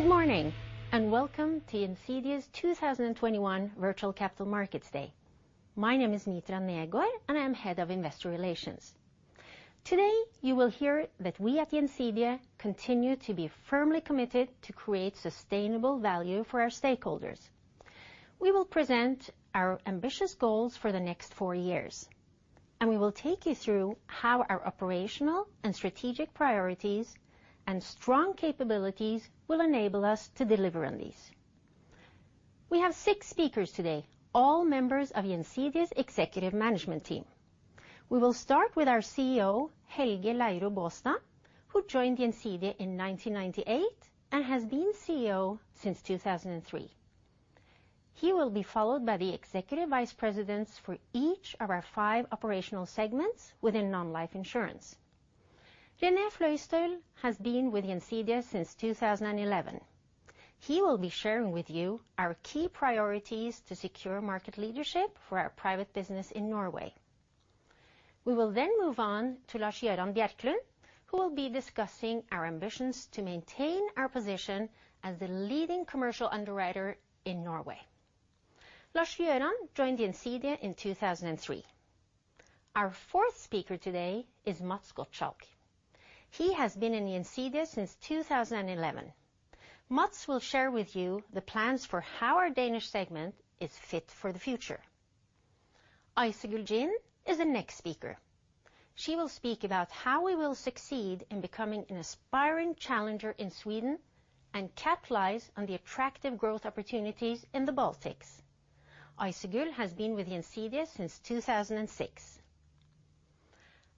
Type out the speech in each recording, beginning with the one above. Good morning, and welcome to Gjensidige's 2021 virtual Capital Markets Day. My name is Mitra Hagen Negård, and I'm Head of Investor Relations. Today, you will hear that we at Gjensidige continue to be firmly committed to create sustainable value for our stakeholders. We will present our ambitious goals for the next four years, and we will take you through how our operational and strategic priorities and strong capabilities will enable us to deliver on these. We have six speakers today, all members of Gjensidige's executive management team. We will start with our CEO, Helge Leiro Baastad, who joined Gjensidige in 1998 and has been CEO since 2003. He will be followed by the executive vice presidents for each of our five operational segments within non-life insurance. René Fløystøl has been with Gjensidige since 2011. He will be sharing with you our key priorities to secure market leadership for our private business in Norway. We will then move on to Lars Gøran Bjerklund, who will be discussing our ambitions to maintain our position as the leading commercial underwriter in Norway. Lars Gøran joined Gjensidige in 2003. Our fourth speaker today is Mats Gottschalk. He has been in Gjensidige since 2011. Mats will share with you the plans for how our Danish segment is fit for the future. Aysegül Cin is the next speaker. She will speak about how we will succeed in becoming an aspiring challenger in Sweden and capitalize on the attractive growth opportunities in the Baltics. Aysegül has been with Gjensidige since 2006.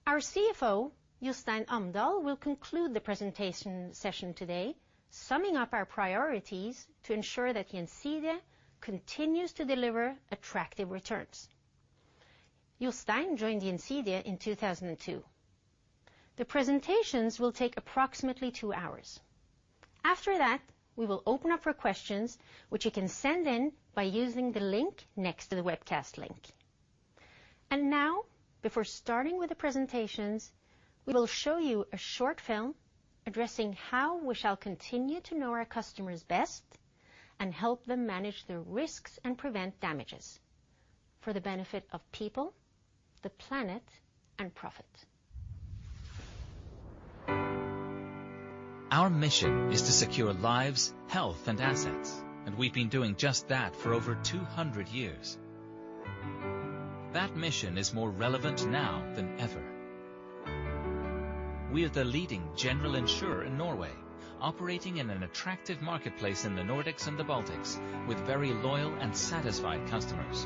Our CFO, Jostein Amdal, will conclude the presentation session today, summing up our priorities to ensure that Gjensidige continues to deliver attractive returns. Jostein joined Gjensidige in 2002. The presentations will take approximately 2 hours. After that, we will open up for questions which you can send in by using the link next to the webcast link. Now, before starting with the presentations, we will show you a short film addressing how we shall continue to know our customers best and help them manage their risks and prevent damages for the benefit of people, the planet, and profit. Our mission is to secure lives, health, and assets, and we've been doing just that for over 200 years. That mission is more relevant now than ever. We are the leading general insurer in Norway, operating in an attractive marketplace in the Nordics and the Baltics, with very loyal and satisfied customers.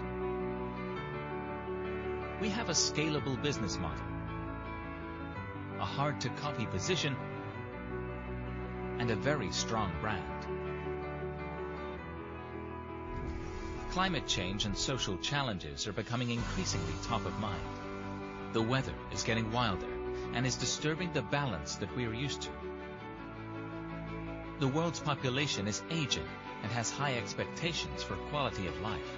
We have a scalable business model, a hard-to-copy position, and a very strong brand. Climate change and social challenges are becoming increasingly top of mind. The weather is getting wilder and is disturbing the balance that we are used to. The world's population is aging and has high expectations for quality of life.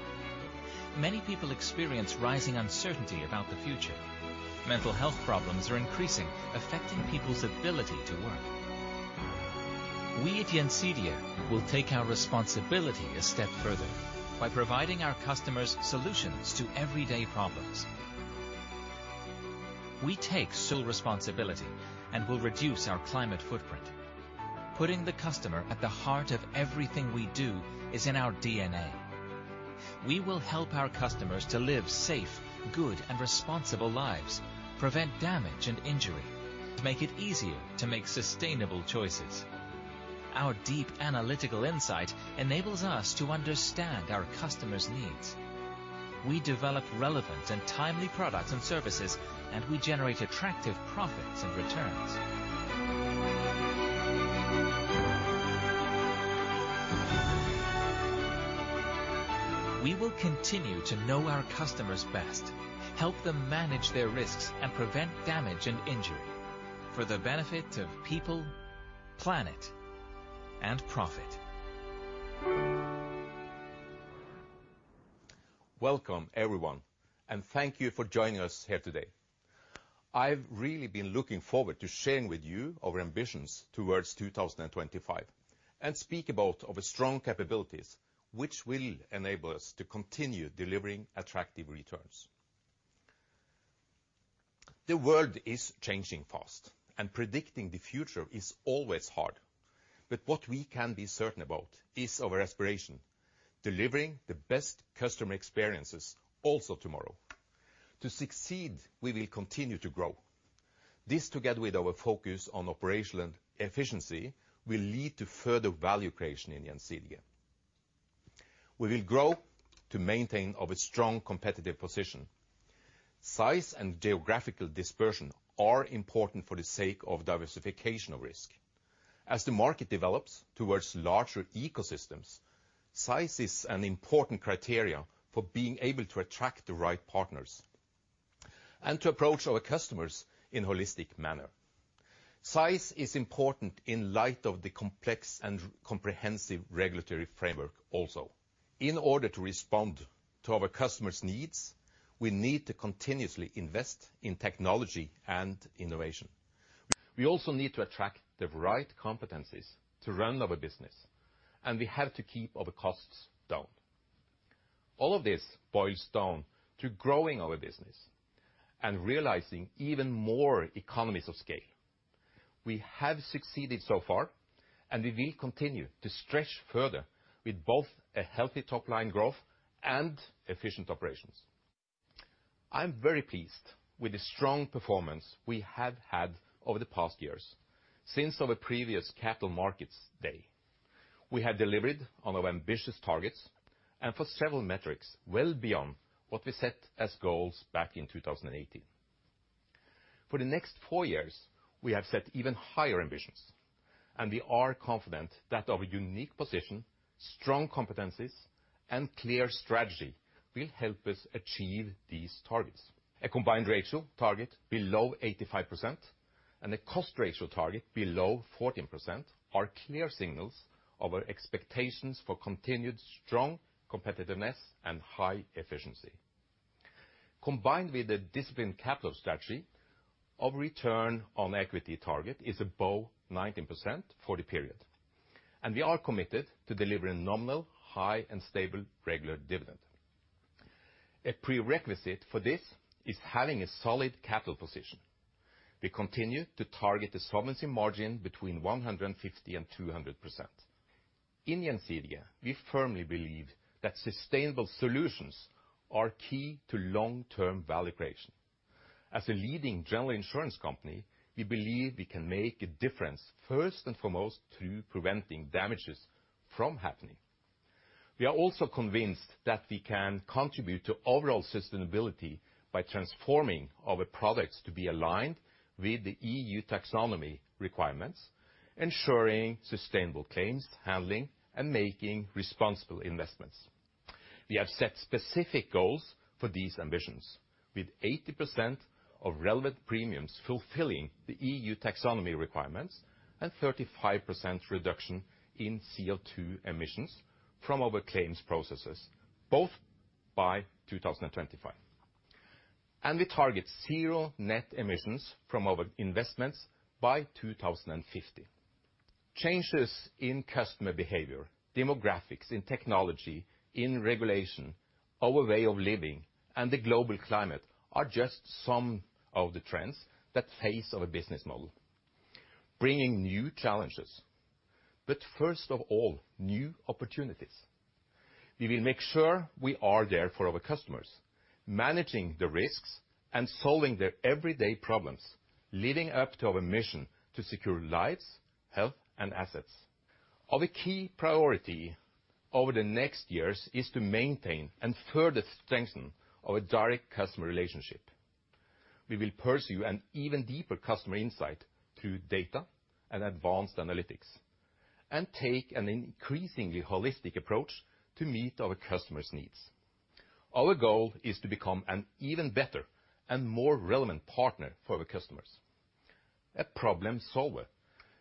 Many people experience rising uncertainty about the future. Mental health problems are increasing, affecting people's ability to work. We at Gjensidige will take our responsibility a step further by providing our customers solutions to everyday problems. We take sole responsibility and will reduce our climate footprint. Putting the customer at the heart of everything we do is in our DNA. We will help our customers to live safe, good, and responsible lives, prevent damage and injury, make it easier to make sustainable choices. Our deep analytical insight enables us to understand our customers' needs. We develop relevant and timely products and services, and we generate attractive profits and returns. We will continue to know our customers best, help them manage their risks, and prevent damage and injury for the benefit of people, planet, and profit. Welcome, everyone, and thank you for joining us here today. I've really been looking forward to sharing with you our ambitions towards 2025 and speak about our strong capabilities, which will enable us to continue delivering attractive returns. The world is changing fast, and predicting the future is always hard. What we can be certain about is our aspiration, delivering the best customer experiences also tomorrow. To succeed, we will continue to grow. This, together with our focus on operational efficiency, will lead to further value creation in Gjensidige. We will grow to maintain our strong competitive position. Size and geographical dispersion are important for the sake of diversification of risk. As the market develops towards larger ecosystems, size is an important criterion for being able to attract the right partners and to approach our customers in holistic manner. Size is important in light of the complex and comprehensive regulatory framework also. In order to respond to our customers needs, we need to continuously invest in technology and innovation. We also need to attract the right competencies to run our business, and we have to keep our costs down. All of this boils down to growing our business and realizing even more economies of scale. We have succeeded so far, and we will continue to stretch further with both a healthy top-line growth and efficient operations. I'm very pleased with the strong performance we have had over the past years since our previous Capital Markets Day. We have delivered on our ambitious targets and for several metrics well beyond what we set as goals back in 2018. For the next 4 years we have set even higher ambitions, and we are confident that our unique position, strong competencies, and clear strategy will help us achieve these targets. A combined ratio target below 85% and a cost ratio target below 14% are clear signals of our expectations for continued strong competitiveness and high efficiency. Combined with a disciplined capital strategy, our return on equity target is above 19% for the period, and we are committed to deliver a nominal high and stable regular dividend. A prerequisite for this is having a solid capital position. We continue to target the solvency margin between 150% and 200%. In Gjensidige, we firmly believe that sustainable solutions are key to long-term value creation. As a leading general insurance company, we believe we can make a difference first and foremost through preventing damages from happening. We are also convinced that we can contribute to overall sustainability by transforming our products to be aligned with the EU Taxonomy requirements, ensuring sustainable claims handling, and making responsible investments. We have set specific goals for these ambitions, with 80% of relevant premiums fulfilling the EU Taxonomy requirements and 35% reduction in CO2 emissions from our claims processes, both by 2025. We target zero net emissions from our investments by 2050. Changes in customer behavior, demographics, technology, regulation, our way of living, and the global climate are just some of the trends that face our business model, bringing new challenges, but first of all, new opportunities. We will make sure we are there for our customers, managing the risks and solving their everyday problems, leading up to our mission to secure lives, health, and assets. Our key priority over the next years is to maintain and further strengthen our direct customer relationship. We will pursue an even deeper customer insight through data and advanced analytics and take an increasingly holistic approach to meet our customers' needs. Our goal is to become an even better and more relevant partner for our customers, a problem solver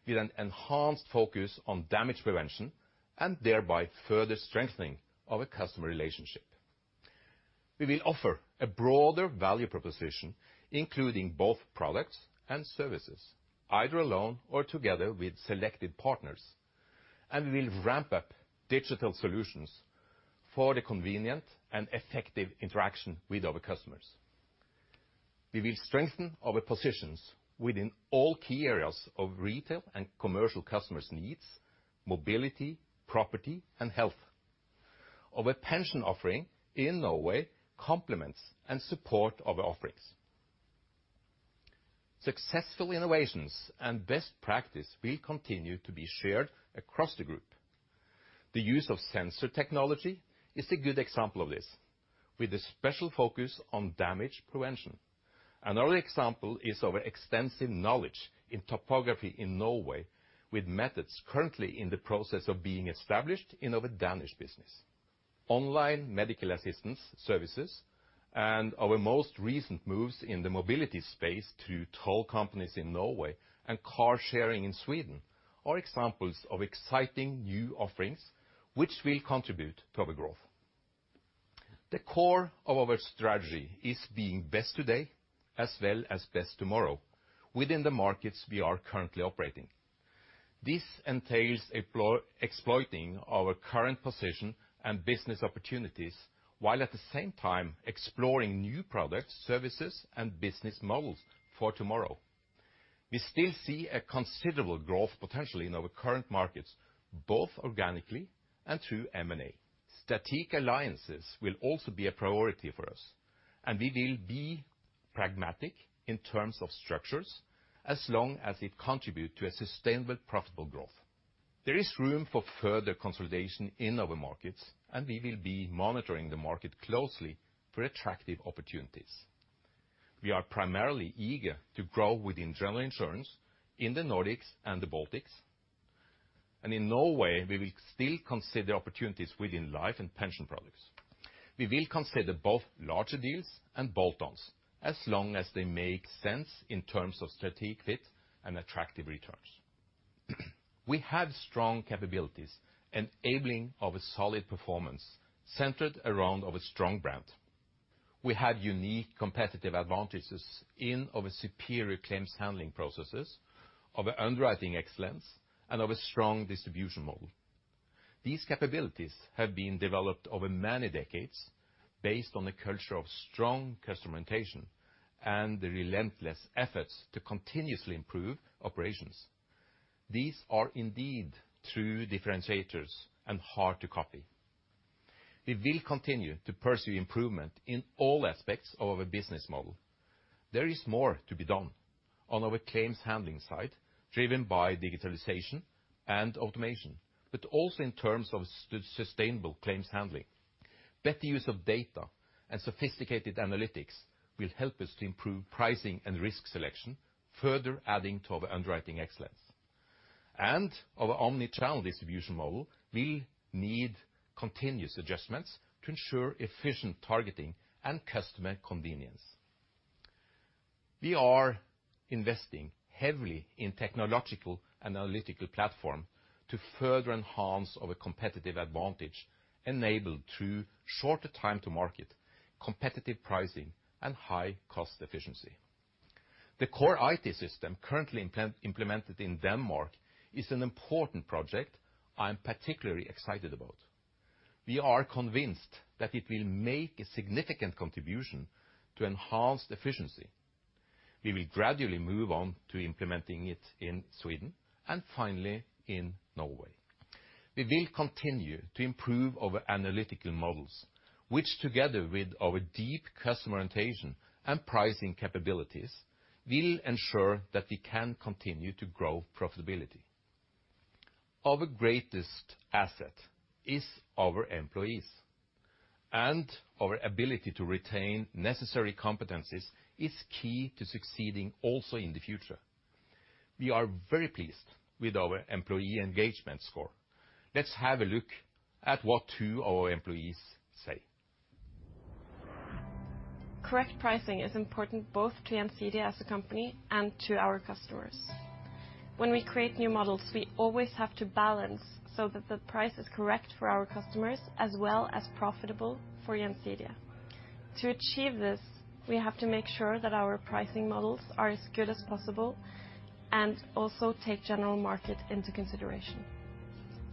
with an enhanced focus on damage prevention and thereby further strengthening of a customer relationship. We will offer a broader value proposition, including both products and services, either alone or together with selected partners. We will ramp up digital solutions for the convenient and effective interaction with our customers. We will strengthen our positions within all key areas of retail and commercial customers' needs, mobility, property, and health. Our pension offering in Norway complements and support our offerings. Successful innovations and best practice will continue to be shared across the group. The use of sensor technology is a good example of this, with a special focus on damage prevention. Another example is our extensive knowledge in topography in Norway, with methods currently in the process of being established in our Danish business. Online medical assistance services and our most recent moves in the mobility space through toll companies in Norway and car sharing in Sweden are examples of exciting new offerings which will contribute to our growth. The core of our strategy is being best today as well as best tomorrow within the markets we are currently operating. This entails exploiting our current position and business opportunities, while at the same time exploring new products, services, and business models for tomorrow. We still see a considerable growth potentially in our current markets, both organically and through M&A. Strategic alliances will also be a priority for us, and we will be pragmatic in terms of structures as long as it contributes to a sustainable, profitable growth. There is room for further consolidation in our markets, and we will be monitoring the market closely for attractive opportunities. We are primarily eager to grow within general insurance in the Nordics and the Baltics. In Norway, we will still consider opportunities within life and pension products. We will consider both larger deals and bolt-ons, as long as they make sense in terms of strategic fit and attractive returns. We have strong capabilities enabling a solid performance centered around a strong brand. We have unique competitive advantages in a superior claims handling processes, a underwriting excellence, and a strong distribution model. These capabilities have been developed over many decades based on a culture of strong customer orientation and the relentless efforts to continuously improve operations. These are indeed true differentiators and hard to copy. We will continue to pursue improvement in all aspects of our business model. There is more to be done on our claims handling side, driven by digitalization and automation, but also in terms of sustainable claims handling. Better use of data and sophisticated analytics will help us to improve pricing and risk selection, further adding to our underwriting excellence. Our omni-channel distribution model will need continuous adjustments to ensure efficient targeting and customer convenience. We are investing heavily in technological analytical platform to further enhance a competitive advantage, enabled through shorter time to market, competitive pricing, and high cost efficiency. The core IT system currently implemented in Denmark is an important project I am particularly excited about. We are convinced that it will make a significant contribution to enhanced efficiency. We will gradually move on to implementing it in Sweden, and finally, in Norway. We will continue to improve our analytical models, which, together with our deep customer orientation and pricing capabilities, will ensure that we can continue to grow profitability. Our greatest asset is our employees. Our ability to retain necessary competencies is key to succeeding also in the future. We are very pleased with our employee engagement score. Let's have a look at what two of our employees say. Correct pricing is important both to Gjensidige as a company and to our customers. When we create new models, we always have to balance so that the price is correct for our customers as well as profitable for Gjensidige. To achieve this, we have to make sure that our pricing models are as good as possible and also take general market into consideration.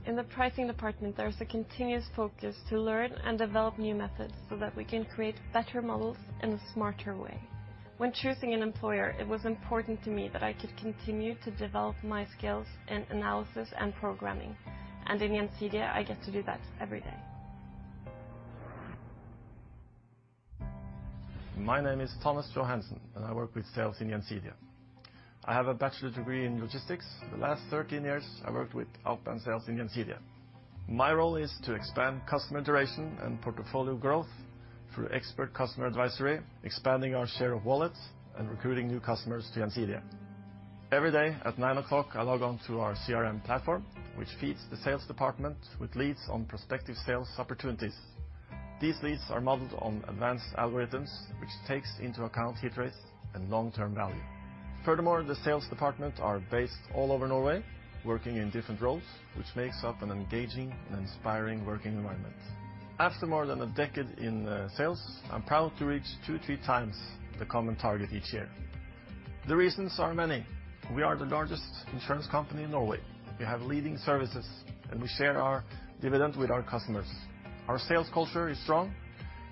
In the pricing department, there is a continuous focus to learn and develop new methods so that we can create better models in a smarter way. When choosing an employer, it was important to me that I could continue to develop my skills in analysis and programming. In Gjensidige, I get to do that every day. My name is Thomas Johansen, and I work with sales in Gjensidige. I have a bachelor degree in logistics. The last 13 years, I worked with outbound sales in Gjensidige. My role is to expand customer duration and portfolio growth through expert customer advisory, expanding our share of wallets, and recruiting new customers to Gjensidige. Every day at 9:00 A.M., I log on to our CRM platform, which feeds the sales department with leads on prospective sales opportunities. These leads are modeled on advanced algorithms, which takes into account hit rates and long-term value. Furthermore, the sales department are based all over Norway, working in different roles, which makes up an engaging and inspiring working environment. After more than a decade in sales, I'm proud to reach 2-3 times the common target each year. The reasons are many. We are the largest insurance company in Norway. We have leading services, and we share our dividend with our customers. Our sales culture is strong,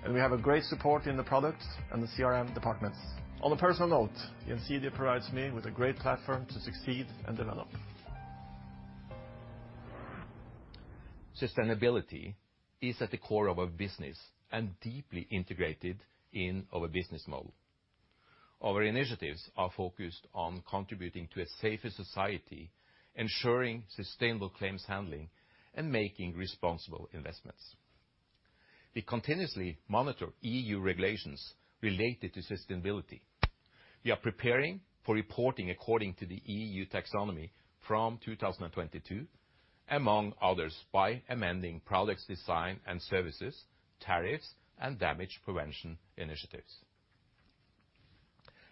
and we have a great support in the products and the CRM departments. On a personal note, Gjensidige provides me with a great platform to succeed and develop. Sustainability is at the core of our business and deeply integrated in our business model. Our initiatives are focused on contributing to a safer society, ensuring sustainable claims handling, and making responsible investments. We continuously monitor EU regulations related to sustainability. We are preparing for reporting according to the EU Taxonomy from 2022, among others, by amending product design and services, tariffs, and damage prevention initiatives.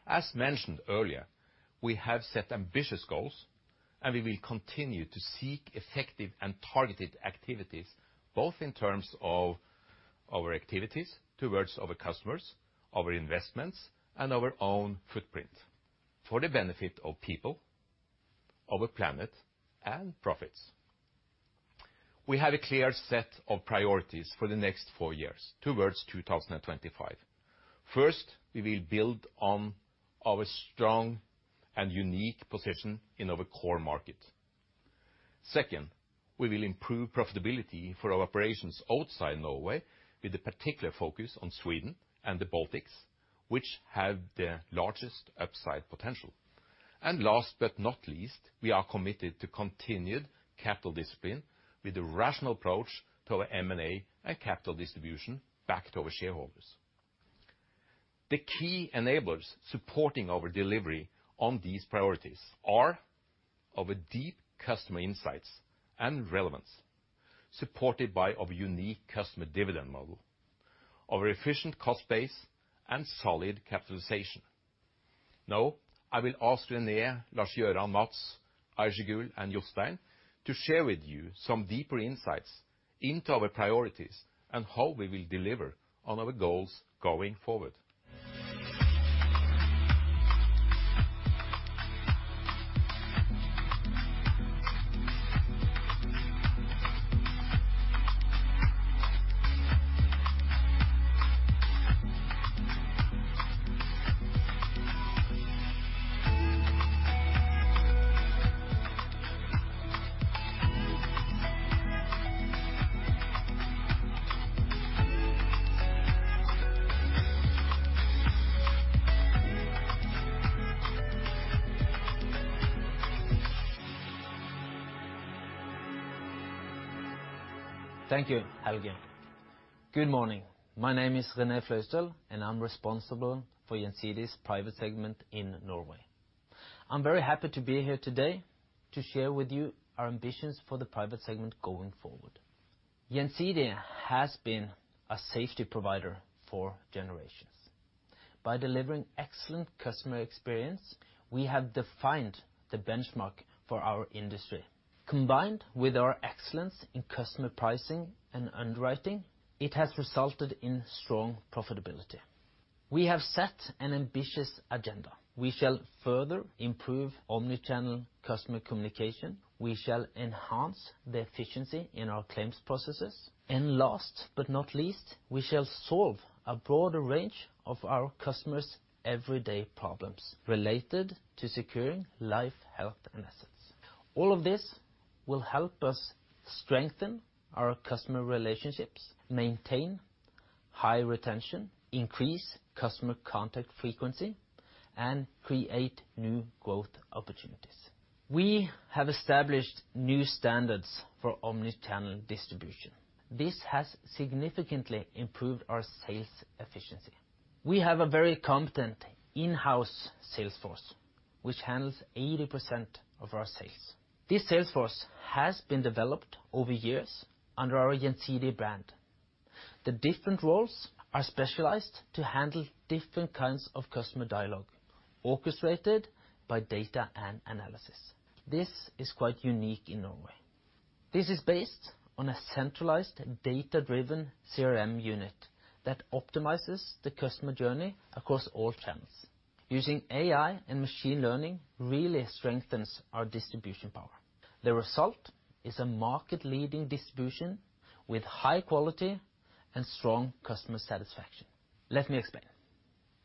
As mentioned earlier, we have set ambitious goals, and we will continue to seek effective and targeted activities, both in terms of our activities towards our customers, our investments, and our own footprint for the benefit of people, our planet, and profits. We have a clear set of priorities for the next four years towards 2025. First, we will build on our strong and unique position in our core market. Second, we will improve profitability for our operations outside Norway, with a particular focus on Sweden and the Baltics, which have the largest upside potential. Last but not least, we are committed to continued capital discipline with a rational approach to our M&A and capital distribution back to our shareholders. The key enablers supporting our delivery on these priorities are deep customer insights and relevance, supported by our unique customer dividend model, and efficient cost base and solid capitalization. Now, I will ask René, Lars Gøran, Mats, Aysegül, and Jostein to share with you some deeper insights into our priorities and how we will deliver on our goals going forward. Thank you, Helge Leiro Baastad. Good morning. My name is René Fløystøl, and I'm responsible for Gjensidige's private segment in Norway. I'm very happy to be here today to share with you our ambitions for the private segment going forward. Gjensidige has been a safety provider for generations. By delivering excellent customer experience, we have defined the benchmark for our industry. Combined with our excellence in customer pricing and underwriting, it has resulted in strong profitability. We have set an ambitious agenda. We shall further improve omni-channel customer communication. We shall enhance the efficiency in our claims processes. Last but not least, we shall solve a broader range of our customers' everyday problems related to securing life, health, and assets. All of this, will help us strengthen our customer relationships, maintain high retention, increase customer contact frequency, and create new growth opportunities. We have established new standards for omni-channel distribution. This has significantly improved our sales efficiency. We have a very competent in-house sales force, which handles 80% of our sales. This sales force has been developed over years under our Gjensidige brand. The different roles are specialized to handle different kinds of customer dialogue, orchestrated by data and analysis. This is quite unique in Norway. This is based on a centralized, data-driven CRM unit that optimizes the customer journey across all channels. Using AI and machine learning really strengthens our distribution power. The result is a market-leading distribution with high quality and strong customer satisfaction. Let me explain.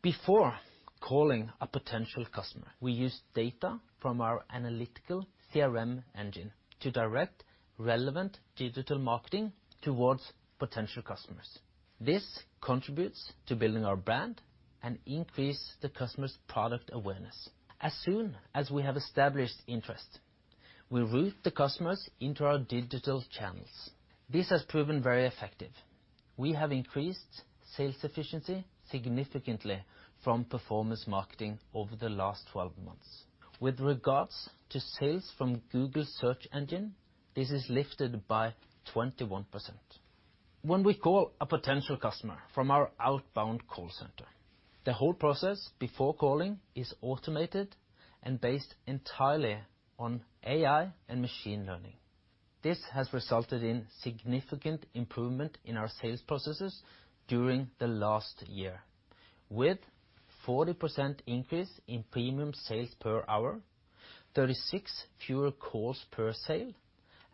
Before calling a potential customer, we use data from our analytical CRM engine to direct relevant digital marketing towards potential customers. This contributes to building our brand and increase the customer's product awareness. As soon as we have established interest, we route the customers into our digital channels. This has proven very effective. We have increased sales efficiency significantly from performance marketing over the last 12 months. With regards to sales from Google search engine, this is lifted by 21%. When we call a potential customer from our outbound call center, the whole process before calling is automated and based entirely on AI and machine learning. This has resulted in significant improvement in our sales processes during the last year with 40% increase in premium sales per hour, 36 fewer calls per sale,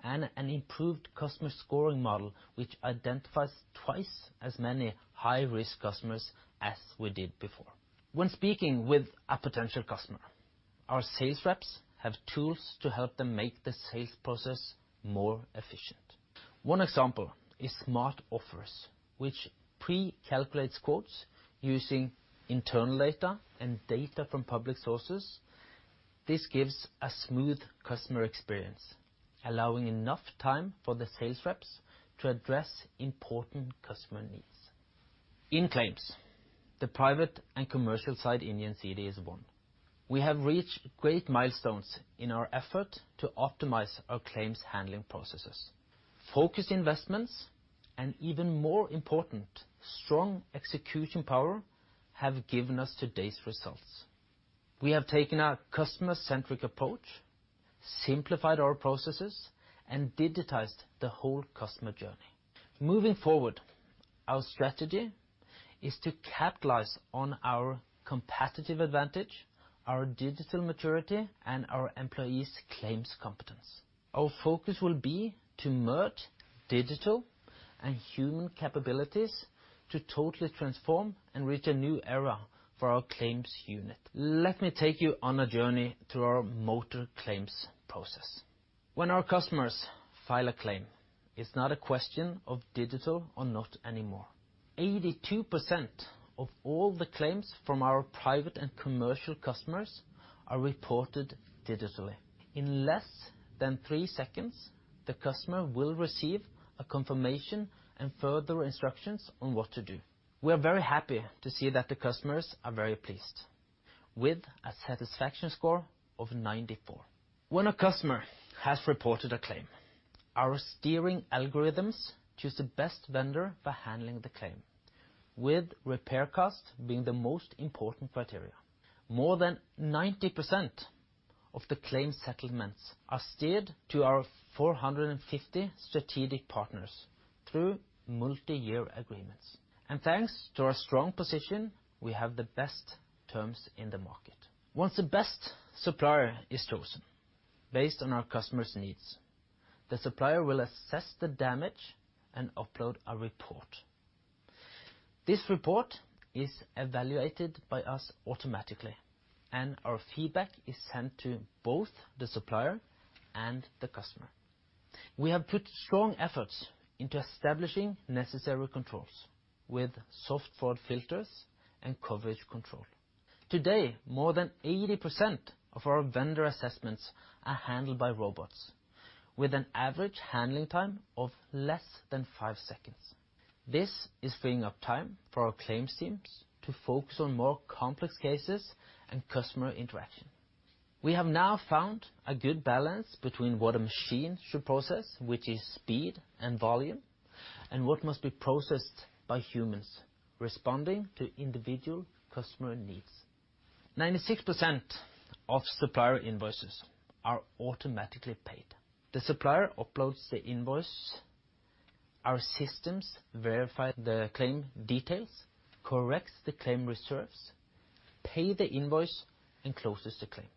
and an improved customer scoring model, which identifies twice as many high-risk customers as we did before. When speaking with a potential customer, our sales reps have tools to help them make the sales process more efficient. One example is smart offers, which pre-calculates quotes using internal data and data from public sources. This gives a smooth customer experience, allowing enough time for the sales reps to address important customer needs. In claims, the private and commercial side in Gjensidige is one. We have reached great milestones in our effort to optimize our claims handling processes. Focused investments and, even more important, strong execution power have given us today's results. We have taken a customer-centric approach, simplified our processes, and digitized the whole customer journey. Moving forward, our strategy is to capitalize on our competitive advantage, our digital maturity, and our employees' claims competence. Our focus will be to merge digital and human capabilities to totally transform and reach a new era for our claims unit. Let me take you on a journey through our motor claims process. When our customers file a claim, it's not a question of digital or not anymore. 82% of all the claims from our private and commercial customers are reported digitally. In less than 3 seconds, the customer will receive a confirmation and further instructions on what to do. We are very happy to see that the customers are very pleased with a satisfaction score of 94. When a customer has reported a claim, our steering algorithms choose the best vendor for handling the claim, with repair cost being the most important criteria. More than 90% of the claim settlements are steered to our 450 strategic partners through multiyear agreements. Thanks to our strong position, we have the best terms in the market. Once the best supplier is chosen based on our customer's needs, the supplier will assess the damage and upload a report. This report is evaluated by us automatically, and our feedback is sent to both the supplier and the customer. We have put strong efforts into establishing necessary controls with soft fraud filters and coverage control. Today, more than 80% of our vendor assessments are handled by robots with an average handling time of less than 5 seconds. This is freeing up time for our claims teams to focus on more complex cases and customer interaction. We have now found a good balance between what a machine should process, which is speed and volume, and what must be processed by humans responding to individual customer needs. 96% of supplier invoices are automatically paid. The supplier uploads the invoice, our systems verify the claim details, corrects the claim reserves, pay the invoice, and closes the claim.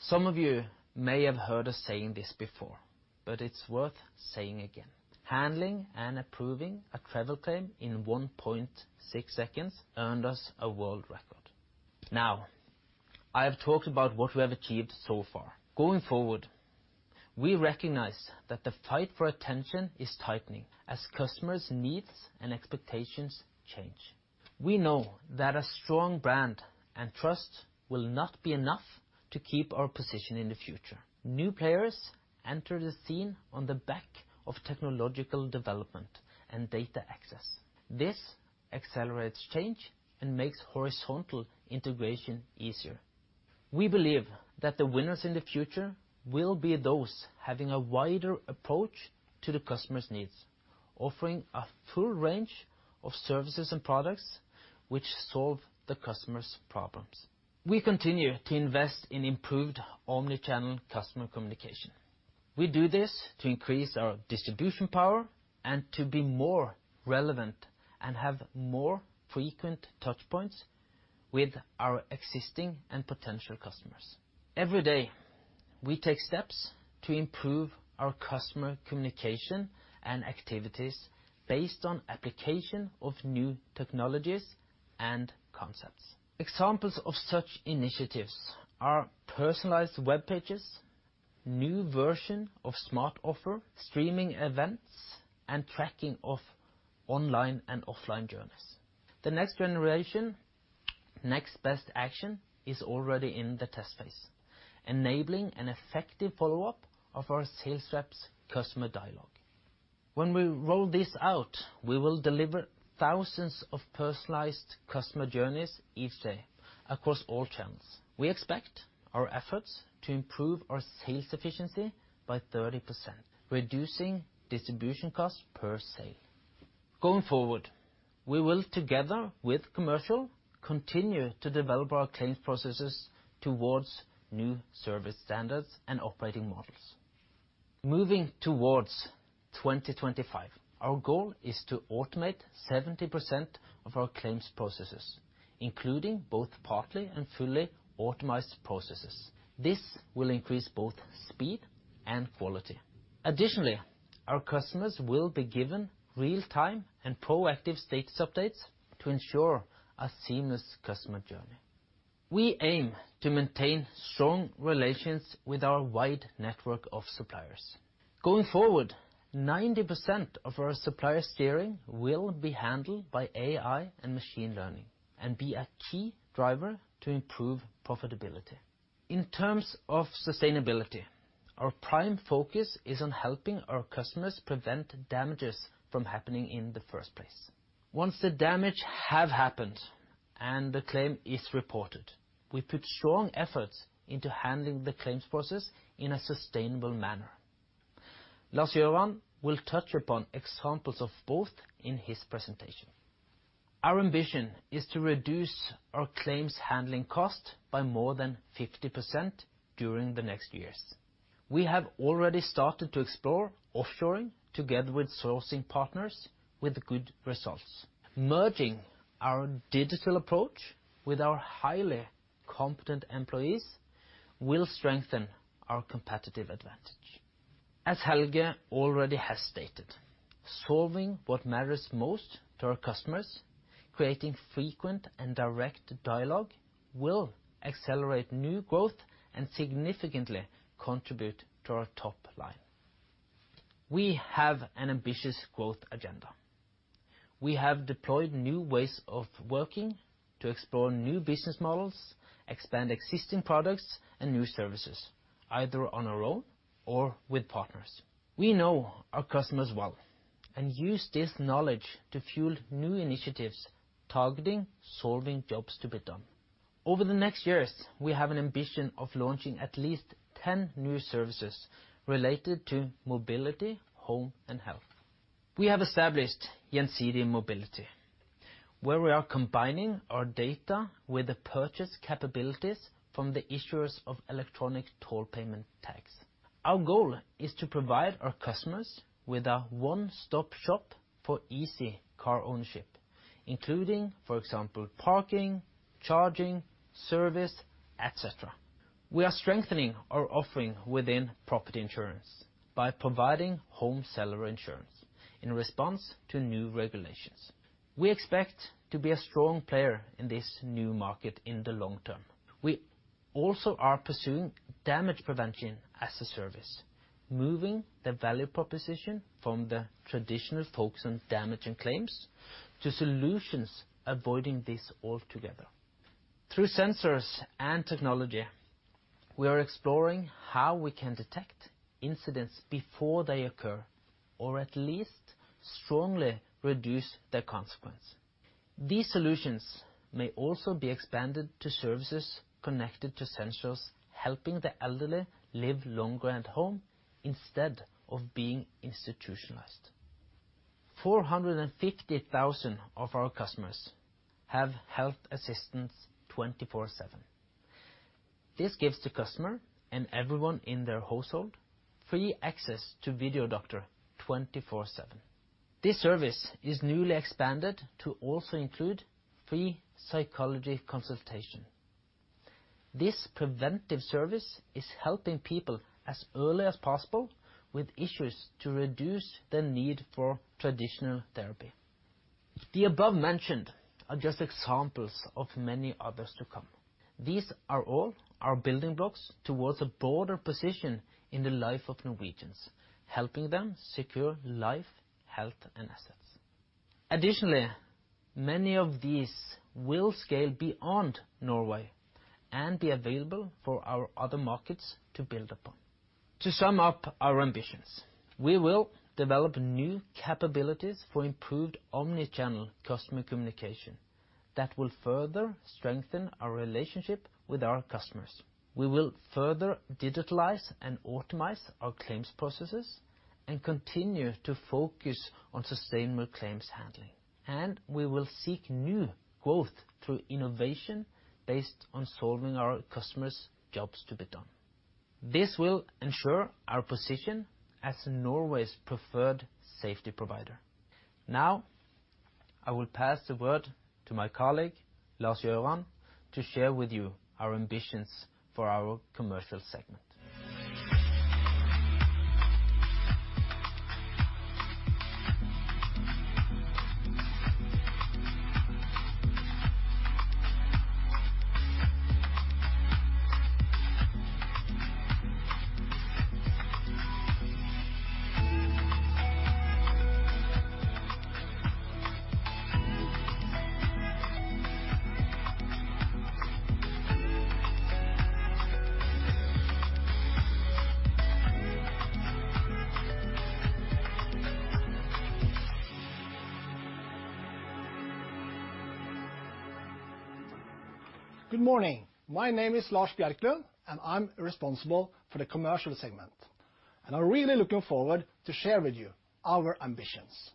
Some of you may have heard us saying this before, but it's worth saying again. Handling and approving a travel claim in 1.6 seconds earned us a world record. Now, I have talked about what we have achieved so far. Going forward, we recognize that the fight for attention is tightening as customers' needs and expectations change. We know that a strong brand and trust will not be enough to keep our position in the future. New players enter the scene on the back of technological development and data access. This accelerates change and makes horizontal integration easier. We believe that the winners in the future will be those having a wider approach to the customer's needs, offering a full range of services and products which solve the customer's problems. We continue to invest in improved omni-channel customer communication. We do this to increase our distribution power and to be more relevant and have more frequent touchpoints with our existing and potential customers. Every day, we take steps to improve our customer communication and activities based on application of new technologies and concepts. Examples of such initiatives, are personalized web pages, new version of smart offer, streaming events, and tracking of online and offline journeys. The next generation, next best action, is already in the test phase, enabling an effective follow-up of our sales reps customer dialogue. When we roll this out, we will deliver thousands of personalized customer journeys each day across all channels. We expect our efforts to improve our sales efficiency by 30%, reducing distribution cost per sale. Going forward, we will, together with Commercial, continue to develop our claims processes towards new service standards and operating models. Moving towards 2025, our goal is to automate 70% of our claims processes, including both partly and fully automated processes. This will increase both speed and quality. Additionally, our customers will be given real-time and proactive status updates to ensure a seamless customer journey. We aim to maintain strong relations with our wide network of suppliers. Going forward, 90% of our supplier steering will be handled by AI and machine learning and be a key driver to improve profitability. In terms of sustainability, our prime focus is on helping our customers prevent damages from happening in the first place. Once the damage have happened and the claim is reported, we put strong efforts into handling the claims process in a sustainable manner. Lars Gøran will touch upon examples of both in his presentation. Our ambition is to reduce our claims handling cost by more than 50% during the next years. We have already started to explore offshoring together with sourcing partners with good results. Merging our digital approach with our highly competent employees will strengthen our competitive advantage. As Helge already has stated, solving what matters most to our customers, creating frequent and direct dialogue will accelerate new growth and significantly contribute to our top line. We have an ambitious growth agenda. We have deployed new ways of working to explore new business models, expand existing products and new services, either on our own or with partners. We know our customers well and use this knowledge to fuel new initiatives targeting solving jobs to be done. Over the next years, we have an ambition of launching at least 10 new services related to mobility, home and health. We have established Gjensidige Mobility, where we are combining our data with the purchase capabilities from the issuers of electronic toll payment tags. Our goal is to provide our customers with a one-stop shop for easy car ownership, including, for example, parking, charging, service, et cetera. We are strengthening our offering within property insurance by providing home seller insurance in response to new regulations. We expect to be a strong player in this new market in the long term. We also are pursuing damage prevention as a service, moving the value proposition from the traditional focus on damage and claims to solutions avoiding this altogether. Through sensors and technology, we are exploring how we can detect incidents before they occur or at least strongly reduce their consequence. These solutions may also be expanded to services connected to sensors, helping the elderly live longer at home instead of being institutionalized. 450,000 of our customers have health assistance 24/7. This gives the customer and everyone in their household free access to video doctor 24/7. This service is newly expanded to also include free psychology consultation. This preventive service is helping people as early as possible with issues to reduce the need for traditional therapy. The above mentioned are just examples of many others to come. These are all our building blocks towards a broader position in the life of Norwegians, helping them secure life, health and assets. Additionally, many of these will scale beyond Norway and be available for our other markets to build upon. To sum up our ambitions, we will develop new capabilities for improved omni-channel customer communication that will further strengthen our relationship with our customers. We will further digitalize and optimize our claims processes and continue to focus on sustainable claims handling. We will seek new growth through innovation based on solving our customers' jobs to be done. This will ensure our position as Norway's preferred safety provider. Now, I will pass the word to my colleague, Lars Gøran, to share with you our ambitions for our commercial segment. Good morning. My name is Lars Gøran Bjerklund, and I'm responsible for the commercial segment, and I'm really looking forward to share with you our ambitions.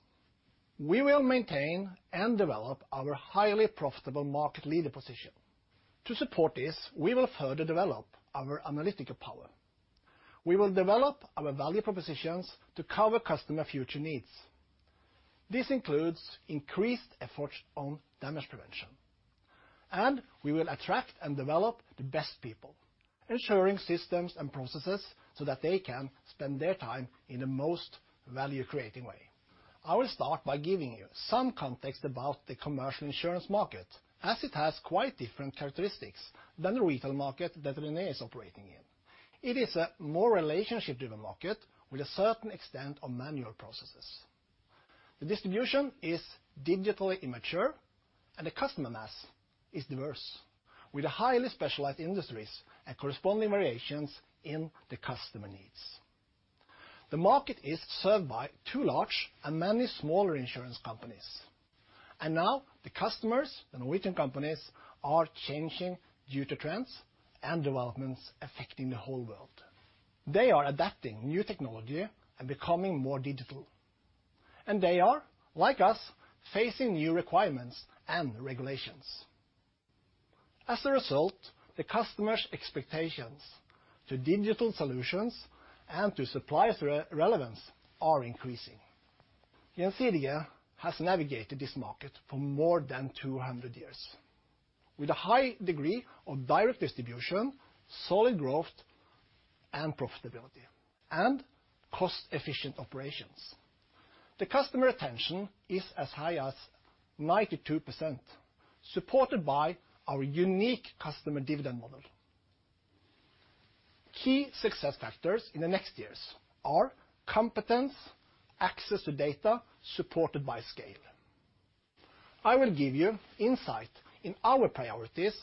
We will maintain and develop our highly profitable market leader position. To support this, we will further develop our analytical power. We will develop our value propositions to cover customer future needs. This includes increased efforts on damage prevention. We will attract and develop the best people, ensuring systems and processes so that they can spend their time in the most value-creating way. I will start by giving you some context about the commercial insurance market, as it has quite different characteristics than the retail market that René Fløystøl is operating in. It is a more relationship-driven market with a certain extent of manual processes. The distribution is digitally immature and the customer mass is diverse, with highly specialized industries and corresponding variations in the customer needs. The market is served by two large and many smaller insurance companies. Now the customers, the Norwegian companies, are changing due to trends and developments affecting the whole world. They are adapting new technology and becoming more digital, and they are, like us, facing new requirements and regulations. As a result, the customers' expectations to digital solutions and to suppliers' relevance are increasing. Gjensidige has navigated this market for more than 200 years with a high degree of direct distribution, solid growth and profitability, and cost-efficient operations. The customer retention is as high as 92%, supported by our unique customer dividend model. Key success factors in the next years are competence, access to data supported by scale. I will give you insight in our priorities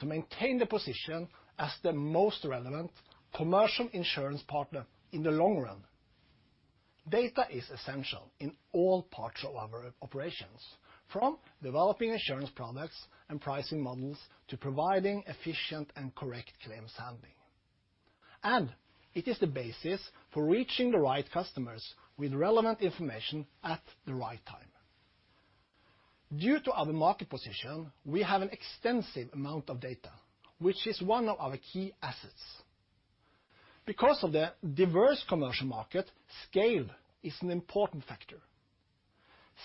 to maintain the position as the most relevant commercial insurance partner in the long run. Data is essential in all parts of our operations, from developing insurance products and pricing models to providing efficient and correct claims handling. It is the basis for reaching the right customers with relevant information at the right time. Due to our market position, we have an extensive amount of data, which is one of our key assets. Because of the diverse commercial market, scale is an important factor.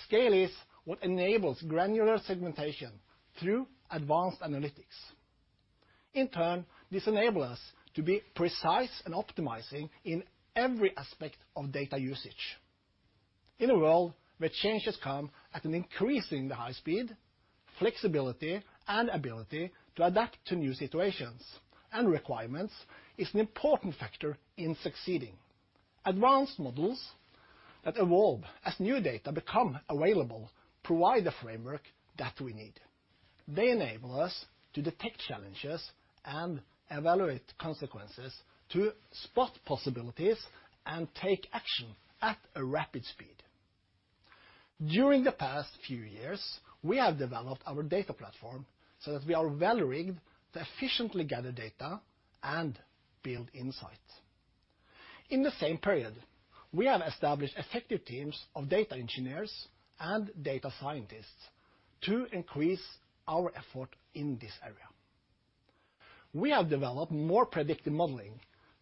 Scale is what enables granular segmentation through advanced analytics. In turn, this enable us to be precise in optimizing in every aspect of data usage. In a world where changes come at an increasing high speed, flexibility and ability to adapt to new situations and requirements is an important factor in succeeding. Advanced models that evolve as new data become available provide the framework that we need. They enable us to detect challenges and evaluate consequences to spot possibilities and take action at a rapid speed. During the past few years, we have developed our data platform so that we are well-rigged to efficiently gather data and build insight. In the same period, we have established effective teams of data engineers and data scientists to increase our effort in this area. We have developed more predictive modeling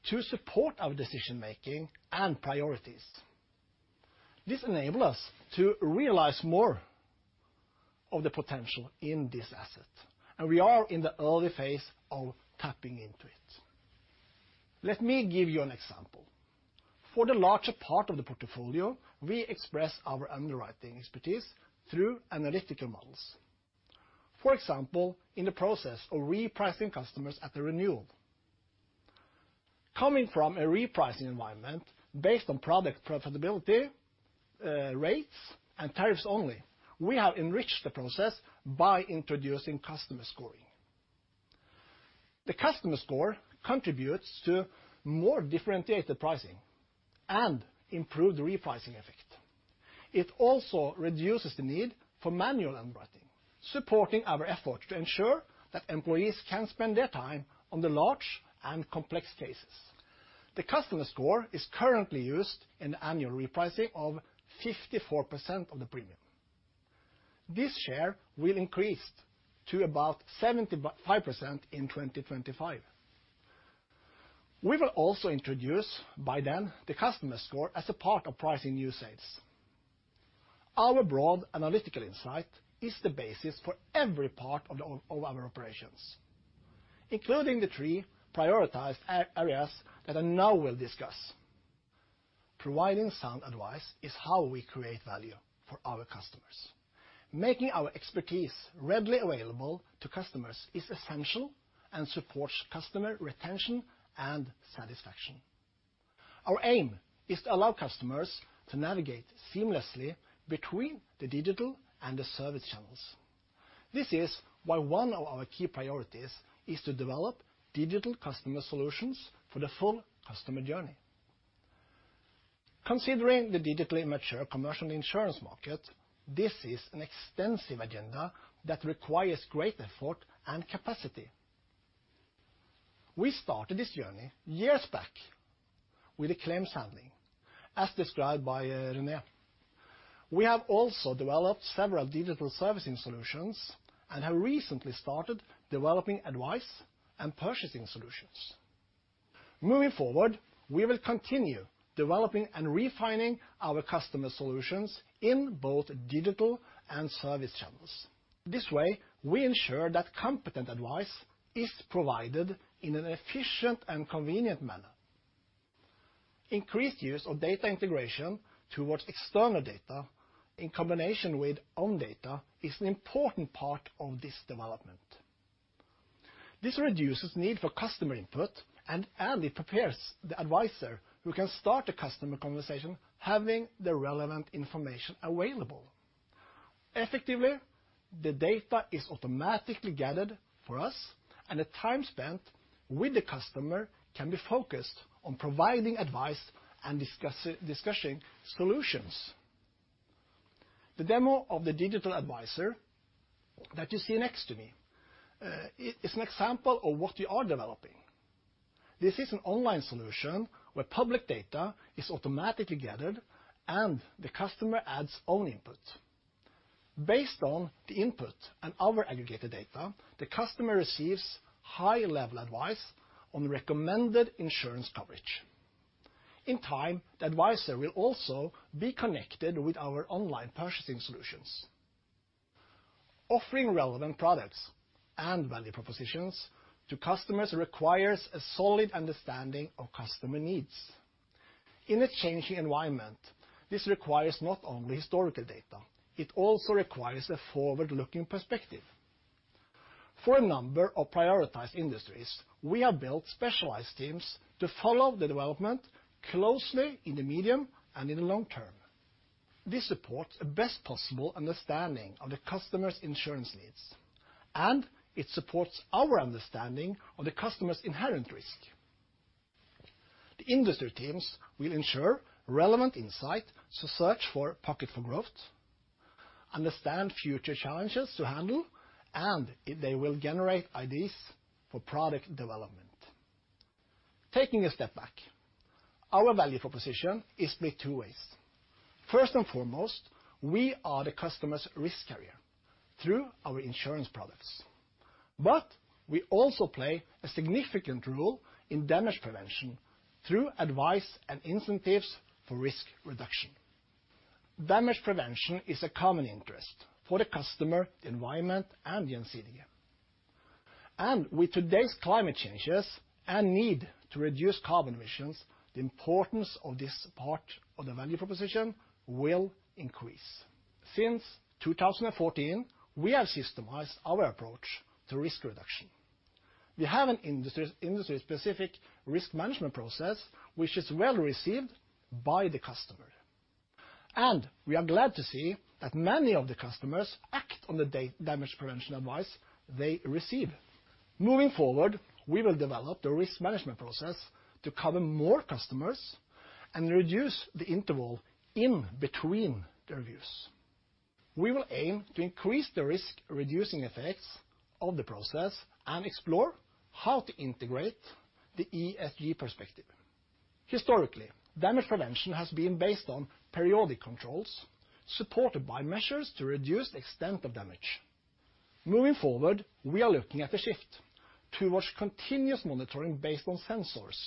to support our decision-making and priorities. This enable us to realize more of the potential in this asset, and we are in the early phase of tapping into it. Let me give you an example. For the larger part of the portfolio, we express our underwriting expertise through analytical models. For example, in the process of repricing customers at the renewal. Coming from a repricing environment based on product profitability, rates and tariffs only, we have enriched the process by introducing customer scoring. The customer score contributes to more differentiated pricing and improved repricing effect. It also reduces the need for manual underwriting, supporting our effort to ensure that employees can spend their time on the large and complex cases. The customer score is currently used in the annual repricing of 54% of the premium. This share will increase to about 75% in 2025. We will also introduce by then the customer score as a part of pricing new sales. Our broad analytical insight is the basis for every part of our operations, including the three prioritized areas that I now will discuss. Providing sound advice is how we create value for our customers. Making our expertise readily available to customers is essential and supports customer retention and satisfaction. Our aim is to allow customers to navigate seamlessly between the digital and the service channels. This is why one of our key priorities is to develop digital customer solutions for the full customer journey. Considering the digitally mature commercial insurance market, this is an extensive agenda that requires great effort and capacity. We started this journey years back with the claims handling, as described by René. We have also developed several digital servicing solutions and have recently started developing advice and purchasing solutions. Moving forward, we will continue developing and refining our customer solutions in both digital and service channels. This way, we ensure that competent advice is provided in an efficient and convenient manner. Increased use of data integration towards external data in combination with own data is an important part of this development. This reduces need for customer input and it prepares the advisor who can start a customer conversation having the relevant information available. Effectively, the data is automatically gathered for us, and the time spent with the customer can be focused on providing advice and discussing solutions. The demo of the digital advisor that you see next to me is an example of what we are developing. This is an online solution where public data is automatically gathered and the customer adds own input. Based on the input and our aggregated data, the customer receives high-level advice on recommended insurance coverage. In time, the advisor will also be connected with our online purchasing solutions. Offering relevant products and value propositions to customers requires a solid understanding of customer needs. In a changing environment, this requires not only historical data, it also requires a forward-looking perspective. For a number of prioritized industries, we have built specialized teams to follow the development closely in the medium and in the long term. This supports the best possible understanding of the customer's insurance needs, and it supports our understanding of the customer's inherent risk. The industry teams will ensure relevant insight to search for pocket for growth, understand future challenges to handle, and they will generate ideas for product development. Taking a step back, our value proposition is split two ways. First and foremost, we are the customer's risk carrier through our insurance products. We also play a significant role in damage prevention through advice and incentives for risk reduction. Damage prevention is a common interest for the customer, the environment, and Gjensidige. With today's climate changes and need to reduce carbon emissions, the importance of this part of the value proposition will increase. Since 2014, we have systemized our approach to risk reduction. We have an industry-specific risk management process, which is well received by the customer. We are glad to see that many of the customers act on the damage prevention advice they receive. Moving forward, we will develop the risk management process to cover more customers and reduce the interval in between the reviews. We will aim to increase the risk reducing effects of the process and explore how to integrate the ESG perspective. Historically, damage prevention has been based on periodic controls, supported by measures to reduce the extent of damage. Moving forward, we are looking at a shift towards continuous monitoring based on sensors,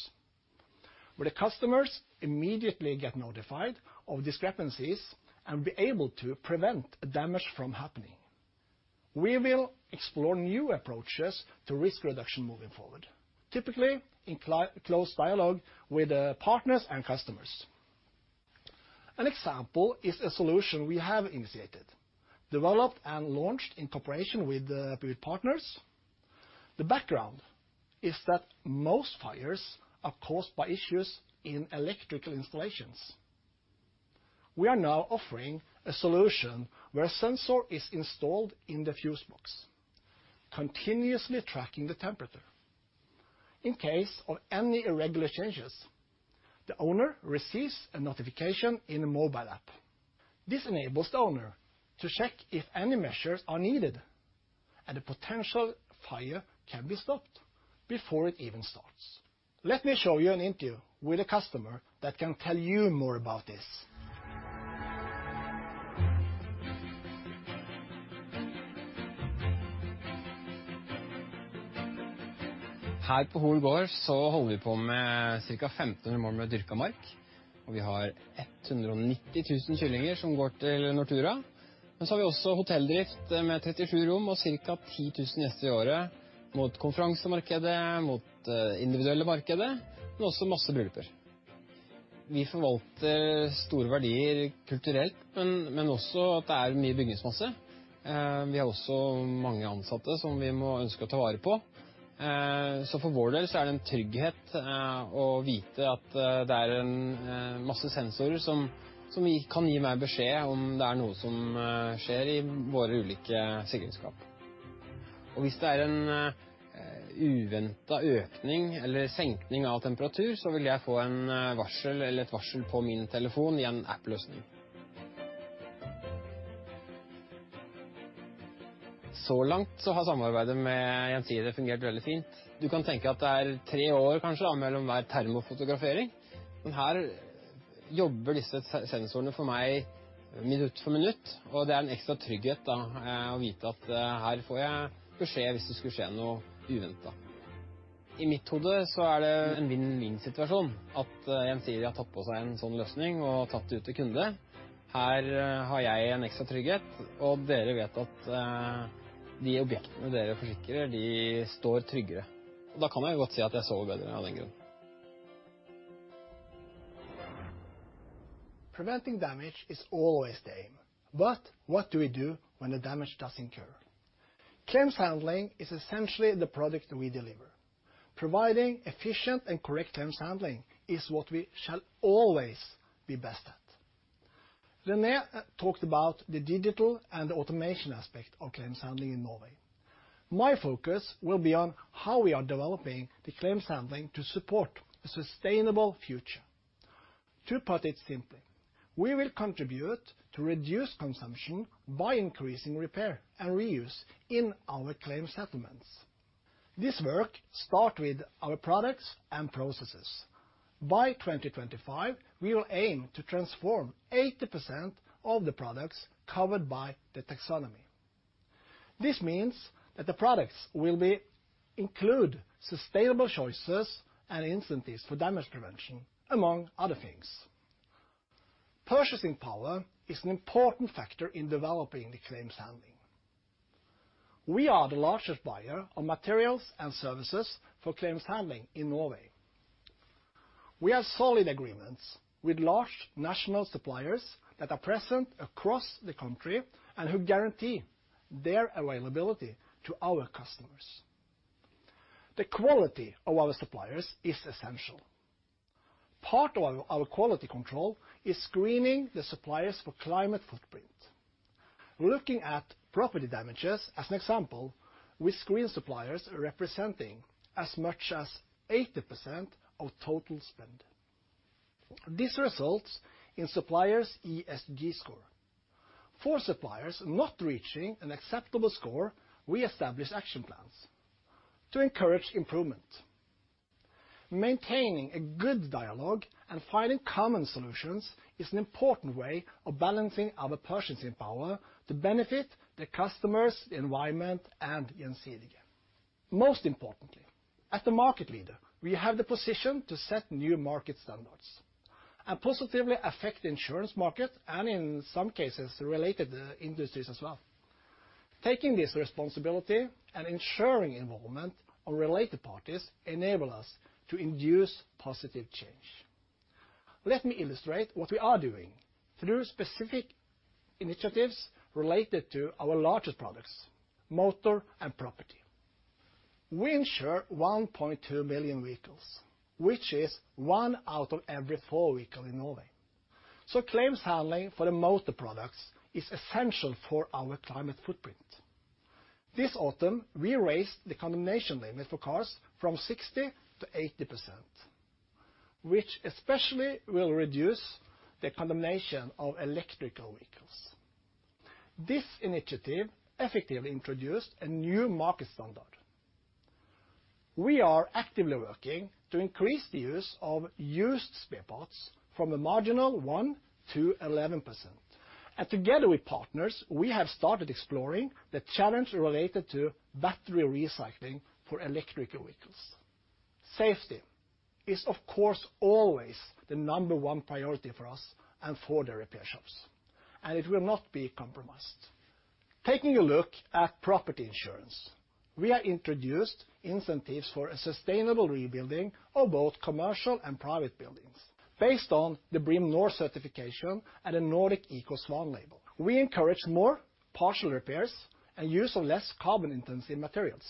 where the customers immediately get notified of discrepancies and be able to prevent damage from happening. We will explore new approaches to risk reduction moving forward, typically in close dialogue with partners and customers. An example is a solution we have initiated, developed and launched in cooperation with partners. The background is that most fires are caused by issues in electrical installations. We are now offering a solution where a sensor is installed in the fuse box, continuously tracking the temperature. In case of any irregular changes, the owner receives a notification in a mobile app. This enables the owner to check if any measures are needed, and a potential fire can be stopped before it even starts. Let me show you an interview with a customer that can tell you more about this. Here at Holmgaard, we have about 1,500 acres of cultivated land, and we have 190,000 chickens that go to Nortura. We also have a hotel with 37 rooms and about 10,000 guests a year for the conference market, the individual market, and also a lot of weddings. We manage great cultural values, but also a lot of buildings. We also have many employees that we want to take care of. For us, it is a security to know that there are a lot of sensors that can notify me if something is happening in our various fuse boxes. If there is an unexpected increase or decrease in temperature, I will get a notification on my phone through an app solution. So far, the collaboration with Gjensidige has worked very well. You can think that it is three years, perhaps, between each thermal photography. But here, these sensors work for me minute by minute, and it is an extra security to know that here I get a notification if something unexpected happens. In my head, it is a win-win situation that Gjensidige has taken on such a solution and taken it out to customers. Here I have an extra security, and you know that the objects you insure are safer. I can say that I sleep better because of that. Preventing damage is always the aim. What do we do when the damage does occur? Claims handling is essentially the product we deliver. Providing efficient and correct claims handling is what we shall always be best at. René talked about the digital and automation aspect of claims handling in Norway. My focus will be on how we are developing the claims handling to support a sustainable future. To put it simply, we will contribute to reduce consumption by increasing repair and reuse in our claim settlements. This work start with our products and processes. By 2025, we will aim to transform 80% of the products covered by the taxonomy. This means that the products will include sustainable choices and incentives for damage prevention, among other things. Purchasing power is an important factor in developing the claims handling. We are the largest buyer of materials and services for claims handling in Norway. We have solid agreements with large national suppliers that are present across the country and who guarantee their availability to our customers. The quality of our suppliers is essential. Part of our quality control is screening the suppliers for climate footprint. Looking at property damages as an example, we screen suppliers representing as much as 80% of total spend. This results in supplier's ESG score. For suppliers not reaching an acceptable score, we establish action plans to encourage improvement. Maintaining a good dialogue and finding common solutions is an important way of balancing our purchasing power to benefit the customers, the environment, and Gjensidige. Most importantly, as the market leader, we have the position to set new market standards and positively affect the insurance market and, in some cases, related industries as well. Taking this responsibility and ensuring involvement of related parties enable us to induce positive change. Let me illustrate what we are doing through specific initiatives related to our largest products, motor and property. We insure 1.2 million vehicles, which is one out of every four vehicles in Norway. Claims handling for the motor products is essential for our climate footprint. This autumn, we raised the condemnation limit for cars from 60% to 80%, which especially will reduce the condemnation of electric vehicles. This initiative effectively introduced a new market standard. We are actively working to increase the use of used spare parts from a marginal 1% to 11%. Together with partners, we have started exploring the challenge related to battery recycling for electric vehicles. Safety is, of course, always the number 1 priority for us and for the repair shops, and it will not be compromised. Taking a look at property insurance, we have introduced incentives for a sustainable rebuilding of both commercial and private buildings based on the BREEAM-NOR certification and the Nordic Swan Ecolabel label. We encourage more partial repairs and use of less carbon-intensive materials.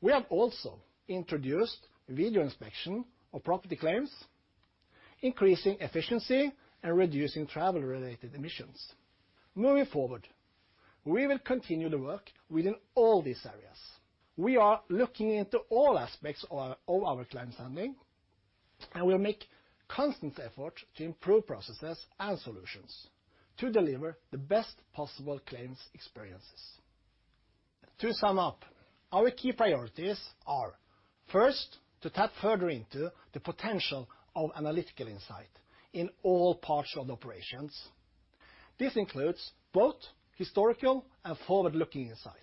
We have also introduced video inspection of property claims, increasing efficiency and reducing travel-related emissions. Moving forward, we will continue to work within all these areas. We are looking into all aspects of our claims handling, and we make constant effort to improve processes and solutions to deliver the best possible claims experiences. To sum up, our key priorities are, first, to tap further into the potential of analytical insight in all parts of the operations. This includes both historical and forward-looking insight.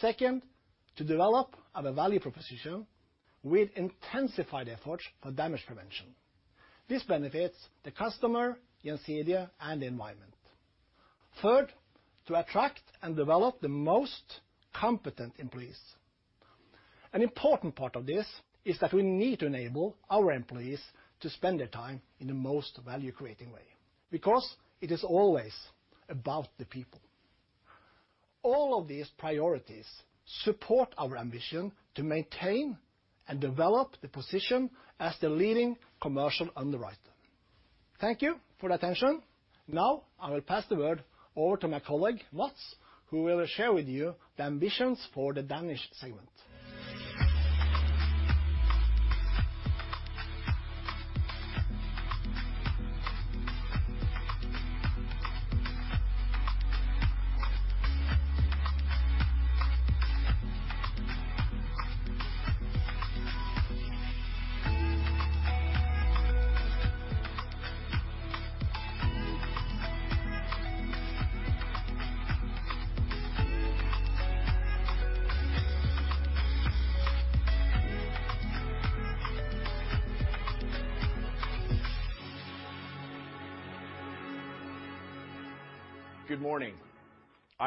Second, to develop our value proposition, we'll intensify the efforts for damage prevention. This benefits the customer, Gjensidige, and the environment. Third, to attract and develop the most competent employees. An important part of this is that we need to enable our employees to spend their time in the most value-creating way, because it is always about the people. All of these priorities support our ambition to maintain and develop the position as the leading commercial underwriter. Thank you for your attention. Now, I will pass the word over to my colleague, Mats, who will share with you the ambitions for the Danish segment.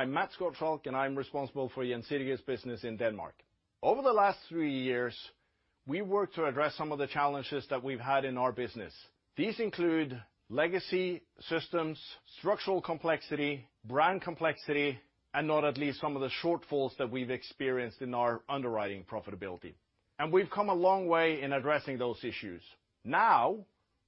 Good morning. I'm Mats Gottschalk, and I'm responsible for Gjensidige's business in Denmark. Over the last three years, we worked to address some of the challenges that we've had in our business. These include legacy systems, structural complexity, brand complexity, and not least some of the shortfalls that we've experienced in our underwriting profitability. We've come a long way in addressing those issues. Now,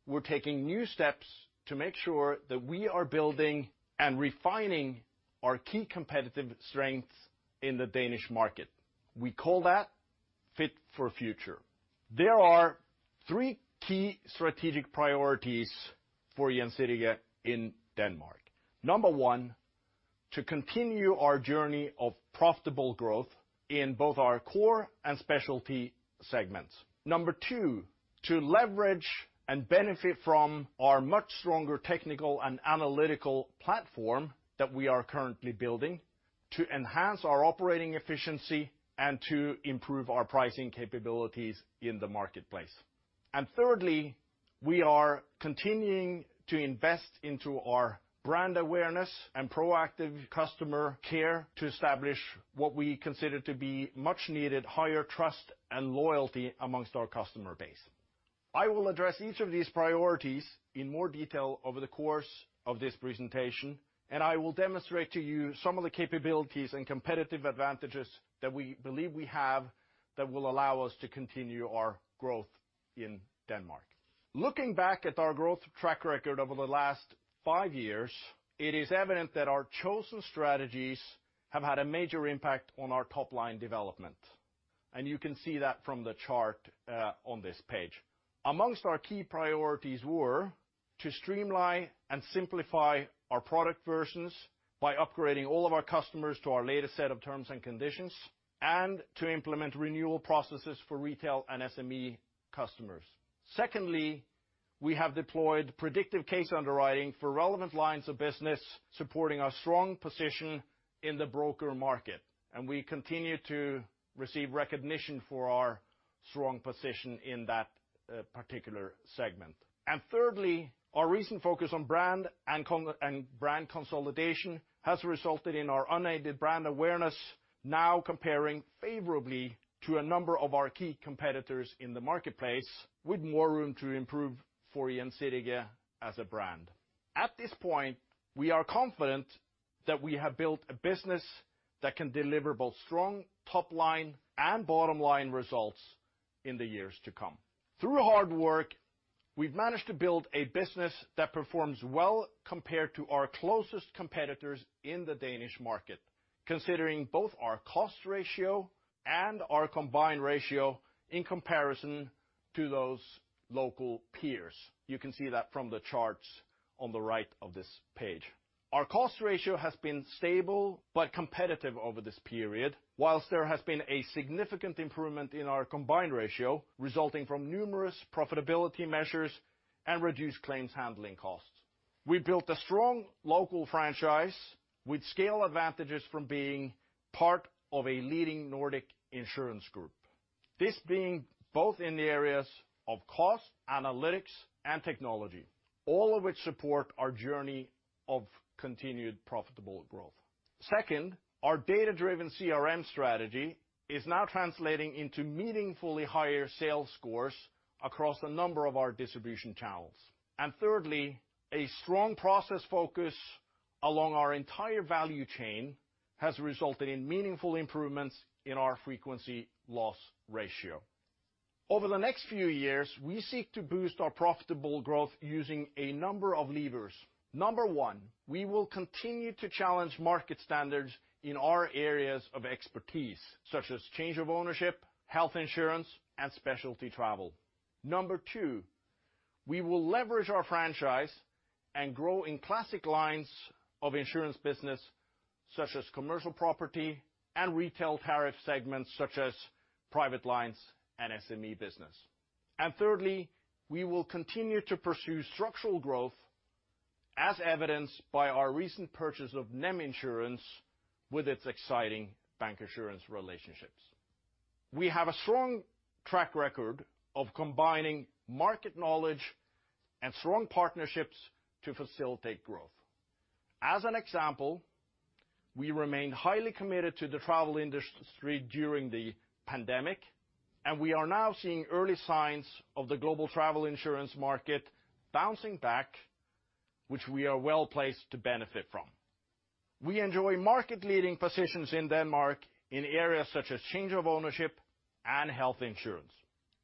we're taking new steps to make sure that we are building and refining our key competitive strengths in the Danish market. We call that Fit for Future. There are three key strategic priorities for Gjensidige in Denmark. Number one, to continue our journey of profitable growth in both our core and specialty segments. Number two, to leverage and benefit from our much stronger technical and analytical platform that we are currently building. To enhance our operating efficiency and to improve our pricing capabilities in the marketplace. Thirdly, we are continuing to invest into our brand awareness and proactive customer care to establish what we consider to be much needed higher trust and loyalty amongst our customer base. I will address each of these priorities in more detail over the course of this presentation, and I will demonstrate to you some of the capabilities and competitive advantages that we believe we have that will allow us to continue our growth in Denmark. Looking back at our growth track record over the last five years, it is evident that our chosen strategies have had a major impact on our top-line development. You can see that from the chart on this page. Among our key priorities were to streamline and simplify our product versions by upgrading all of our customers to our latest set of terms and conditions, and to implement renewal processes for retail and SME customers. Secondly, we have deployed predictive case underwriting for relevant lines of business, supporting a strong position in the broker market, and we continue to receive recognition for our strong position in that particular segment. Thirdly, our recent focus on brand consolidation has resulted in our unaided brand awareness now comparing favorably to a number of our key competitors in the marketplace, with more room to improve for Njord Insurance as a brand. At this point, we are confident that we have built a business that can deliver both strong top-line and bottom-line results in the years to come. Through hard work, we've managed to build a business that performs well compared to our closest competitors in the Danish market, considering both our cost ratio and our combined ratio in comparison to those local peers. You can see that from the charts on the right of this page. Our cost ratio has been stable, but competitive over this period, while there has been a significant improvement in our combined ratio, resulting from numerous profitability measures and reduced claims handling costs. We built a strong local franchise with scale advantages from being part of a leading Nordic insurance group. This being both in the areas of cost, analytics, and technology, all of which support our journey of continued profitable growth. Second, our data-driven CRM strategy is now translating into meaningfully higher sales scores across a number of our distribution channels. Thirdly, a strong process focus along our entire value chain has resulted in meaningful improvements in our frequency loss ratio. Over the next few years, we seek to boost our profitable growth using a number of levers. Number one, we will continue to challenge market standards in our areas of expertise, such as change of ownership, health insurance, and specialty travel. Number two, we will leverage our franchise and grow in classic lines of insurance business, such as commercial property and retail tariff segments, such as private lines and SME business. Thirdly, we will continue to pursue structural growth as evidenced by our recent purchase of NEM Forsikring with its exciting bank insurance relationships. We have a strong track record of combining market knowledge and strong partnerships to facilitate growth. As an example, we remain highly committed to the travel industry during the pandemic, and we are now seeing early signs of the global travel insurance market bouncing back, which we are well-placed to benefit from. We enjoy market-leading positions in Denmark in areas such as change of ownership and health insurance.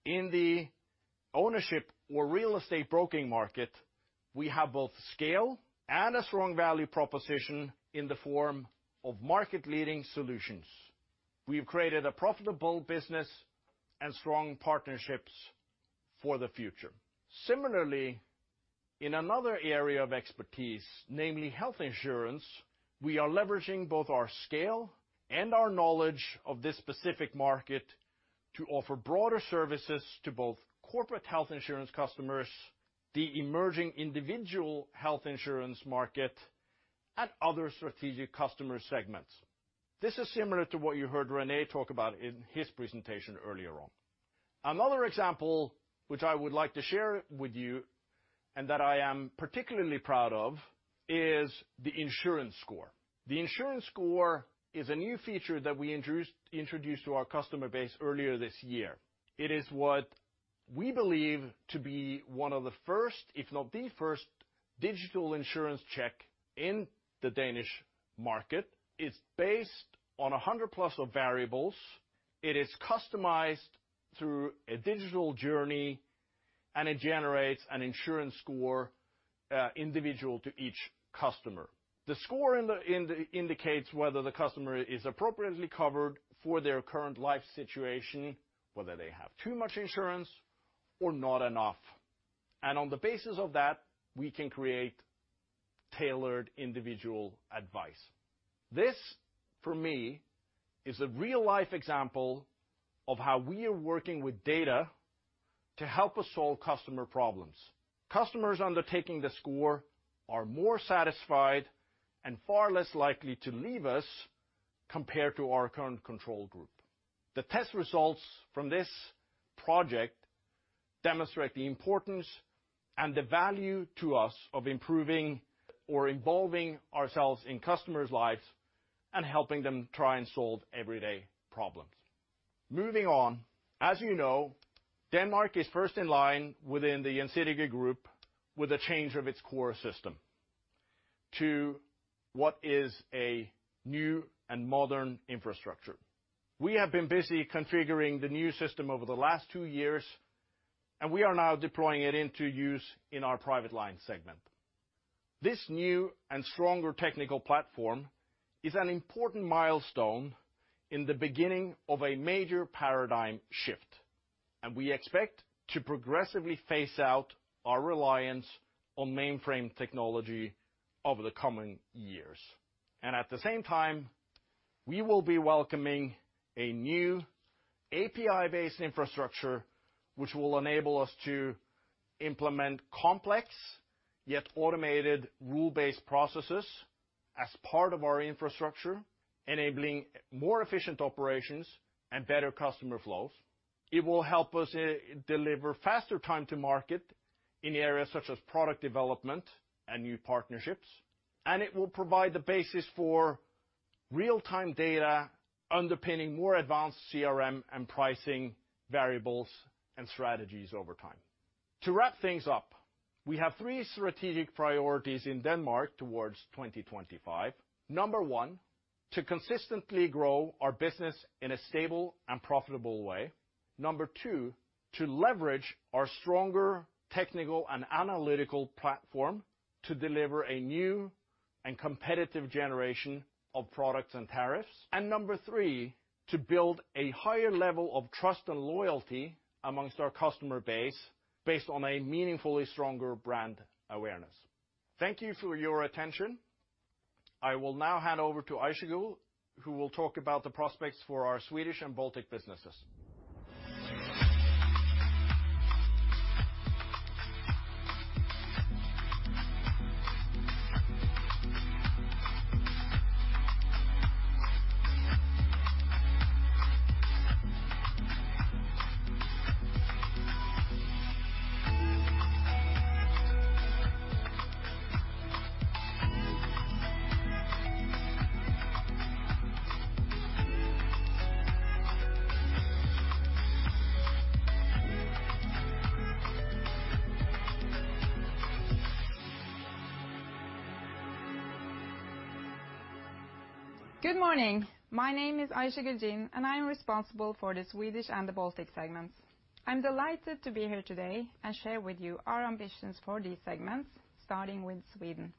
In the ownership or real estate broking market, we have both scale and a strong value proposition in the form of market-leading solutions. We have created a profitable business and strong partnerships for the future. Similarly, in another area of expertise, namely health insurance, we are leveraging both our scale and our knowledge of this specific market to offer broader services to both corporate health insurance customers, the emerging individual health insurance market, and other strategic customer segments. This is similar to what you heard René talk about in his presentation earlier on. Another example which I would like to share with you, and that I am particularly proud of, is the insurance score. The insurance score is a new feature that we introduced to our customer base earlier this year. It is what we believe to be one of the first, if not the first, digital insurance check in the Danish market. It's based on 100+ variables. It is customized through a digital journey, and it generates an insurance score, individual to each customer. The score indicates whether the customer is appropriately covered for their current life situation, whether they have too much insurance or not enough. On the basis of that, we can create tailored individual advice. This, for me, is a real-life example of how we are working with data to help us solve customer problems. Customers undertaking the score are more satisfied and far less likely to leave us compared to our current control group. The test results from this project demonstrate the importance and the value to us of improving or involving ourselves in customers' lives and helping them try and solve everyday problems. Moving on, as you know, Denmark is first in line within the Gjensidige Group with a change of its core system to what is a new and modern infrastructure. We have been busy configuring the new system over the last two years, and we are now deploying it into use in our private line segment. This new and stronger technical platform is an important milestone in the beginning of a major paradigm shift, and we expect to progressively phase out our reliance on mainframe technology over the coming years. At the same time, we will be welcoming a new API-based infrastructure which will enable us to implement complex yet automated rule-based processes as part of our infrastructure, enabling more efficient operations and better customer flows. It will help us deliver faster time to market in areas such as product development and new partnerships, and it will provide the basis for real-time data underpinning more advanced CRM and pricing variables and strategies over time. To wrap things up, we have three strategic priorities in Denmark towards 2025. Number one, to consistently grow our business in a stable and profitable way. Number two, to leverage our stronger technical and analytical platform to deliver a new and competitive generation of products and tariffs. Number three, to build a higher level of trust and loyalty amongst our customer base based on a meaningfully stronger brand awareness. Thank you for your attention. I will now hand over to Aysegül, who will talk about the prospects for our Swedish and Baltic businesses. Good morning. My name is Aysegül Cin, and I am responsible for the Swedish and the Baltic segments. I'm delighted to be here today and share with you our ambitions for these segments, starting with Sweden.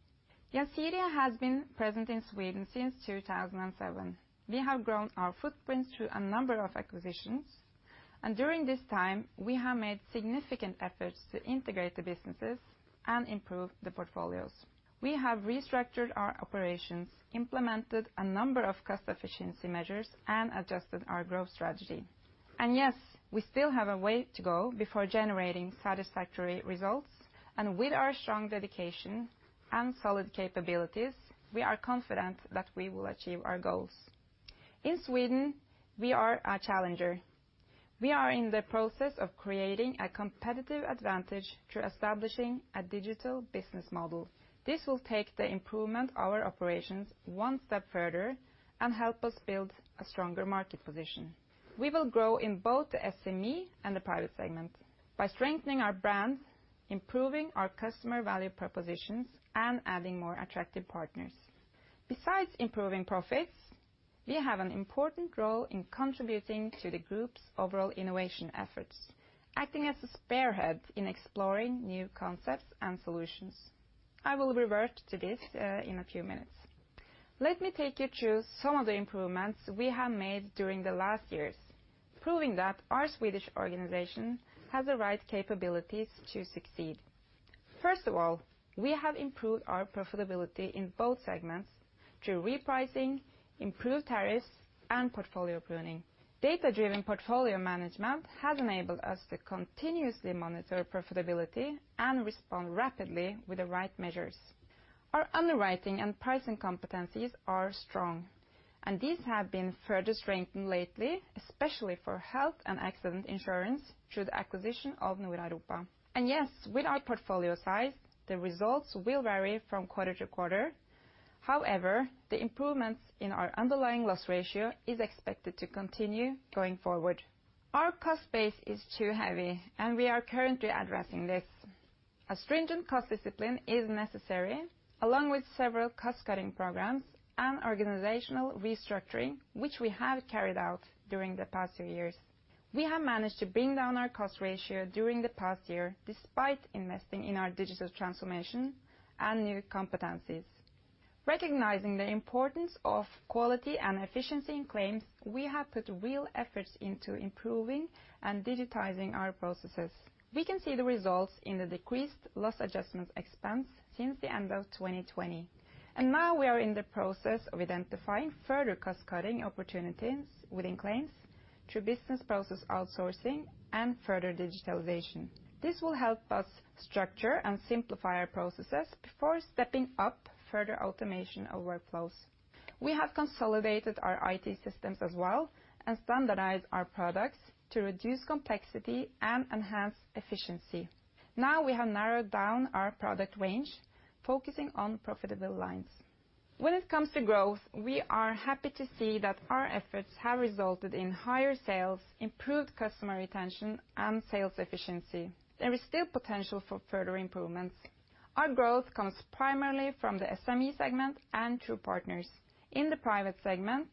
Gjensidige has been present in Sweden since 2007. We have grown our footprints through a number of acquisitions, and during this time, we have made significant efforts to integrate the businesses and improve the portfolios. We have restructured our operations, implemented a number of cost efficiency measures, and adjusted our growth strategy. Yes, we still have a way to go before generating satisfactory results. With our strong dedication and solid capabilities, we are confident that we will achieve our goals. In Sweden, we are a challenger. We are in the process of creating a competitive advantage through establishing a digital business model. This will take the improvement of our operations one step further and help us build a stronger market position. We will grow in both the SME and the private segment by strengthening our brands, improving our customer value propositions, and adding more attractive partners. Besides improving profits, we have an important role in contributing to the group's overall innovation efforts, acting as a spearhead in exploring new concepts and solutions. I will revert to this in a few minutes. Let me take you through some of the improvements we have made during the last years, proving that our Swedish organization has the right capabilities to succeed. First of all, we have improved our profitability in both segments through repricing, improved tariffs, and portfolio pruning. Data-driven portfolio management has enabled us to continuously monitor profitability and respond rapidly with the right measures. Our underwriting and pricing competencies are strong, and these have been further strengthened lately, especially for health and accident insurance through the acquisition of Nordeuropa. Yes, with our portfolio size, the results will vary from quarter to quarter. However, the improvements in our underlying loss ratio is expected to continue going forward. Our cost base is too heavy, and we are currently addressing this. A stringent cost discipline is necessary, along with several cost-cutting programs and organizational restructuring, which we have carried out during the past two years. We have managed to bring down our cost ratio during the past year, despite investing in our digital transformation and new competencies. Recognizing the importance of quality and efficiency in claims, we have put real efforts into improving and digitizing our processes. We can see the results in the decreased loss adjustment expense since the end of 2020. Now we are in the process of identifying further cost-cutting opportunities within claims through business process outsourcing and further digitalization. This will help us structure and simplify our processes before stepping up further automation of workflows. We have consolidated our IT systems as well and standardized our products to reduce complexity and enhance efficiency. Now we have narrowed down our product range, focusing on profitable lines. When it comes to growth, we are happy to see that our efforts have resulted in higher sales, improved customer retention, and sales efficiency. There is still potential for further improvements. Our growth comes primarily from the SME segment and through partners. In the private segment,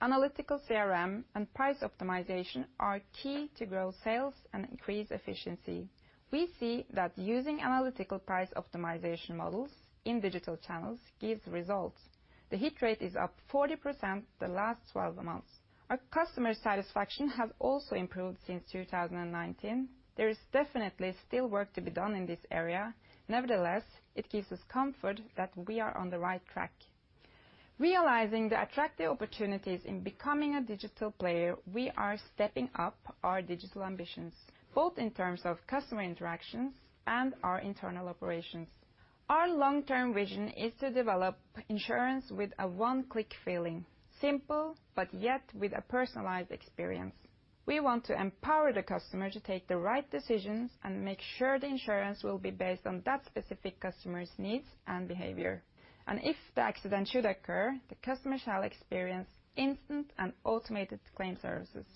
analytical CRM and price optimization are key to grow sales and increase efficiency. We see that using analytical price optimization models in digital channels gives results. The hit rate is up 40% the last 12 months. Our customer satisfaction has also improved since 2019. There is definitely still work to be done in this area. Nevertheless, it gives us comfort that we are on the right track. Realizing the attractive opportunities in becoming a digital player, we are stepping up our digital ambitions, both in terms of customer interactions and our internal operations. Our long-term vision is to develop insurance with a one-click feeling, simple, but yet with a personalized experience. We want to empower the customer to take the right decisions and make sure the insurance will be based on that specific customer's needs and behavior. If the accident should occur, the customer shall experience instant and automated claim services.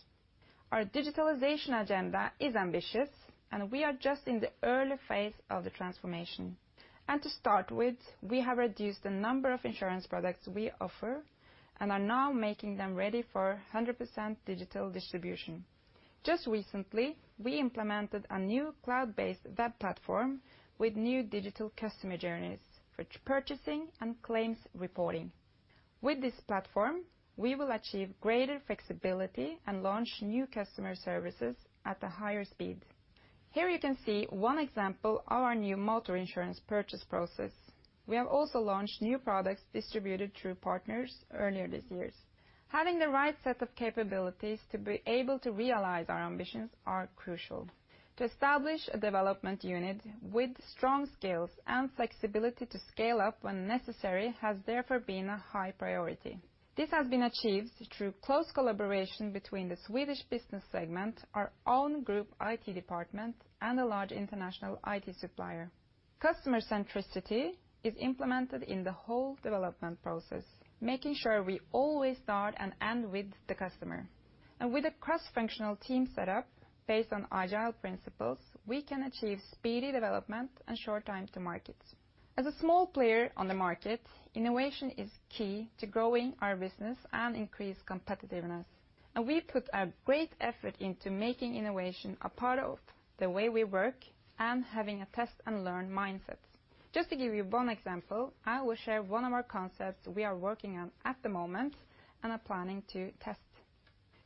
Our digitalization agenda is ambitious, and we are just in the early phase of the transformation. To start with, we have reduced the number of insurance products we offer and are now making them ready for 100% digital distribution. Just recently, we implemented a new cloud-based web platform with new digital customer journeys for purchasing and claims reporting. With this platform, we will achieve greater flexibility and launch new customer services at a higher speed. Here you can see one example of our new motor insurance purchase process. We have also launched new products distributed through partners earlier this year. Having the right set of capabilities to be able to realize our ambitions is crucial. To establish a development unit with strong skills and flexibility to scale up when necessary has therefore been a high priority. This has been achieved through close collaboration between the Swedish business segment, our own group IT department, and a large international IT supplier. Customer centricity is implemented in the whole development process, making sure we always start and end with the customer. With a cross-functional team setup based on agile principles, we can achieve speedy development and short time to markets. As a small player on the market, innovation is key to growing our business and increase competitiveness, and we put a great effort into making innovation a part of the way we work and having a test-and-learn mindset. Just to give you one example, I will share one of our concepts we are working on at the moment and are planning to test.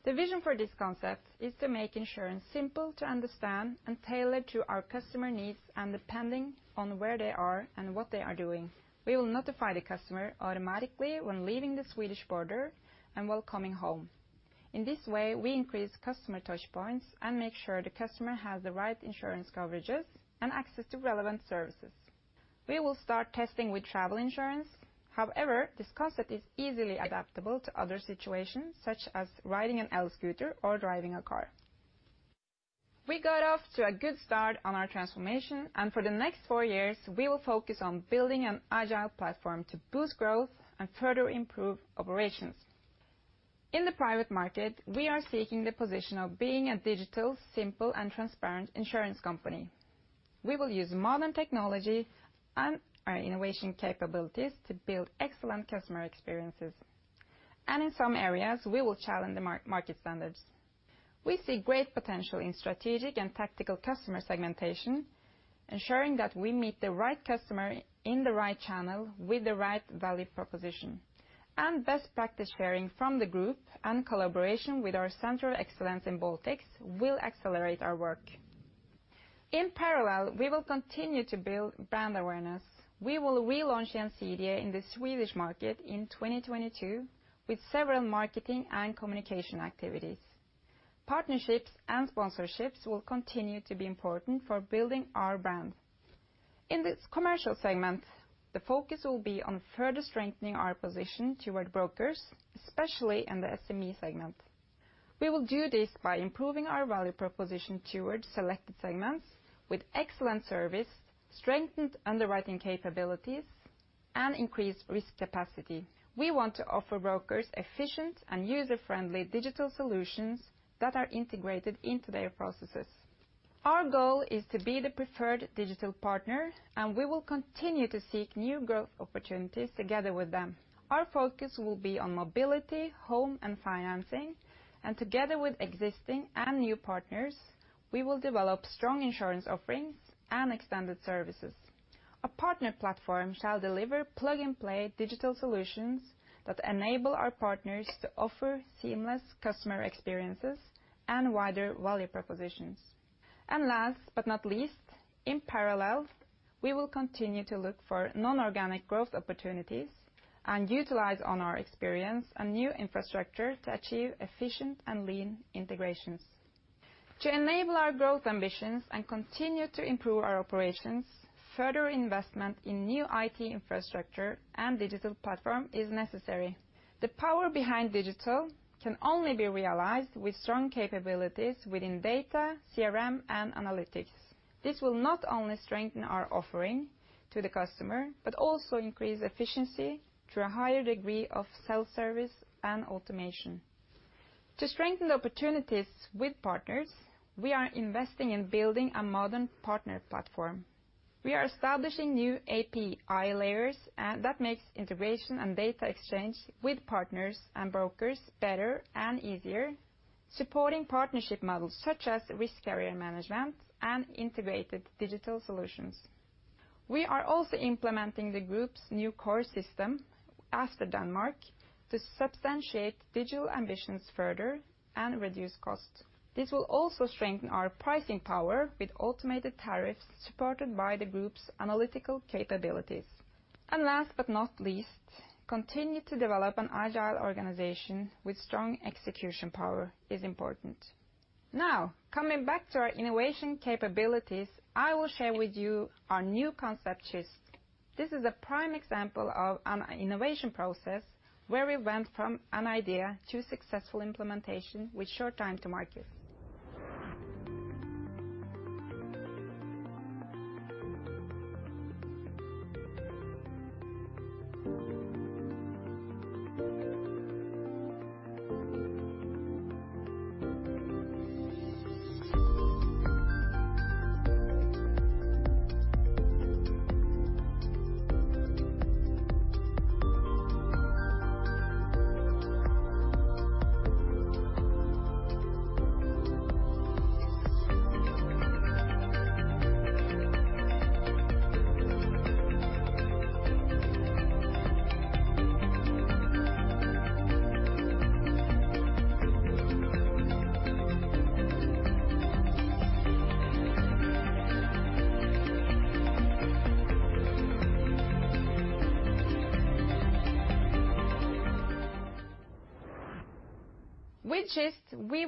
The vision for this concept is to make insurance simple to understand and tailored to our customer needs and depending on where they are and what they are doing. We will notify the customer automatically when leaving the Swedish border and while coming home. In this way, we increase customer touch points and make sure the customer has the right insurance coverages and access to relevant services. We will start testing with travel insurance. However, this concept is easily adaptable to other situations, such as riding an el scooter or driving a car. We got off to a good start on our transformation, and for the next four years, we will focus on building an agile platform to boost growth and further improve operations. In the private market, we are seeking the position of being a digital, simple, and transparent insurance company. We will use modern technology and our innovation capabilities to build excellent customer experiences, and in some areas, we will challenge the market standards. We see great potential in strategic and tactical customer segmentation, ensuring that we meet the right customer in the right channel with the right value proposition. Best practice sharing from the group and collaboration with our central excellence in Baltics will accelerate our work. In parallel, we will continue to build brand awareness. We will relaunch Gjensidige in the Swedish market in 2022 with several marketing and communication activities. Partnerships and sponsorships will continue to be important for building our brand. In this commercial segment, the focus will be on further strengthening our position toward brokers, especially in the SME segment. We will do this by improving our value proposition towards selected segments with excellent service, strengthened underwriting capabilities, and increased risk capacity. We want to offer brokers efficient and user-friendly digital solutions that are integrated into their processes. Our goal is to be the preferred digital partner, and we will continue to seek new growth opportunities together with them. Our focus will be on mobility, home, and financing, and together with existing and new partners, we will develop strong insurance offerings and extended services. A partner platform shall deliver plug-and-play digital solutions that enable our partners to offer seamless customer experiences and wider value propositions. Last but not least, in parallel, we will continue to look for non-organic growth opportunities and utilize on our experience and new infrastructure to achieve efficient and lean integrations. To enable our growth ambitions and continue to improve our operations, further investment in new IT infrastructure and digital platform is necessary. The power behind digital can only be realized with strong capabilities within data, CRM, and analytics. This will not only strengthen our offering to the customer, but also increase efficiency through a higher degree of self-service and automation. To strengthen the opportunities with partners, we are investing in building a modern partner platform. We are establishing new API layers and that makes integration and data exchange with partners and brokers better and easier, supporting partnership models such as risk carrier management and integrated digital solutions. We are also implementing the group's new core system, Astra Denmark, to substantiate digital ambitions further and reduce cost. This will also strengthen our pricing power with automated tariffs supported by the group's analytical capabilities. Last but not least, continue to develop an agile organization with strong execution power is important. Now, coming back to our innovation capabilities, I will share with you our new concept, Kvist. This is a prime example of an innovation process where we went from an idea to successful implementation with short time to market.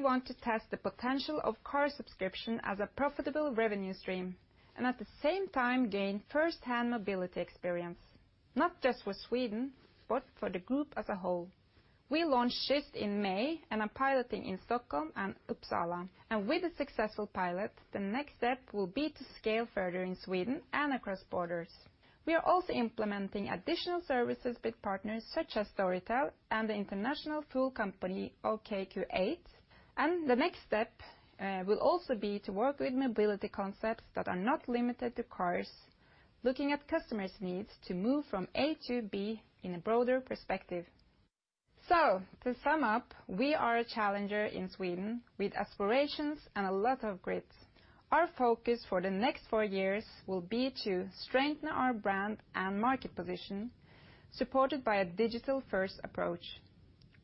With Kvist, we want to test the potential of car subscription as a profitable revenue stream, and at the same time gain firsthand mobility experience, not just for Sweden, but for the group as a whole. We launched Kvist in May and are piloting in Stockholm and Uppsala. With a successful pilot, the next step will be to scale further in Sweden and across borders. We are also implementing additional services with partners such as DoriTel and the international tool company, OKQ8. The next step will also be to work with mobility concepts that are not limited to cars, looking at customers' needs to move from A to B in a broader perspective. To sum up, we are a challenger in Sweden with aspirations and a lot of grit. Our focus for the next four years will be to strengthen our brand and market position, supported by a digital-first approach.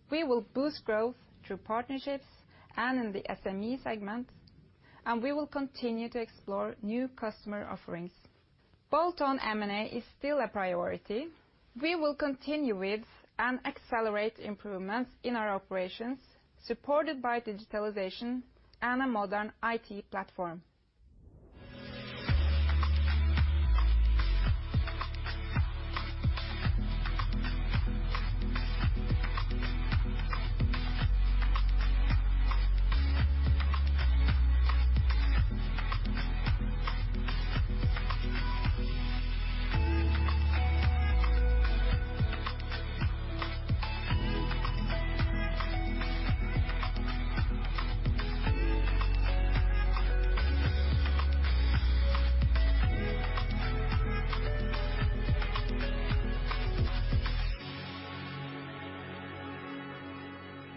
We will boost growth through partnerships and in the SME segment, and we will continue to explore new customer offerings. Bolt-on M&A is still a priority. We will continue with and accelerate improvements in our operations, supported by digitalization and a modern IT platform.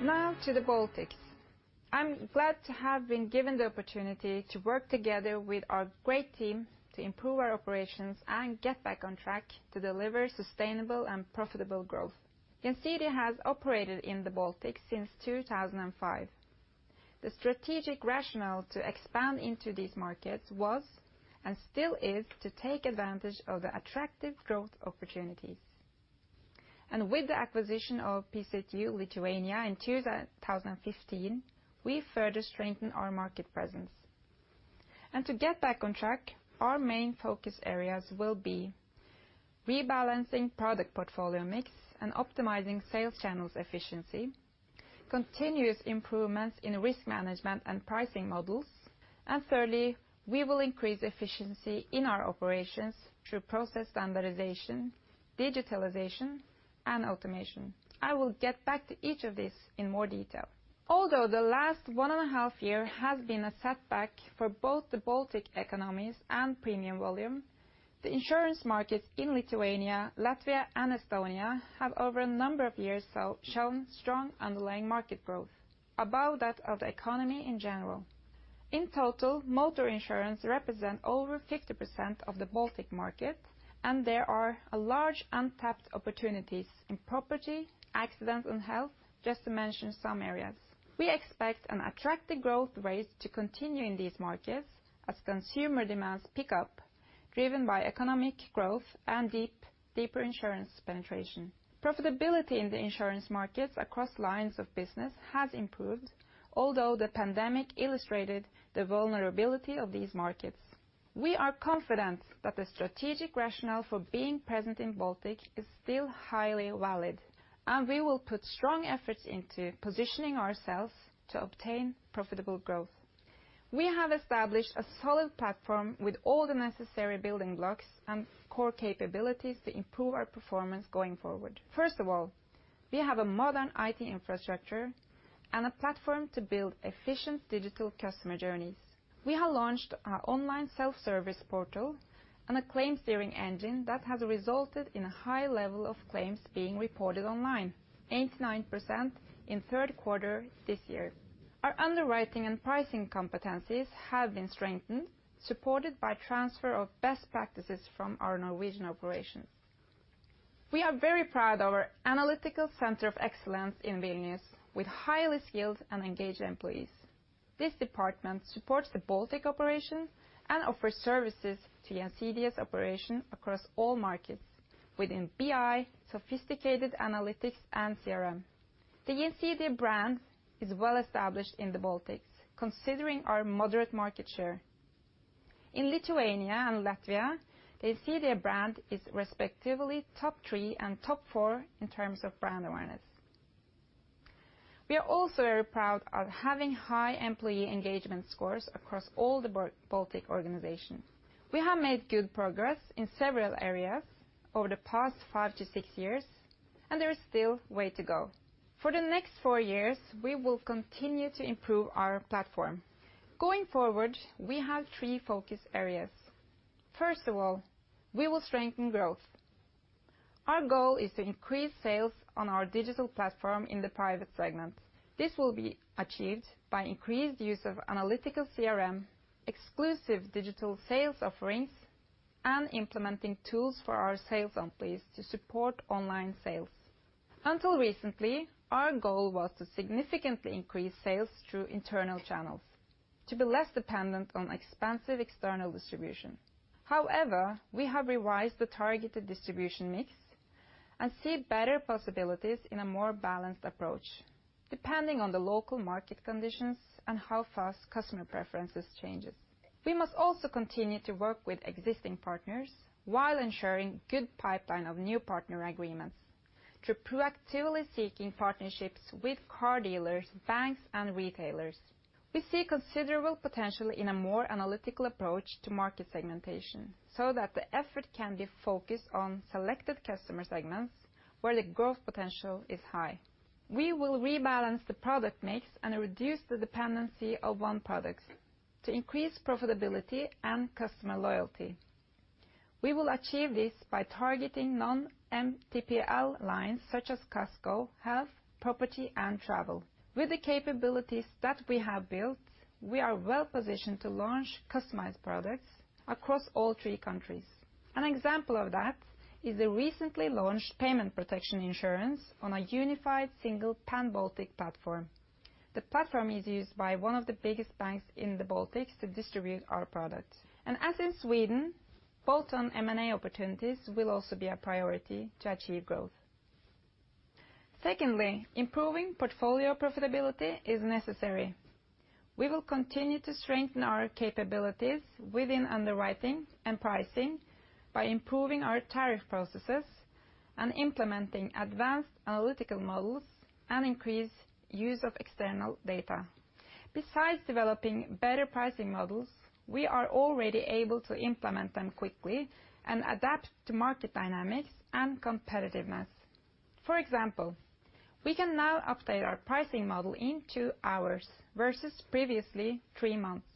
Now to the Baltics. I'm glad to have been given the opportunity to work together with our great team to improve our operations and get back on track to deliver sustainable and profitable growth. Enskilde has operated in the Baltics since 2005. The strategic rationale to expand into these markets was, and still is, to take advantage of the attractive growth opportunities. With the acquisition of PZU Lithuania in 2015, we further strengthen our market presence. To get back on track, our main focus areas will be rebalancing product portfolio mix and optimizing sales channels efficiency, continuous improvements in risk management and pricing models, and thirdly, we will increase efficiency in our operations through process standardization, digitalization, and automation. I will get back to each of these in more detail. Although the last one and a half year has been a setback for both the Baltic economies and premium volume, the insurance markets in Lithuania, Latvia, and Estonia have over a number of years shown strong underlying market growth, above that of the economy in general. In total, motor insurance represent over 50% of the Baltic market, and there are a large untapped opportunities in property, accident, and health, just to mention some areas. We expect an attractive growth rate to continue in these markets as consumer demands pick up. Driven by economic growth and deeper insurance penetration. Profitability in the insurance markets across lines of business has improved, although the pandemic illustrated the vulnerability of these markets. We are confident that the strategic rationale for being present in the Baltics is still highly valid, and we will put strong efforts into positioning ourselves to obtain profitable growth. We have established a solid platform with all the necessary building blocks and core capabilities to improve our performance going forward. First of all, we have a modern IT infrastructure and a platform to build efficient digital customer journeys. We have launched our online self-service portal and a claims steering engine that has resulted in a high level of claims being reported online, 89% in Q3 this year. Our underwriting and pricing competencies have been strengthened, supported by transfer of best practices from our Norwegian operations. We are very proud of our analytical center of excellence in business, with highly skilled and engaged employees. This department supports the Baltic operations and offers services to the Incidea's operation across all markets within BI, sophisticated analytics, and CRM. The Incidea brand is well established in the Baltics, considering our moderate market share. In Lithuania and Latvia, the Incidea brand is respectively top three and top four in terms of brand awareness. We are also very proud of having high employee engagement scores across all the Baltic organizations. We have made good progress in several areas over the past 5-6 years, and there is still way to go. For the next 4 years, we will continue to improve our platform. Going forward, we have 3 focus areas. First of all, we will strengthen growth. Our goal is to increase sales on our digital platform in the Private segment. This will be achieved by increased use of analytical CRM, exclusive digital sales offerings, and implementing tools for our sales employees to support online sales. Until recently, our goal was to significantly increase sales through internal channels to be less dependent on expensive external distribution. However, we have revised the targeted distribution mix and see better possibilities in a more balanced approach, depending on the local market conditions and how fast customer preferences changes. We must also continue to work with existing partners while ensuring good pipeline of new partner agreements through proactively seeking partnerships with car dealers, banks, and retailers. We see considerable potential in a more analytical approach to market segmentation, so that the effort can be focused on selected customer segments where the growth potential is high. We will rebalance the product mix and reduce the dependency on one product to increase profitability and customer loyalty. We will achieve this by targeting non-MTPL lines such as Casco, health, property, and travel. With the capabilities that we have built, we are well-positioned to launch customized products across all three countries. An example of that is the recently launched payment protection insurance on a unified single Pan-Baltic platform. The platform is used by one of the biggest banks in the Baltics to distribute our products. As in Sweden, bolt-on M&A opportunities will also be a priority to achieve growth. Secondly, improving portfolio profitability is necessary. We will continue to strengthen our capabilities within underwriting and pricing by improving our tariff processes and implementing advanced analytical models and increase use of external data. Besides developing better pricing models, we are already able to implement them quickly and adapt to market dynamics and competitiveness. For example, we can now update our pricing model in 2 hours versus previously 3 months.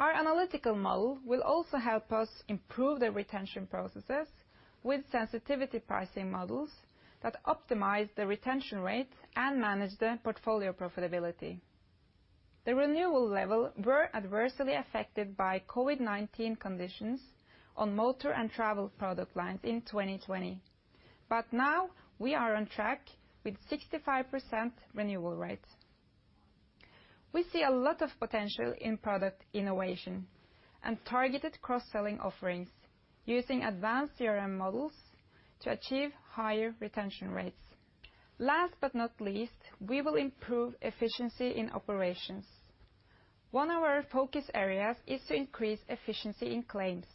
Our analytical model will also help us improve the retention processes with sensitivity pricing models that optimize the retention rate and manage the portfolio profitability. The renewal level were adversely affected by COVID-19 conditions on motor and travel product lines in 2020, but now we are on track with 65% renewal rate. We see a lot of potential in product innovation and targeted cross-selling offerings using advanced CRM models to achieve higher retention rates. Last but not least, we will improve efficiency in operations. One of our focus areas is to increase efficiency in claims.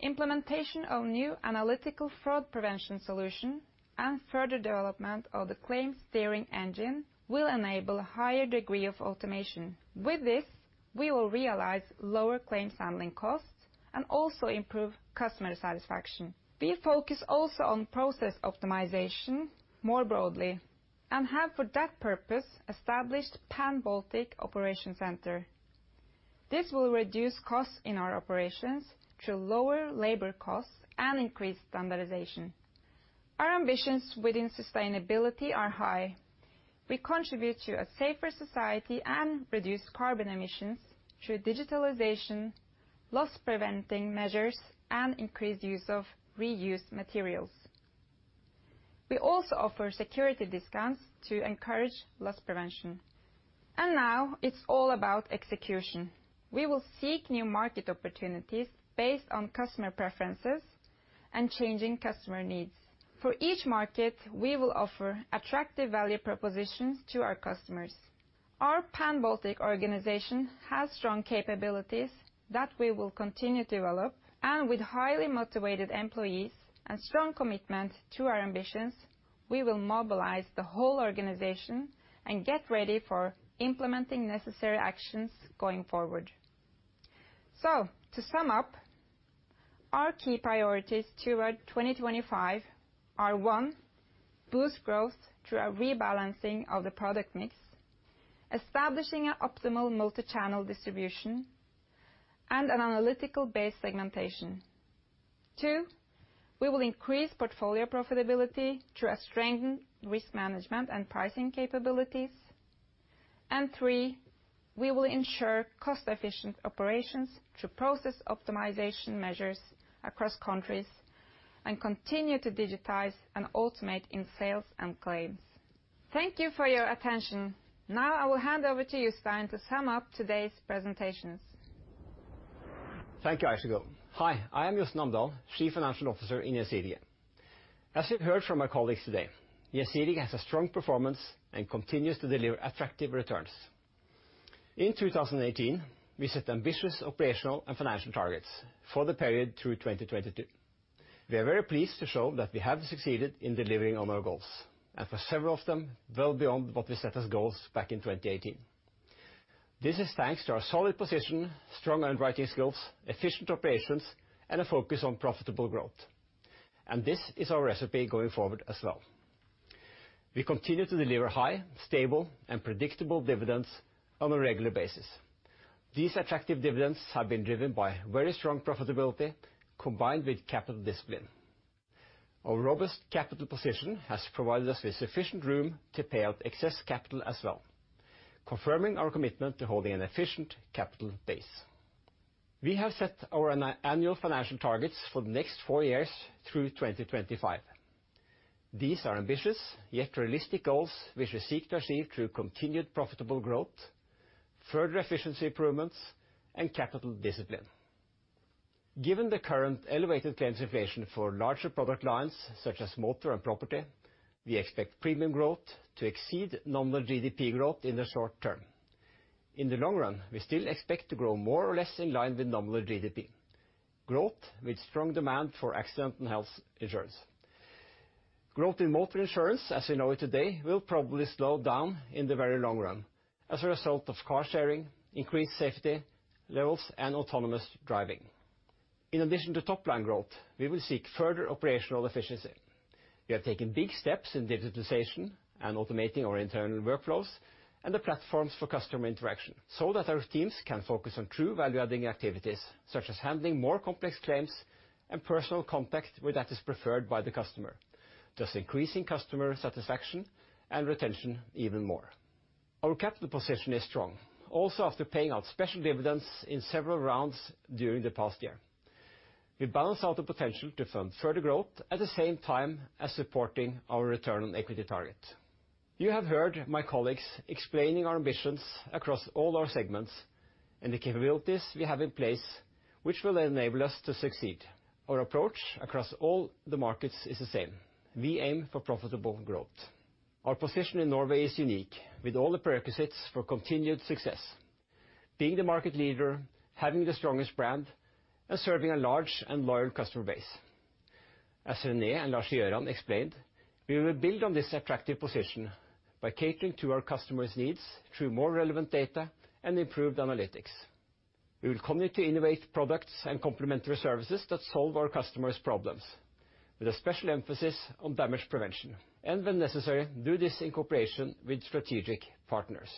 Implementation of new analytical fraud prevention solution and further development of the claims steering engine will enable a higher degree of automation. With this, we will realize lower claims handling costs and also improve customer satisfaction. We focus also on process optimization more broadly and have for that purpose established Pan-Baltic Operation Center. This will reduce costs in our operations through lower labor costs and increase standardization. Our ambitions within sustainability are high. We contribute to a safer society and reduce carbon emissions through digitalization, loss preventing measures, and increased use of reused materials. We also offer security discounts to encourage loss prevention. Now it's all about execution. We will seek new market opportunities based on customer preferences and changing customer needs. For each market, we will offer attractive value propositions to our customers. Our Pan-Baltic organization has strong capabilities that we will continue to develop, and with highly motivated employees and strong commitment to our ambitions, we will mobilize the whole organization and get ready for implementing necessary actions going forward. So to sum up, our key priorities toward 2025 are, 1, boost growth through a rebalancing of the product mix, establishing an optimal multichannel distribution, and an analytical-based segmentation. 2, we will increase portfolio profitability through a strengthened risk management and pricing capabilities. 3, we will ensure cost-efficient operations through process optimization measures across countries and continue to digitize and automate in sales and claims. Thank you for your attention. Now I will hand over to Jostein to sum up today's presentations. Thank you, Aysegül. Hi, I am Jostein Amdal, Chief Financial Officer in Gjensidige. As you've heard from my colleagues today, Gjensidige has a strong performance and continues to deliver attractive returns. In 2018, we set ambitious operational and financial targets for the period through 2022. We are very pleased to show that we have succeeded in delivering on our goals and for several of them well beyond what we set as goals back in 2018. This is thanks to our solid position, strong underwriting skills, efficient operations, and a focus on profitable growth, and this is our recipe going forward as well. We continue to deliver high, stable, and predictable dividends on a regular basis. These attractive dividends have been driven by very strong profitability combined with capital discipline. Our robust capital position has provided us with sufficient room to pay out excess capital as well, confirming our commitment to holding an efficient capital base. We have set our annual financial targets for the next four years through 2025. These are ambitious yet realistic goals which we seek to achieve through continued profitable growth, further efficiency improvements, and capital discipline. Given the current elevated claims inflation for larger product lines, such as motor and property, we expect premium growth to exceed nominal GDP growth in the short term. In the long run, we still expect to grow more or less in line with nominal GDP. We expect growth with strong demand for accident and health insurance. Growth in motor insurance as we know it today will probably slow down in the very long run as a result of car sharing, increased safety levels, and autonomous driving. In addition to top-line growth, we will seek further operational efficiency. We have taken big steps in digitalization and automating our internal workflows and the platforms for customer interaction, so that our teams can focus on true value-adding activities, such as handling more complex claims and personal contact where that is preferred by the customer, thus increasing customer satisfaction and retention even more. Our capital position is strong, also after paying out special dividends in several rounds during the past year. We balance out the potential to fund further growth at the same time as supporting our return on equity target. You have heard my colleagues explaining our ambitions across all our segments and the capabilities we have in place which will enable us to succeed. Our approach across all the markets is the same. We aim for profitable growth. Our position in Norway is unique, with all the prerequisites for continued success, being the market leader, having the strongest brand, and serving a large and loyal customer base. As René and Lars Gøran explained, we will build on this attractive position by catering to our customers' needs through more relevant data and improved analytics. We will continue to innovate products and complementary services that solve our customers' problems, with a special emphasis on damage prevention, and when necessary, do this in cooperation with strategic partners.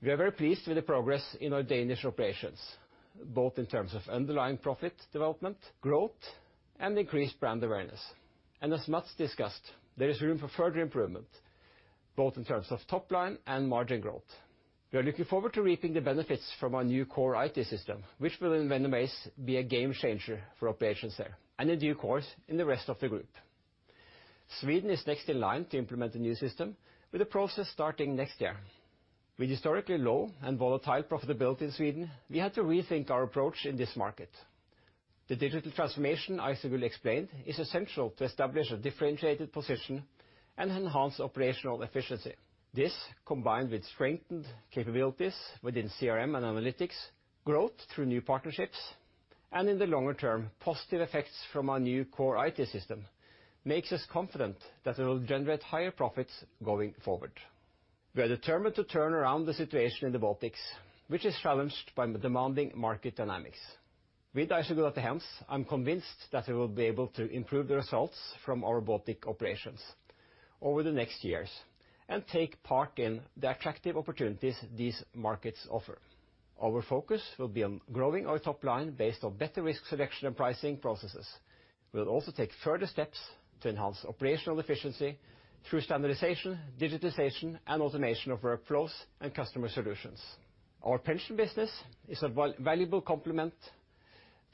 We are very pleased with the progress in our Danish operations, both in terms of underlying profit development, growth, and increased brand awareness. As Mats discussed, there is room for further improvement, both in terms of top line and margin growth. We are looking forward to reaping the benefits from our new core IT system, which will, in many ways, be a game changer for operations there, and in due course in the rest of the group. Sweden is next in line to implement the new system, with the process starting next year. With historically low and volatile profitability in Sweden, we had to rethink our approach in this market. The digital transformation Aysegül explained is essential to establish a differentiated position and enhance operational efficiency. This, combined with strengthened capabilities within CRM and analytics, growth through new partnerships, and in the longer term, positive effects from our new core IT system, makes us confident that it will generate higher profits going forward. We are determined to turn around the situation in the Baltics, which is challenged by the demanding market dynamics. With Aysegül at the helm, I'm convinced that we will be able to improve the results from our Baltic operations over the next years and take part in the attractive opportunities these markets offer. Our focus will be on growing our top line based on better risk selection and pricing processes. We'll also take further steps to enhance operational efficiency through standardization, digitization, and automation of workflows and customer solutions. Our pension business is a valuable complement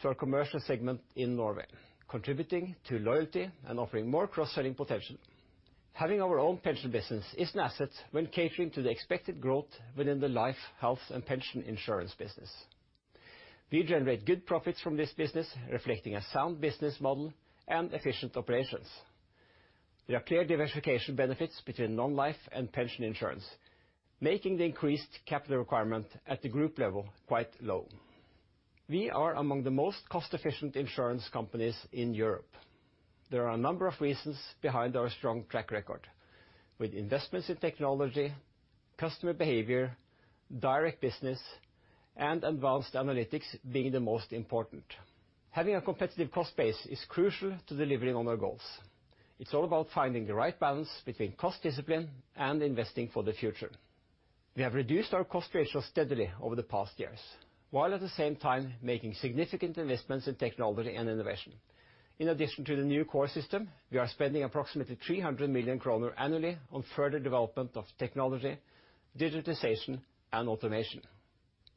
to our commercial segment in Norway, contributing to loyalty and offering more cross-selling potential. Having our own pension business is an asset when catering to the expected growth within the life, health, and pension insurance business. We generate good profits from this business, reflecting a sound business model and efficient operations. There are clear diversification benefits between non-life and pension insurance, making the increased capital requirement at the group level quite low. We are among the most cost-efficient insurance companies in Europe. There are a number of reasons behind our strong track record, with investments in technology, customer behavior, direct business, and advanced analytics being the most important. Having a competitive cost base is crucial to delivering on our goals. It's all about finding the right balance between cost discipline and investing for the future. We have reduced our cost ratio steadily over the past years, while at the same time making significant investments in technology and innovation. In addition to the new core system, we are spending approximately 300 million kroner annually on further development of technology, digitization, and automation.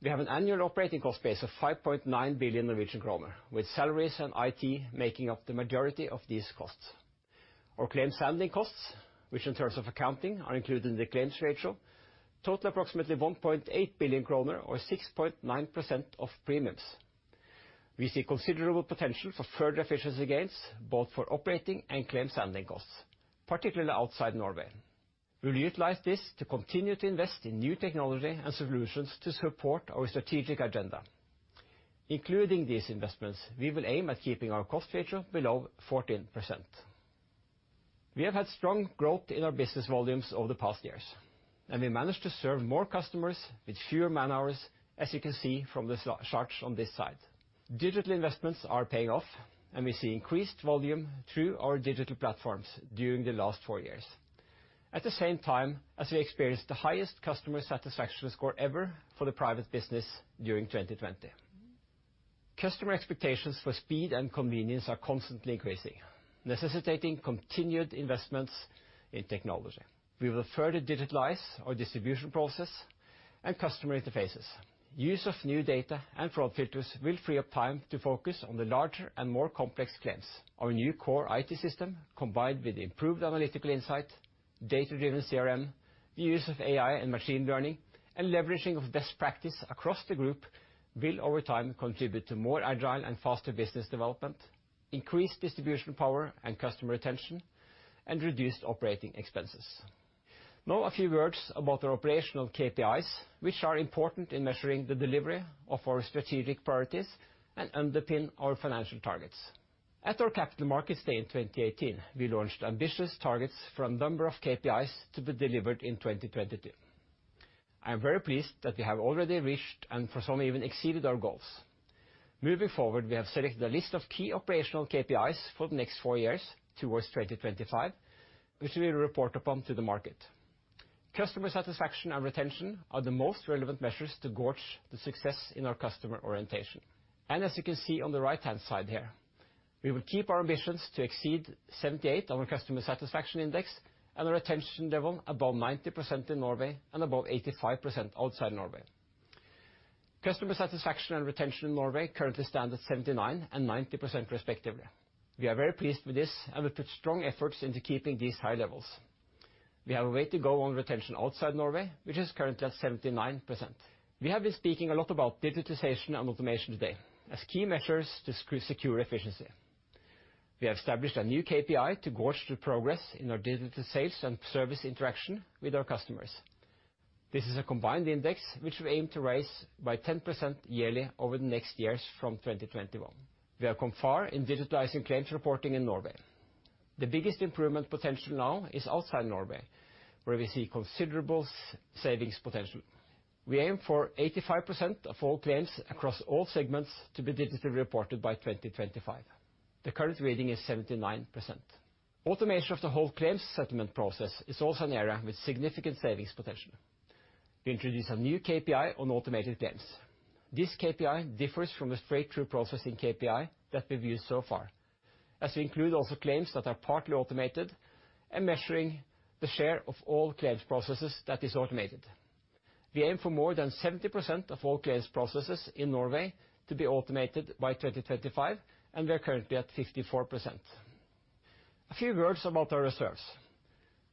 We have an annual operating cost base of 5.9 billion Norwegian kroner, with salaries and IT making up the majority of these costs. Our claims handling costs, which in terms of accounting are included in the claims ratio, total approximately 1.8 billion kroner, or 6.9% of premiums. We see considerable potential for further efficiency gains, both for operating and claims handling costs, particularly outside Norway. We'll utilize this to continue to invest in new technology and solutions to support our strategic agenda. Including these investments, we will aim at keeping our cost ratio below 14%. We have had strong growth in our business volumes over the past years, and we managed to serve more customers with fewer man-hours, as you can see from the slide charts on this side. Digital investments are paying off, and we see increased volume through our digital platforms during the last four years. At the same time, as we experienced the highest customer satisfaction score ever for the private business during 2020. Customer expectations for speed and convenience are constantly increasing, necessitating continued investments in technology. We will further digitalize our distribution process and customer interfaces. Use of new data and fraud filters will free up time to focus on the larger and more complex claims. Our new core IT system, combined with improved analytical insight, data-driven CRM, the use of AI and machine learning, and leveraging of best practice across the group, will over time contribute to more agile and faster business development, increased distribution power and customer retention, and reduced operating expenses. Now a few words about our operational KPIs, which are important in measuring the delivery of our strategic priorities and underpin our financial targets. At our Capital Markets Day in 2018, we launched ambitious targets for a number of KPIs to be delivered in 2022. I am very pleased that we have already reached and for some even exceeded our goals. Moving forward, we have selected a list of key operational KPIs for the next four years towards 2025, which we will report upon to the market. Customer satisfaction and retention are the most relevant measures to gauge the success in our customer orientation. As you can see on the right-hand side here, we will keep our ambitions to exceed 78 on customer satisfaction index and a retention level above 90% in Norway and above 85% outside Norway. Customer satisfaction and retention in Norway currently stand at 79 and 90% respectively. We are very pleased with this, and we put strong efforts into keeping these high levels. We have a way to go on retention outside Norway, which is currently at 79%. We have been speaking a lot about digitization and automation today as key measures to secure efficiency. We have established a new KPI to gauge the progress in our digital sales and service interaction with our customers. This is a combined index which we aim to raise by 10% yearly over the next years from 2021. We have come far in digitizing claims reporting in Norway. The biggest improvement potential now is outside Norway, where we see considerable savings potential. We aim for 85% of all claims across all segments to be digitally reported by 2025. The current reading is 79%. Automation of the whole claims settlement process is also an area with significant savings potential. We introduce a new KPI on automated claims. This KPI differs from the straight-through processing KPI that we've used so far, as we include also claims that are partly automated and measuring the share of all claims processes that is automated. We aim for more than 70% of all claims processes in Norway to be automated by 2025, and we are currently at 54%. A few words about our reserves.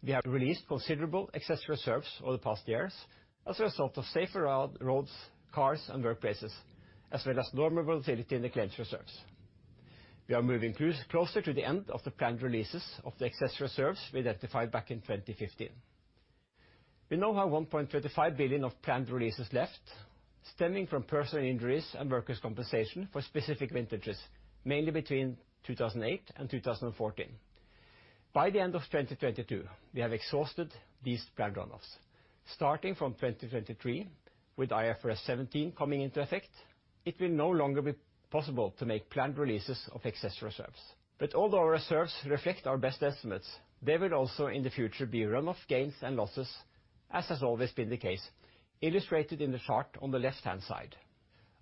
We have released considerable excess reserves over the past years as a result of safer roads, cars, and workplaces, as well as normal volatility in the claims reserves. We are moving closer to the end of the planned releases of the excess reserves we identified back in 2015. We now have 1.35 billion of planned releases left, stemming from personal injuries and workers' compensation for specific vintages, mainly between 2008 and 2014. By the end of 2022, we have exhausted these planned runoffs. Starting from 2023, with IFRS 17 coming into effect, it will no longer be possible to make planned releases of excess reserves. Although our reserves reflect our best estimates, there will also in the future be runoff gains and losses, as has always been the case, illustrated in the chart on the left-hand side.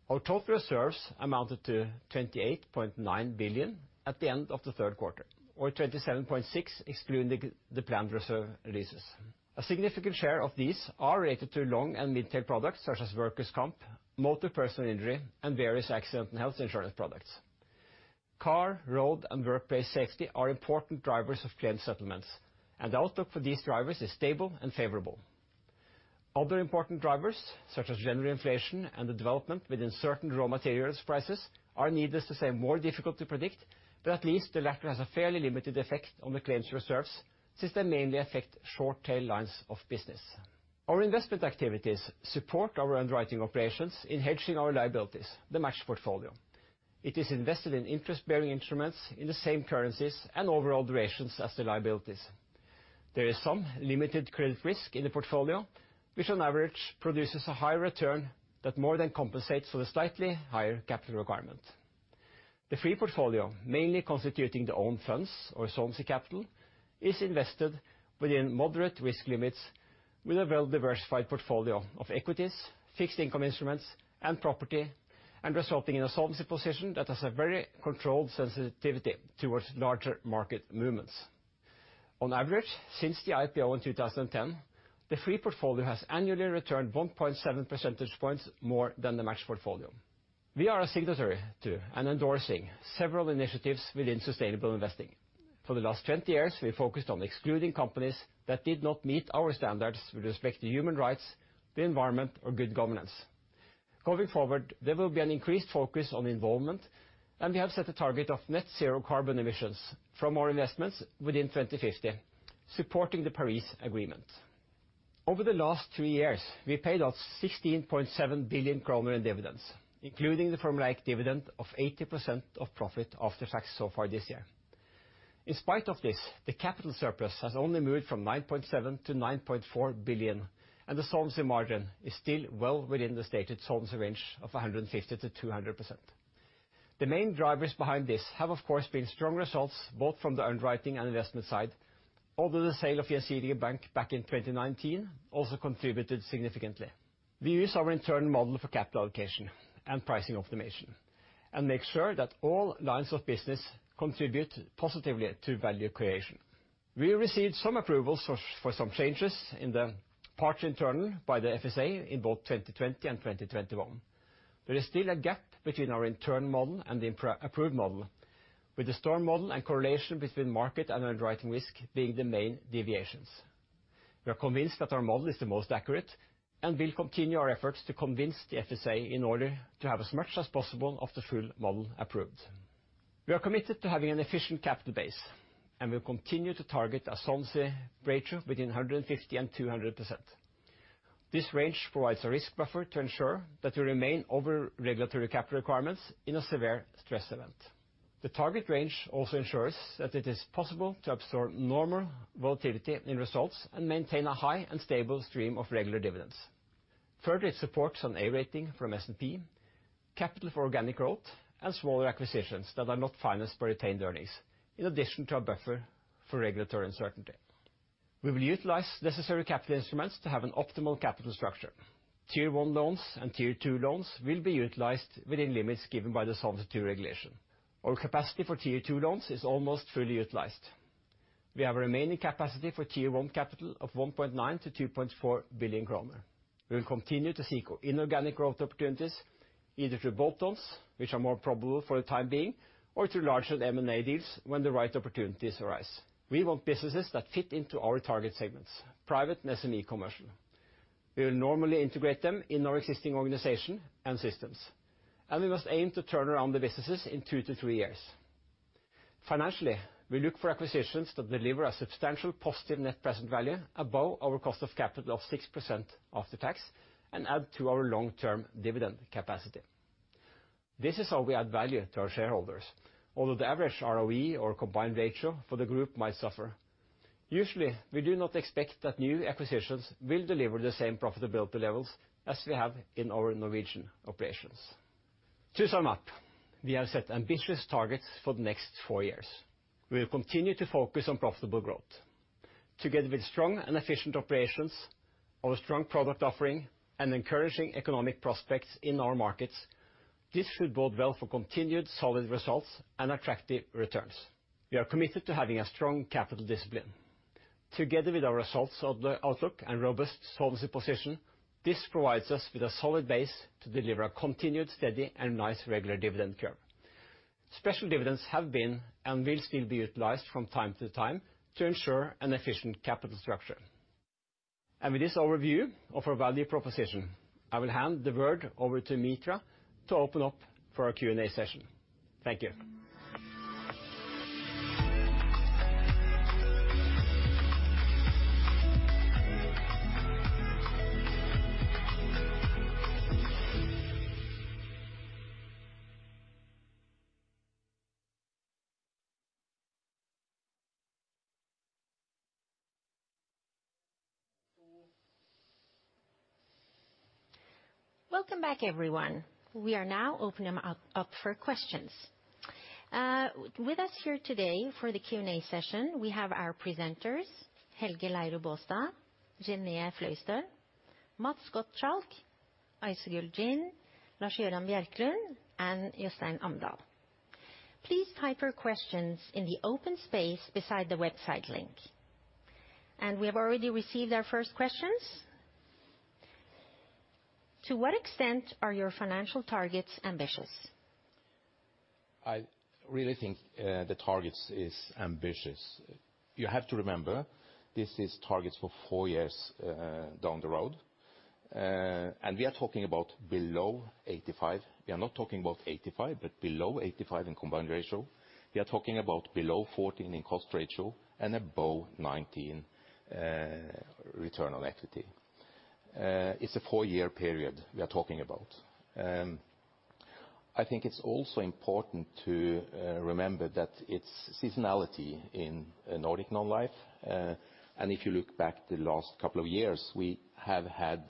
Our total reserves amounted to 28.9 billion at the end of the Q3, or 27.6 billion excluding the planned reserve releases. A significant share of these are related to long and mid-tail products such as workers' comp, motor personal injury, and various accident and health insurance products. Car, road, and workplace safety are important drivers of claim settlements, and the outlook for these drivers is stable and favorable. Other important drivers, such as general inflation and the development within certain raw materials prices, are needless to say, more difficult to predict, but at least the latter has a fairly limited effect on the claims reserves, since they mainly affect short tail lines of business. Our investment activities support our underwriting operations in hedging our liabilities, the match portfolio. It is invested in interest-bearing instruments in the same currencies and overall durations as the liabilities. There is some limited credit risk in the portfolio, which on average produces a higher return that more than compensates for the slightly higher capital requirement. The free portfolio, mainly constituting their own funds or solvency capital, is invested within moderate risk limits with a well-diversified portfolio of equities, fixed income instruments, and property, and resulting in a solvency position that has a very controlled sensitivity towards larger market movements. On average, since the IPO in 2010, the free portfolio has annually returned 1.7 percentage points more than the match portfolio. We are a signatory to and endorsing several initiatives within sustainable investing. For the last 20 years, we focused on excluding companies that did not meet our standards with respect to human rights, the environment, or good governance. Going forward, there will be an increased focus on involvement, and we have set a target of net zero carbon emissions from our investments within 2050, supporting the Paris Agreement. Over the last 2 years, we paid out 16.7 billion kroner in dividends, including the from like dividend of 80% of profit after tax so far this year. In spite of this, the capital surplus has only moved from 9.7 billion to 9.4 billion, and the solvency margin is still well within the stated solvency range of 150%-200%. The main drivers behind this have, of course, been strong results, both from the underwriting and investment side, although the sale of the Gjensidige Bank back in 2019 also contributed significantly. We use our internal model for capital allocation and pricing optimization, and make sure that all lines of business contribute positively to value creation. We received some approvals for some changes in the partial internal model by the FSA in both 2020 and 2021. There is still a gap between our internal model and the approved model. With the standard model and correlation between market and underwriting risk being the main deviations. We are convinced that our model is the most accurate, and will continue our efforts to convince the FSA in order to have as much as possible of the full model approved. We are committed to having an efficient capital base, and will continue to target a solvency ratio between 150 and 200%. This range provides a risk buffer to ensure that we remain over regulatory capital requirements in a severe stress event. The target range also ensures that it is possible to absorb normal volatility in results and maintain a high and stable stream of regular dividends. Further it supports an A rating from S&P, capital for organic growth, and smaller acquisitions that are not financed by retained earnings, in addition to a buffer for regulatory uncertainty. We will utilize necessary capital instruments to have an optimal capital structure. Tier 1 loans and Tier 2 loans will be utilized within limits given by the Solvency II regulation. Our capacity for Tier 2 loans is almost fully utilized. We have a remaining capacity for Tier 1 capital of 1.9 billion-2.4 billion kroner. We will continue to seek inorganic growth opportunities, either through add-ons, which are more probable for the time being, or through larger M&A deals when the right opportunities arise. We want businesses that fit into our target segments, private and SME commercial. We will normally integrate them in our existing organization and systems, and we must aim to turn around the businesses in two to three years. Financially, we look for acquisitions that deliver a substantial positive net present value above our cost of capital of 6% after tax and add to our long-term dividend capacity. This is how we add value to our shareholders. Although the average ROE or combined ratio for the group might suffer, usually we do not expect that new acquisitions will deliver the same profitability levels as we have in our Norwegian operations. To sum up, we have set ambitious targets for the next four years. We will continue to focus on profitable growth. Together with strong and efficient operations, our strong product offering, and encouraging economic prospects in our markets, this should bode well for continued solid results and attractive returns. We are committed to having a strong capital discipline. Together with our results outlook and robust solvency position, this provides us with a solid base to deliver a continued, steady, and nice regular dividend curve. Special dividends have been, and will still be, utilized from time to time to ensure an efficient capital structure. With this overview of our value proposition, I will hand the word over to Mitra to open up for our Q&A session. Thank you. Welcome back, everyone. We are now opening up for questions. With us here today for the Q&A session, we have our presenters, Helge Leiro Baastad, René Fløystøl, Mats Gottschalk, Aysegül Cin, Lars Gøran Bjerklund, and Jostein Amdal. Please type your questions in the open space beside the website link. We have already received our first questions. To what extent are your financial targets ambitious? I really think the targets is ambitious. You have to remember, this is targets for 4 years down the road. We are talking about below 85%. We are not talking about 85%, but below 85% in combined ratio. We are talking about below 14% in cost ratio and above 19% return on equity. It's a 4-year period we are talking about. I think it's also important to remember that it's seasonality in Nordic non-life. If you look back the last couple of years, we have had,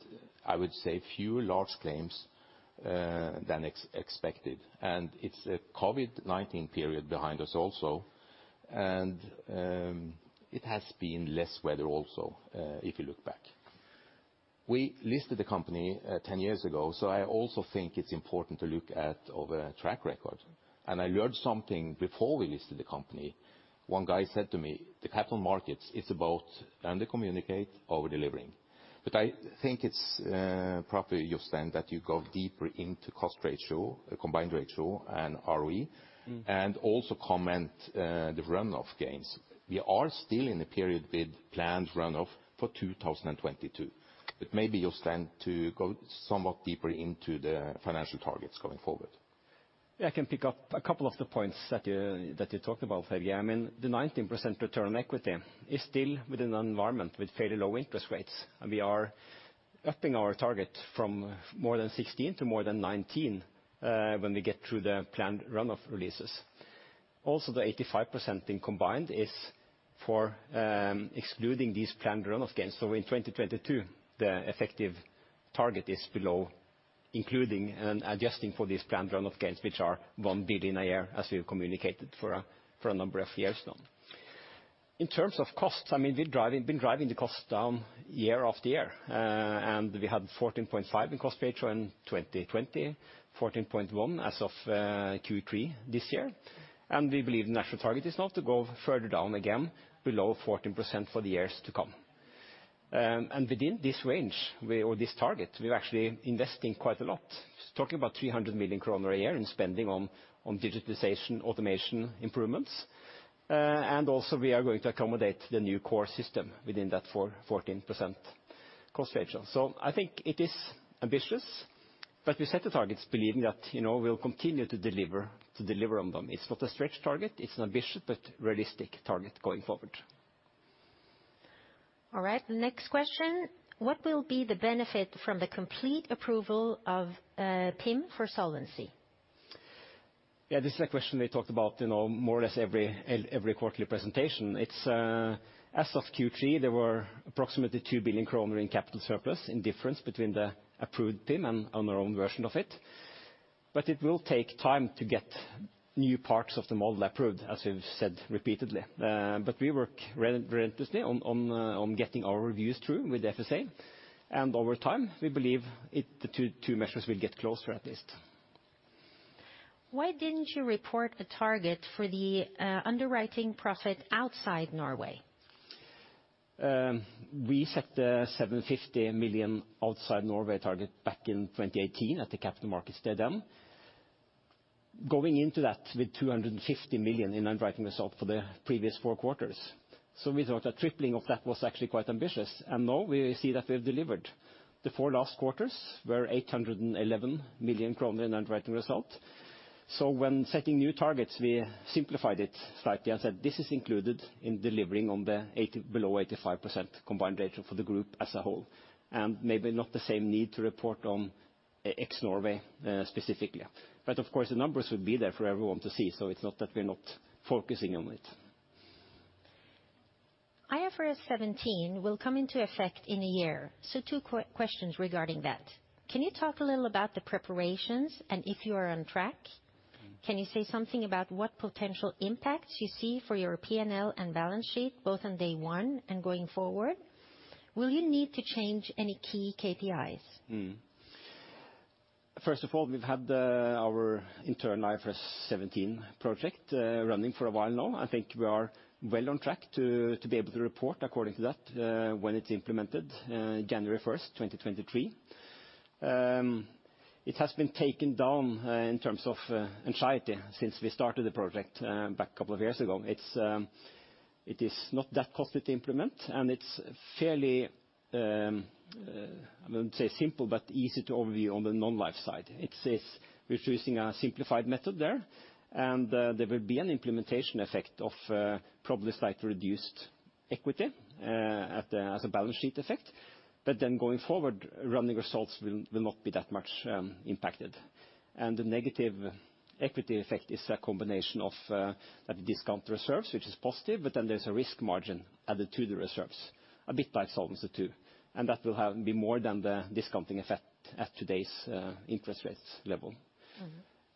I would say, fewer large claims than expected, and it's a COVID-19 period behind us also. It has been less weather also, if you look back. We listed the company 10 years ago, so I also think it's important to look at our track record. I learned something before we listed the company. One guy said to me, "The capital markets, it's about under-promise and over-deliver." I think it's probably your stance that you go deeper into cost ratio, combined ratio, and ROE. Mm. Also comment the run-off gains. We are still in a period with planned run-off for 2022. Maybe you stand to go somewhat deeper into the financial targets going forward. Yeah, I can pick up a couple of the points that you talked about, Ferdi. I mean, the 19% return on equity is still within an environment with fairly low interest rates. We are upping our target from more than 16 to more than 19, when we get through the planned run-off releases. Also, the 85% in combined is for excluding these planned run-off gains. In 2022, the effective target is below, including and adjusting for these planned run-off gains, which are 1 billion a year as we have communicated for a number of years now. In terms of costs, I mean, we've been driving the cost down year after year. We had 14.5 in cost ratio in 2020, 14.1 as of Q3 this year. We believe the national target is now to go further down again below 14% for the years to come. Within this range we, or this target, we're actually investing quite a lot. Talking about 300 million kroner a year in spending on digitization, automation improvements. We are going to accommodate the new core system within that 4%-14% cost ratio. I think it is ambitious, but we set the targets believing that, you know, we'll continue to deliver on them. It's not a stretch target. It's an ambitious, but realistic target going forward. All right, next question. What will be the benefit from the complete approval of PIM for Solvency? Yeah, this is a question we talked about, you know, more or less every quarterly presentation. It's as of Q3, there were approximately 2 billion kroner in capital surplus in difference between the approved PIM and our own version of it. It will take time to get new parts of the model approved, as we've said repeatedly. We work relentlessly on getting our reviews through with the FSA. Over time, we believe the two measures will get closer at least. Why didn't you report the target for the underwriting profit outside Norway? We set the 750 million outside Norway target back in 2018 at the Capital Markets Day then. Going into that with 250 million in underwriting result for the previous Q4. We thought a tripling of that was actually quite ambitious. Now we see that we've delivered. The four last quarters were 811 million kroner in underwriting result. When setting new targets, we simplified it slightly and said this is included in delivering on the 80, below 85% combined ratio for the group as a whole. Maybe not the same need to report on ex-Norway specifically. Of course, the numbers will be there for everyone to see, so it's not that we're not focusing on it. IFRS 17 will come into effect in a year. Two questions regarding that. Can you talk a little about the preparations and if you are on track? Mm. Can you say something about what potential impacts you see for your P&L and balance sheet, both on day one and going forward? Will you need to change any key KPIs? First of all, we've had our internal IFRS 17 project running for a while now. I think we are well on track to be able to report according to that when it's implemented January 1, 2023. It has been taken down in terms of anxiety since we started the project back a couple of years ago. It is not that costly to implement, and it's fairly I wouldn't say simple, but easy to overview on the non-life side. We're choosing a simplified method there, and there will be an implementation effect of probably slightly reduced equity as a balance sheet effect. Then going forward, running results will not be that much impacted. The negative equity effect is a combination of the discounted reserves, which is positive, but then there's a risk margin added to the reserves, a bit like Solvency II, and that will be more than the discounting effect at today's interest rates level.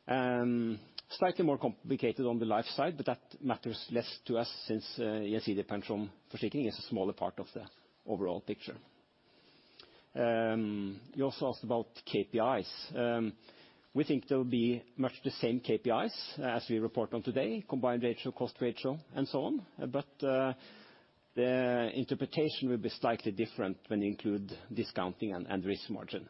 Mm-hmm. Slightly more complicated on the life side, but that matters less to us since Gjensidige Pensjonsforsikring is a smaller part of the overall picture. You also asked about KPIs. We think they'll be much the same KPIs as we report on today, combined ratio, cost ratio and so on. The interpretation will be slightly different when you include discounting and risk margin.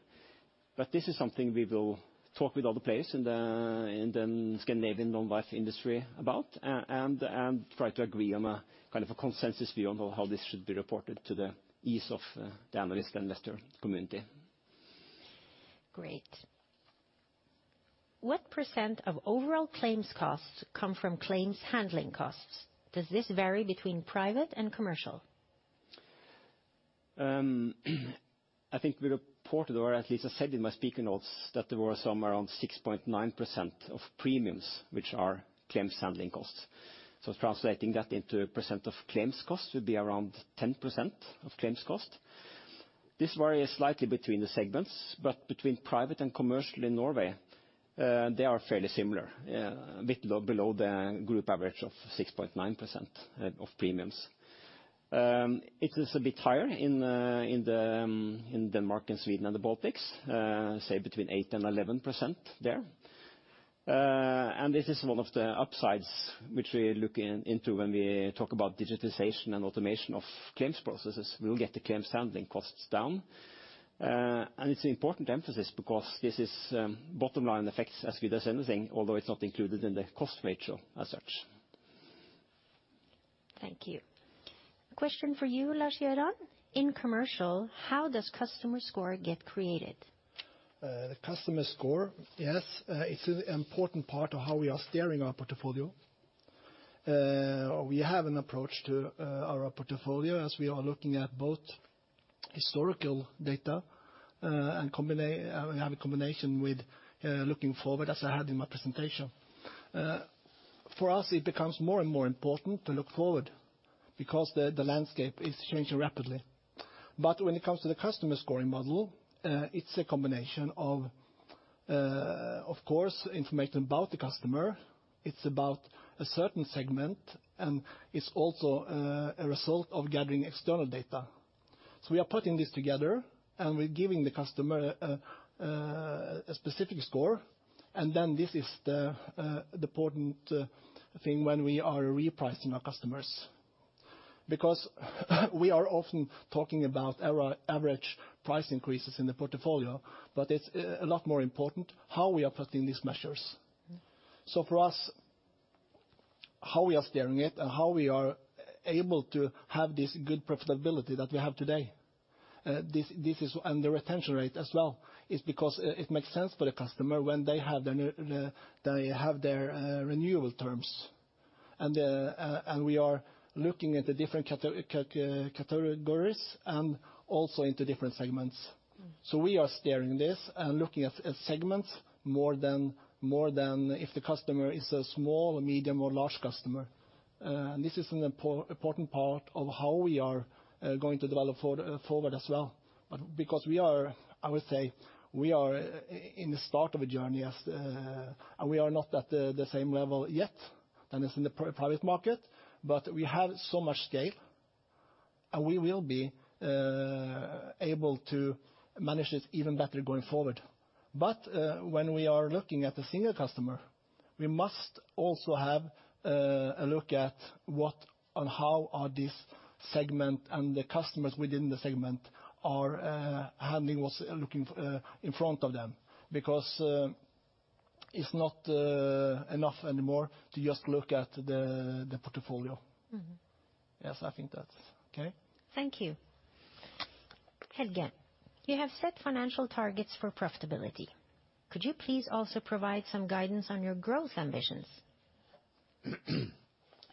This is something we will talk with other players in the Scandinavian non-life industry about and try to agree on a kind of a consensus view on how this should be reported to the ease of the analyst and investor community. Great. What % of overall claims costs come from claims handling costs? Does this vary between private and commercial? I think we reported, or at least I said in my speaking notes, that there were some around 6.9% of premiums which are claims handling costs. Translating that into percent of claims costs would be around 10% of claims cost. This varies slightly between the segments, but between private and commercial in Norway, they are fairly similar. A bit low below the group average of 6.9% of premiums. It is a bit higher in Denmark and Sweden and the Baltics, say between 8%-11% there. This is one of the upsides which we are looking into when we talk about digitization and automation of claims processes. We'll get the claims handling costs down. It's important emphasis because this is bottom line effects as we do the same thing, although it's not included in the cost ratio as such. Thank you. A question for you, Lars Gøran Bjerklund. In Commercial, how does customer score get created? The customer score. Yes, it's an important part of how we are steering our portfolio. We have an approach to our portfolio as we are looking at both historical data and have a combination with looking forward, as I had in my presentation. For us, it becomes more and more important to look forward because the landscape is changing rapidly. When it comes to the customer scoring model, it's a combination of course, information about the customer. It's about a certain segment, and it's also a result of gathering external data. We are putting this together, and we're giving the customer a specific score. Then this is the important thing when we are repricing our customers. Because we are often talking about average price increases in the portfolio, but it's a lot more important how we are putting these measures. For us, how we are steering it and how we are able to have this good profitability that we have today, this is. The retention rate as well is because it makes sense for the customer when they have their renewal terms. We are looking at the different categories and also into different segments. We are steering this and looking at segments more than if the customer is a small or medium or large customer. This is an important part of how we are going to develop forward as well. Because we are, I would say, we are in the start of a journey as We are not at the same level yet as is in the private market, but we have so much scale, and we will be able to manage it even better going forward. When we are looking at the single customer, we must also have a look at what and how this segment and the customers within the segment are handling what's looming in front of them. It's not enough anymore to just look at the portfolio. Mm-hmm. Yes, I think that's okay. Thank you. Helge, you have set financial targets for profitability. Could you please also provide some guidance on your growth ambitions?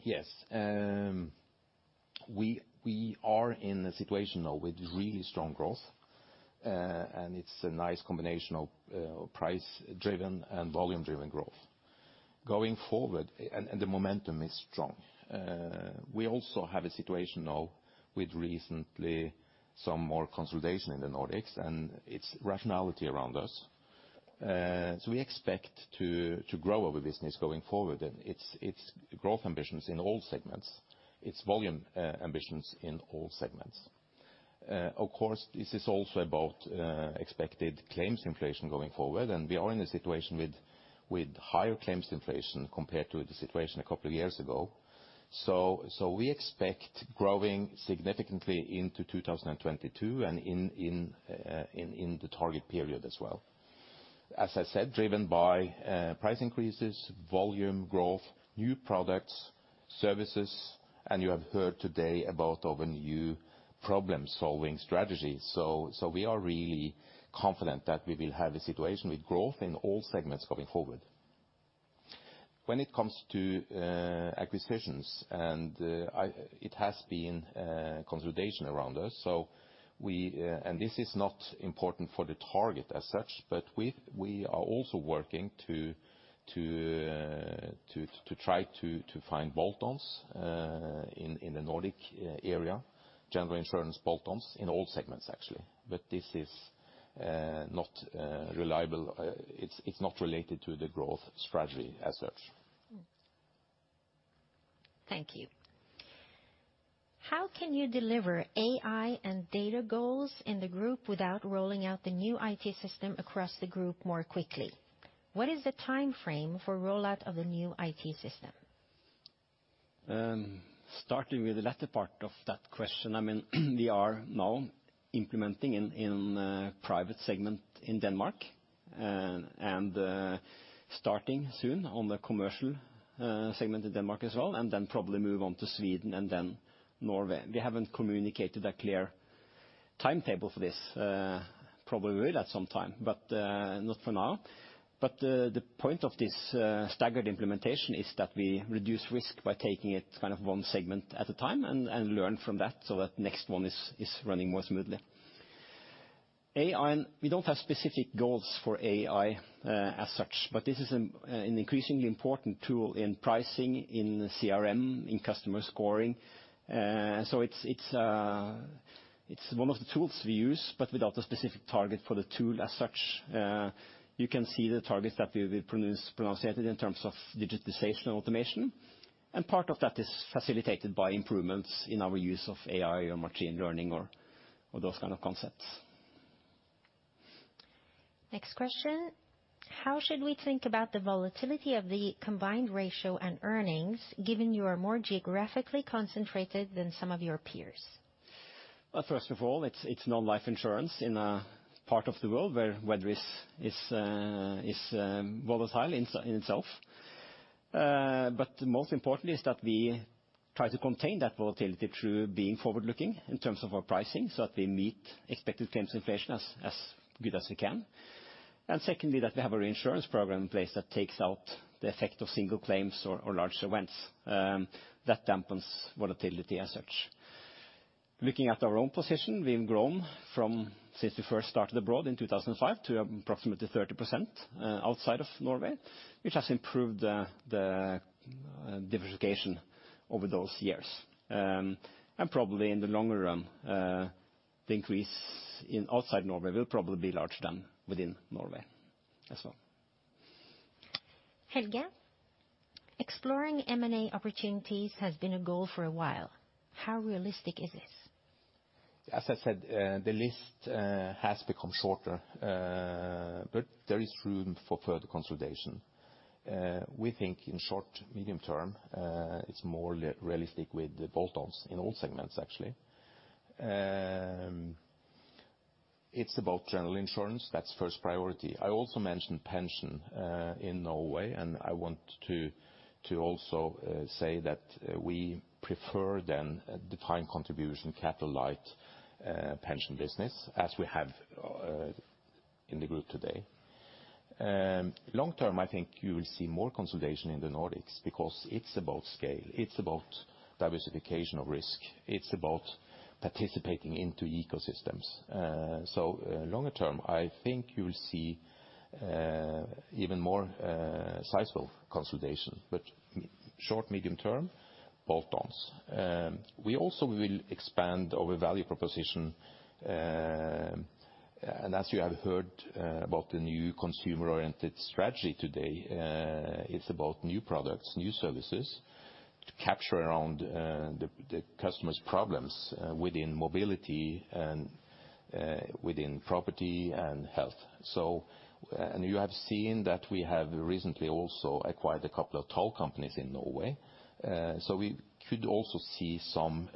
Yes. We are in a situation now with really strong growth, and it's a nice combination of price driven and volume driven growth. Going forward, the momentum is strong. We also have a situation now with recently some more consolidation in the Nordics, and it's rationality around us. We expect to grow our business going forward, and it's growth ambitions in all segments. It's volume ambitions in all segments. Of course, this is also about expected claims inflation going forward, and we are in a situation with higher claims inflation compared to the situation a couple of years ago. We expect growing significantly into 2022 and in the target period as well. As I said, driven by price increases, volume growth, new products, services, and you have heard today about our new problem-solving strategy. We are really confident that we will have a situation with growth in all segments going forward. When it comes to acquisitions, it has been consolidation around us, and this is not important for the target as such, but we are also working to try to find bolt-ons in the Nordic area. General insurance bolt-ons in all segments, actually. This is not reliable. It's not related to the growth strategy as such. Thank you. How can you deliver AI and data goals in the group without rolling out the new IT system across the group more quickly? What is the timeframe for rollout of the new IT system? Starting with the latter part of that question. I mean, we are now implementing in Private segment in Denmark, and starting soon on the Commercial segment in Denmark as well, and then probably move on to Sweden and then Norway. We haven't communicated a clear timetable for this. Probably will at some time, but not for now. The point of this staggered implementation is that we reduce risk by taking it kind of one segment at a time, and learn from that so that the next one is running more smoothly. AI, we don't have specific goals for AI as such, but this is an increasingly important tool in pricing, in CRM, in customer scoring. It's one of the tools we use, but without a specific target for the tool as such. You can see the targets that we will announce in terms of digitization and automation, and part of that is facilitated by improvements in our use of AI or machine learning or those kind of concepts. Next question. How should we think about the volatility of the combined ratio and earnings given you are more geographically concentrated than some of your peers? Well, first of all, it's non-life insurance in a part of the world where weather is volatile in itself. But most importantly is that we try to contain that volatility through being forward-looking in terms of our pricing, so that we meet expected claims inflation as good as we can. Secondly, that we have a reinsurance program in place that takes out the effect of single claims or large events that dampens volatility as such. Looking at our own position, we've grown from since we first started abroad in 2005 to approximately 30% outside of Norway, which has improved the diversification over those years. Probably in the longer run, the increase in outside Norway will probably be larger than within Norway as well. Helge, exploring M&A opportunities has been a goal for a while. How realistic is this? As I said, the list has become shorter. There is room for further consolidation. We think in short, medium term, it's more realistic with the bolt-ons in all segments actually. It's about general insurance, that's first priority. I also mentioned pension in Norway, and I want to also say that we prefer then a defined contribution capital-light pension business as we have in the group today. Long term, I think you will see more consolidation in the Nordics because it's about scale, it's about diversification of risk, it's about participating in ecosystems. Longer term, I think you'll see even more sizable consolidation. Short, medium term, bolt-ons. We also will expand our value proposition, and as you have heard about the new consumer-oriented strategy today, it's about new products, new services to capture around the customer's problems within mobility and within property and health. You have seen that we have recently also acquired a couple of toll companies in Norway, so we could also see some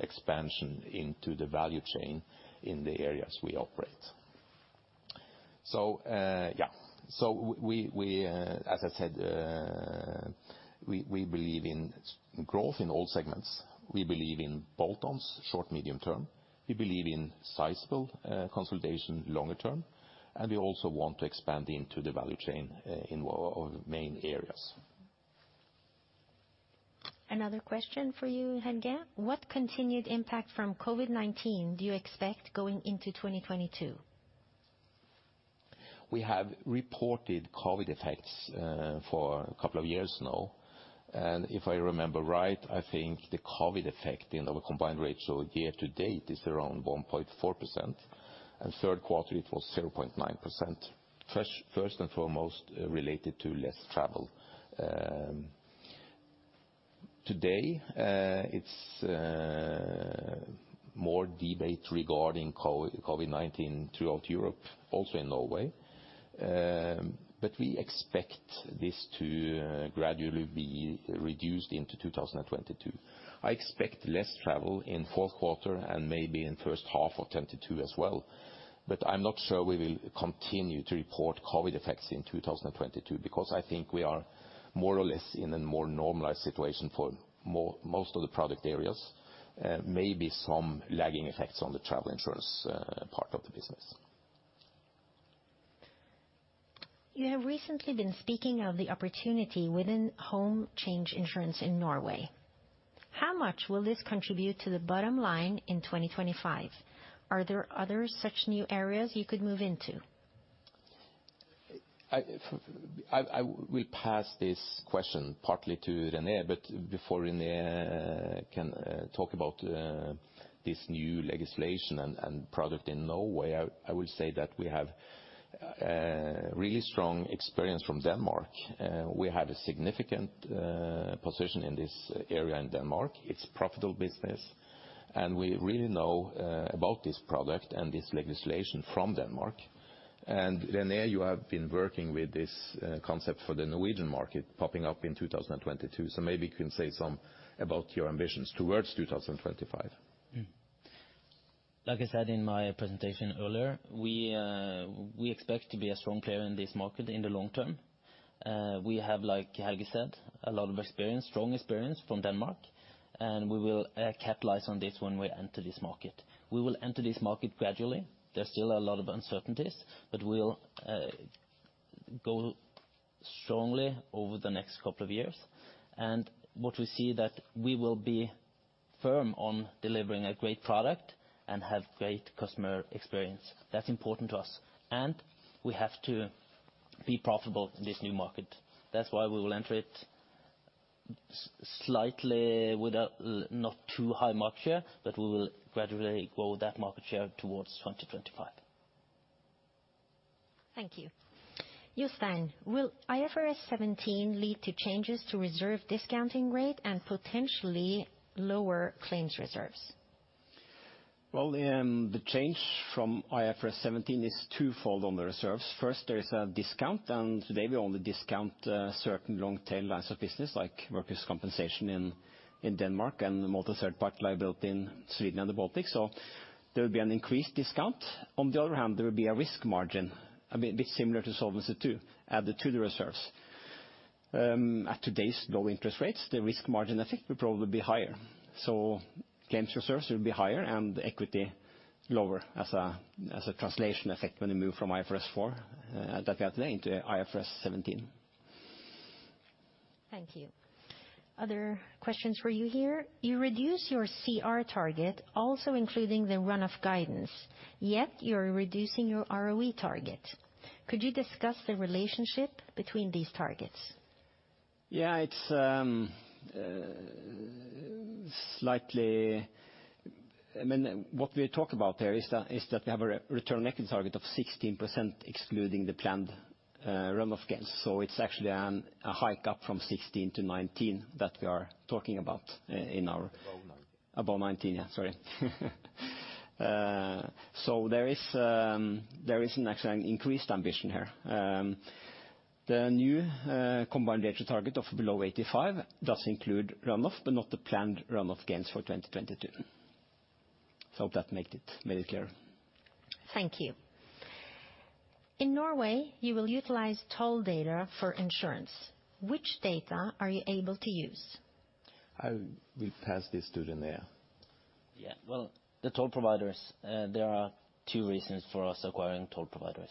expansion into the value chain in the areas we operate. As I said, we believe in growth in all segments. We believe in bolt-ons short, medium term. We believe in sizable consolidation longer term, and we also want to expand into the value chain in our main areas. Another question for you, Helge. What continued impact from COVID-19 do you expect going into 2022? We have reported COVID effects for a couple of years now. If I remember right, I think the COVID effect in our combined ratio year to date is around 1.4%, and Q3 it was 0.9%. First and foremost related to less travel. Today, it's more debate regarding COVID-19 throughout Europe, also in Norway. We expect this to gradually be reduced into 2022. I expect less travel in Q4 and maybe in first half of 2022 as well. I'm not sure we will continue to report COVID effects in 2022, because I think we are more or less in a more normalized situation for most of the product areas, maybe some lagging effects on the travel insurance part of the business. You have recently been speaking of the opportunity within home change insurance in Norway. How much will this contribute to the bottom line in 2025? Are there other such new areas you could move into? I will pass this question partly to René, but before René can talk about this new legislation and product in Norway, I would say that we have really strong experience from Denmark. We have a significant position in this area in Denmark. It's profitable business, and we really know about this product and this legislation from Denmark. René, you have been working with this concept for the Norwegian market popping up in 2022, so maybe you can say some about your ambitions towards 2025. Like I said in my presentation earlier, we expect to be a strong player in this market in the long term. We have, like Helge said, a lot of experience, strong experience from Denmark, and we will capitalize on this when we enter this market. We will enter this market gradually. There's still a lot of uncertainties, but we'll go strongly over the next couple of years. What we see that we will be firm on delivering a great product and have great customer experience. That's important to us. We have to be profitable in this new market. That's why we will enter it not too high market share, but we will gradually grow that market share towards 2025. Thank you. Jostein, will IFRS 17 lead to changes to reserve discounting rate and potentially lower claims reserves? Well, the change from IFRS 17 is twofold on the reserves. First, there is a discount, and today we only discount a certain long tail lines of business, like workers' compensation in Denmark and the motor third party liability in Sweden and the Baltics. There will be an increased discount. On the other hand, there will be a risk margin, a bit similar to Solvency II, added to the reserves. At today's low interest rates, the risk margin, I think, will probably be higher. Claims reserves will be higher and equity lower as a translation effect when we move from IFRS 4 that we are today into IFRS 17. Thank you. Other questions for you here. You reduce your CR target also including the run-off guidance, yet you're reducing your ROE target. Could you discuss the relationship between these targets? Yeah, it's slightly. I mean, what we talk about there is that we have a return on equity target of 16% excluding the planned run-off gains. It's actually a hike up from 16%-19% that we are talking about in our- Above 19. Above 19. Yeah, sorry. There is actually an increased ambition here. The new combined ratio target of below 85% does include run-off, but not the planned run-off gains for 2022. I hope that made it clear. Thank you. In Norway, you will utilize toll data for insurance. Which data are you able to use? I will pass this to René. Yeah. Well, the toll providers, there are two reasons for us acquiring toll providers.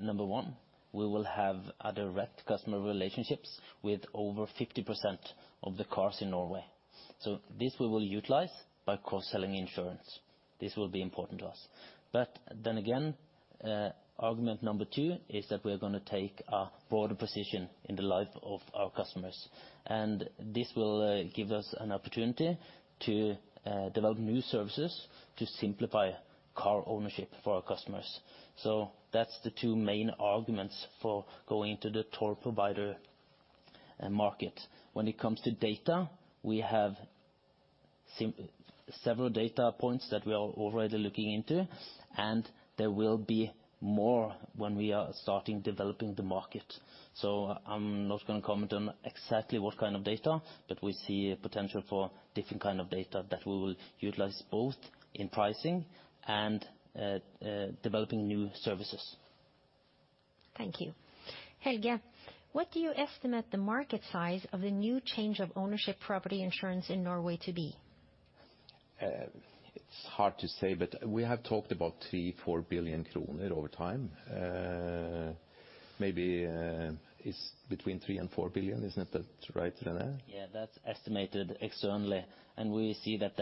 Number one, we will have a direct customer relationships with over 50% of the cars in Norway. This we will utilize by cross-selling insurance. This will be important to us. Argument number two is that we are gonna take a broader position in the life of our customers. This will give us an opportunity to develop new services to simplify car ownership for our customers. That's the two main arguments for going into the toll provider and market. When it comes to data, we have several data points that we are already looking into, and there will be more when we are starting developing the market. I'm not gonna comment on exactly what kind of data, but we see a potential for different kind of data that we will utilize both in pricing and developing new services. Thank you. Helge, what do you estimate the market size of the new change of ownership property insurance in Norway to be? It's hard to say, but we have talked about 3-4 billion kroner over time. Maybe it's between 3 billion and 4 billion. Isn't that right, René Fløystøl? Yeah. That's estimated externally, and we see that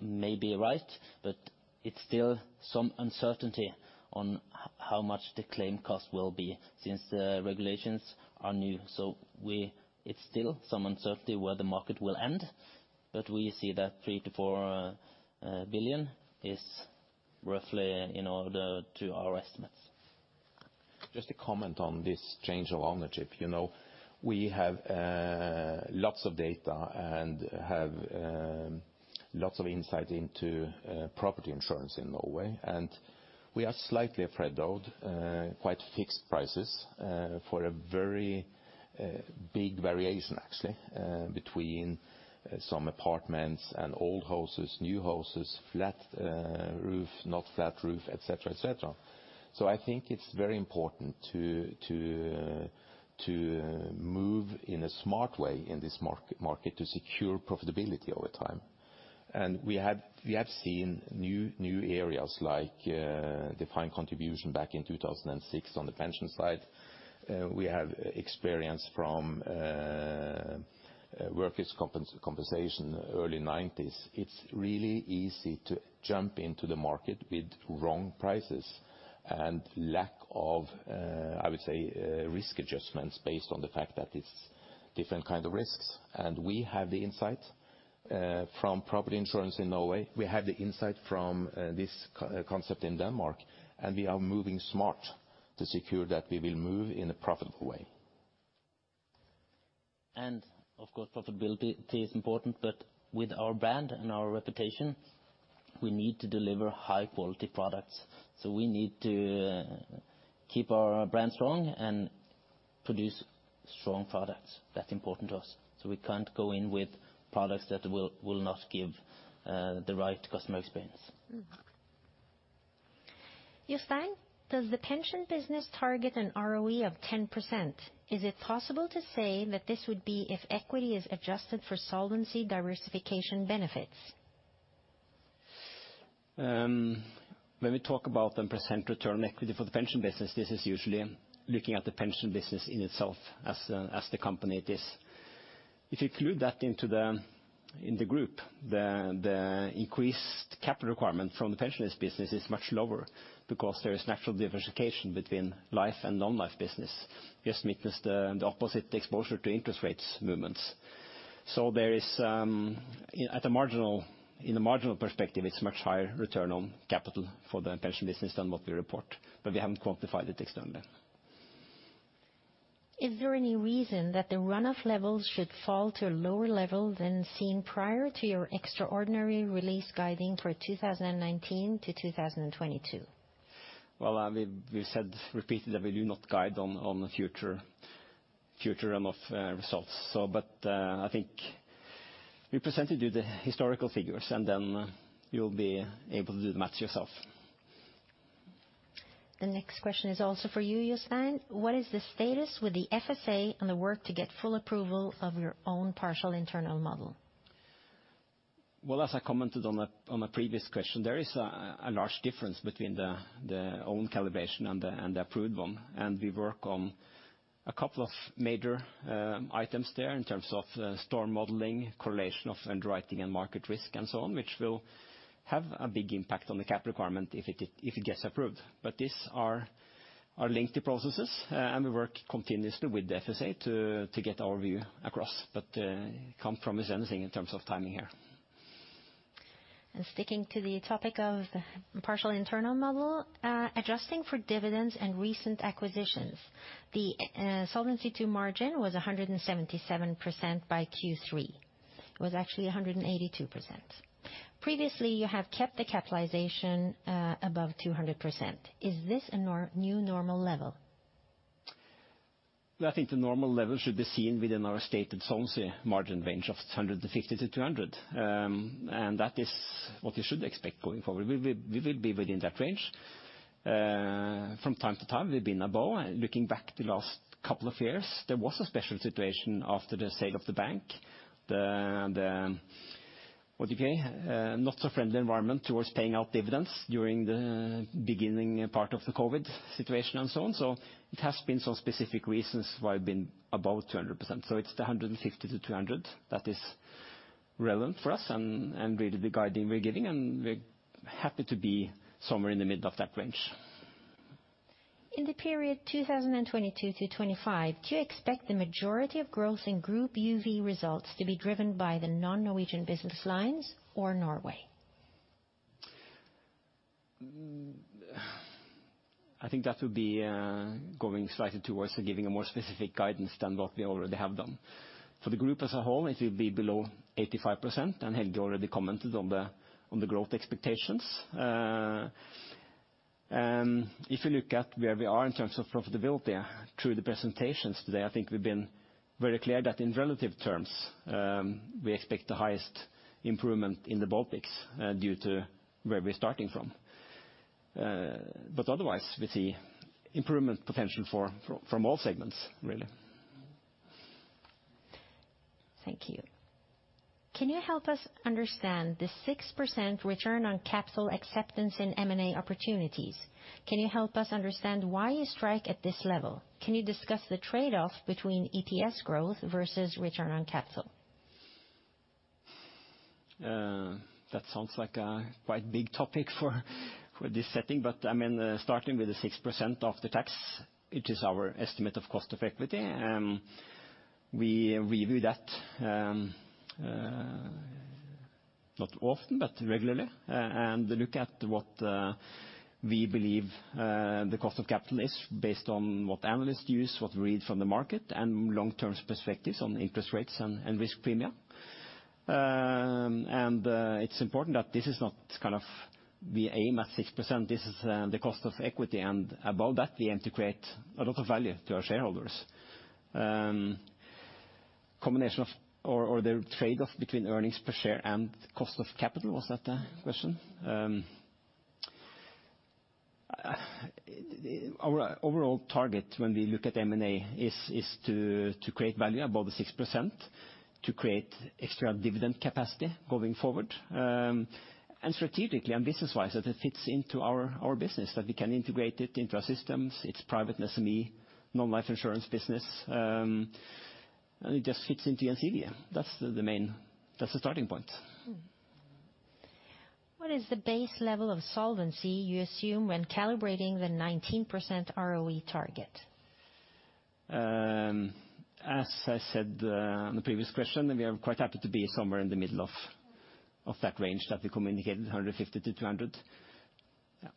may be right, but it's still some uncertainty on how much the claim cost will be since the regulations are new. It's still some uncertainty where the market will end, but we see that 3 billion-4 billion is roughly according to our estimates. Just to comment on this change of ownership. You know, we have lots of data and have lots of insight into property insurance in Norway. We are slightly afraid, though, quite fixed prices for a very big variation actually between some apartments and old houses, new houses, flat roof, not flat roof, et cetera, et cetera. I think it's very important to move in a smart way in this market to secure profitability over time. We have seen new areas like defined contribution back in 2006 on the pension side. We have experience from workers' compensation early 1990s. It's really easy to jump into the market with wrong prices and lack of, I would say, risk adjustments based on the fact that it's different kind of risks. We have the insight from property insurance in Norway. We have the insight from this concept in Denmark, and we are moving smart to secure that we will move in a profitable way. Of course, profitability is important, but with our brand and our reputation, we need to deliver high quality products. We need to keep our brand strong and Produce strong products. That's important to us. We can't go in with products that will not give the right customer experience. Jostein, does the pension business target an ROE of 10%? Is it possible to say that this would be if equity is adjusted for solvency diversification benefits? When we talk about the return on equity for the pension business, this is usually looking at the pension business in itself as the company it is. If you include that into the group, the increased capital requirement from the pension business is much lower because there is natural diversification between life and non-life business. Just witness the opposite exposure to interest rate movements. There is, in a marginal perspective, it's much higher return on capital for the pension business than what we report, but we haven't quantified it externally. Is there any reason that the run-off levels should fall to a lower level than seen prior to your extraordinary release guiding for 2019 to 2022? Well, we said repeatedly that we do not guide on the future run-off results. I think we presented you the historical figures, and then you'll be able to do the math yourself. The next question is also for you, Jostein. What is the status with the FSA on the work to get full approval of your own partial internal model? Well, as I commented on a previous question, there is a large difference between the own calibration and the approved one. We work on a couple of major items there in terms of the stochastic modeling, correlation of underwriting and market risk and so on, which will have a big impact on the cap requirement if it gets approved. These are lengthy processes. We work continuously with the FSA to get our view across. Can't promise anything in terms of timing here. Sticking to the topic of partial internal model, adjusting for dividends and recent acquisitions, the solvency margin was 177% by Q3. It was actually 182%. Previously, you have kept the capitalization above 200%. Is this a new normal level? I think the normal level should be seen within our stated solvency margin range of 150%-200%, and that is what you should expect going forward. We will be within that range. From time to time, we've been above. Looking back at the last couple of years, there was a special situation after the sale of the bank, not a friendly environment towards paying out dividends during the beginning part of the COVID situation and so on. It has been some specific reasons why we've been above 200%. It's the 150%-200% that is relevant for us and really the guidance we're giving, and we're happy to be somewhere in the middle of that range. In the period 2022-2025, do you expect the majority of growth in group UV results to be driven by the non-Norwegian business lines or Norway? I think that would be going slightly towards giving a more specific guidance than what we already have done. For the group as a whole, it will be below 85%, and Helge already commented on the growth expectations. If you look at where we are in terms of profitability through the presentations today, I think we've been very clear that in relative terms, we expect the highest improvement in the Baltics, due to where we're starting from. Otherwise, we see improvement potential from all segments, really. Thank you. Can you help us understand the 6% return on capital acceptance in M&A opportunities? Can you help us understand why you stick at this level? Can you discuss the trade-off between EPS growth versus return on capital? That sounds like a quite big topic for this setting. I mean, starting with the 6% after tax, it is our estimate of cost of equity. We review that not often, but regularly, and look at what we believe the cost of capital is based on what analysts use, what we read from the market, and long-term perspectives on interest rates and risk premia. It's important that this is not kind of we aim at 6%. This is the cost of equity, and above that, we aim to create a lot of value to our shareholders. Combination of or the trade-off between earnings per share and cost of capital, was that the question? Our overall target when we look at M&A is to create value above the 6%, to create extra dividend capacity going forward. Strategically and business-wise, that it fits into our business, that we can integrate it into our systems. It's private and SME, non-life insurance business. It just fits into NCD. That's the main. That's the starting point. What is the base level of solvency you assume when calibrating the 19% ROE target? As I said on the previous question, we are quite happy to be somewhere in the middle of that range that we communicated, 150%-200%. Yeah.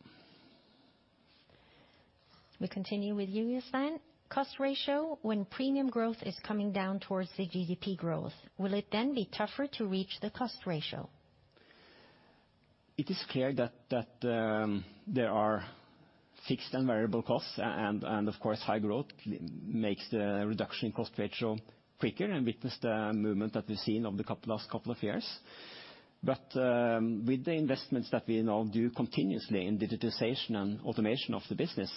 We continue with you, Jostein. Cost ratio, when premium growth is coming down towards the GDP growth, will it then be tougher to reach the cost ratio? It is clear that there are fixed and variable costs and of course, high growth makes the reduction in cost ratio quicker, and witness the movement that we've seen over the last couple of years. With the investments that we now do continuously in digitization and automation of the business,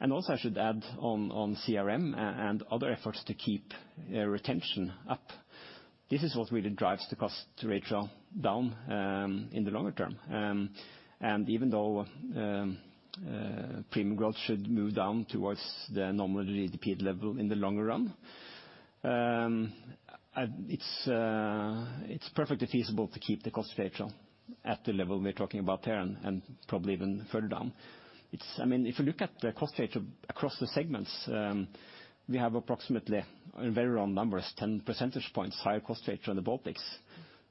and also I should add on CRM and other efforts to keep retention up, this is what really drives the cost ratio down in the longer term. Even though premium growth should move down towards the nominal GDP level in the longer run, it's perfectly feasible to keep the cost ratio at the level we're talking about here and probably even further down. I mean, if you look at the cost ratio across the segments, we have approximately, and very round numbers, 10 percentage points higher cost ratio on the Baltics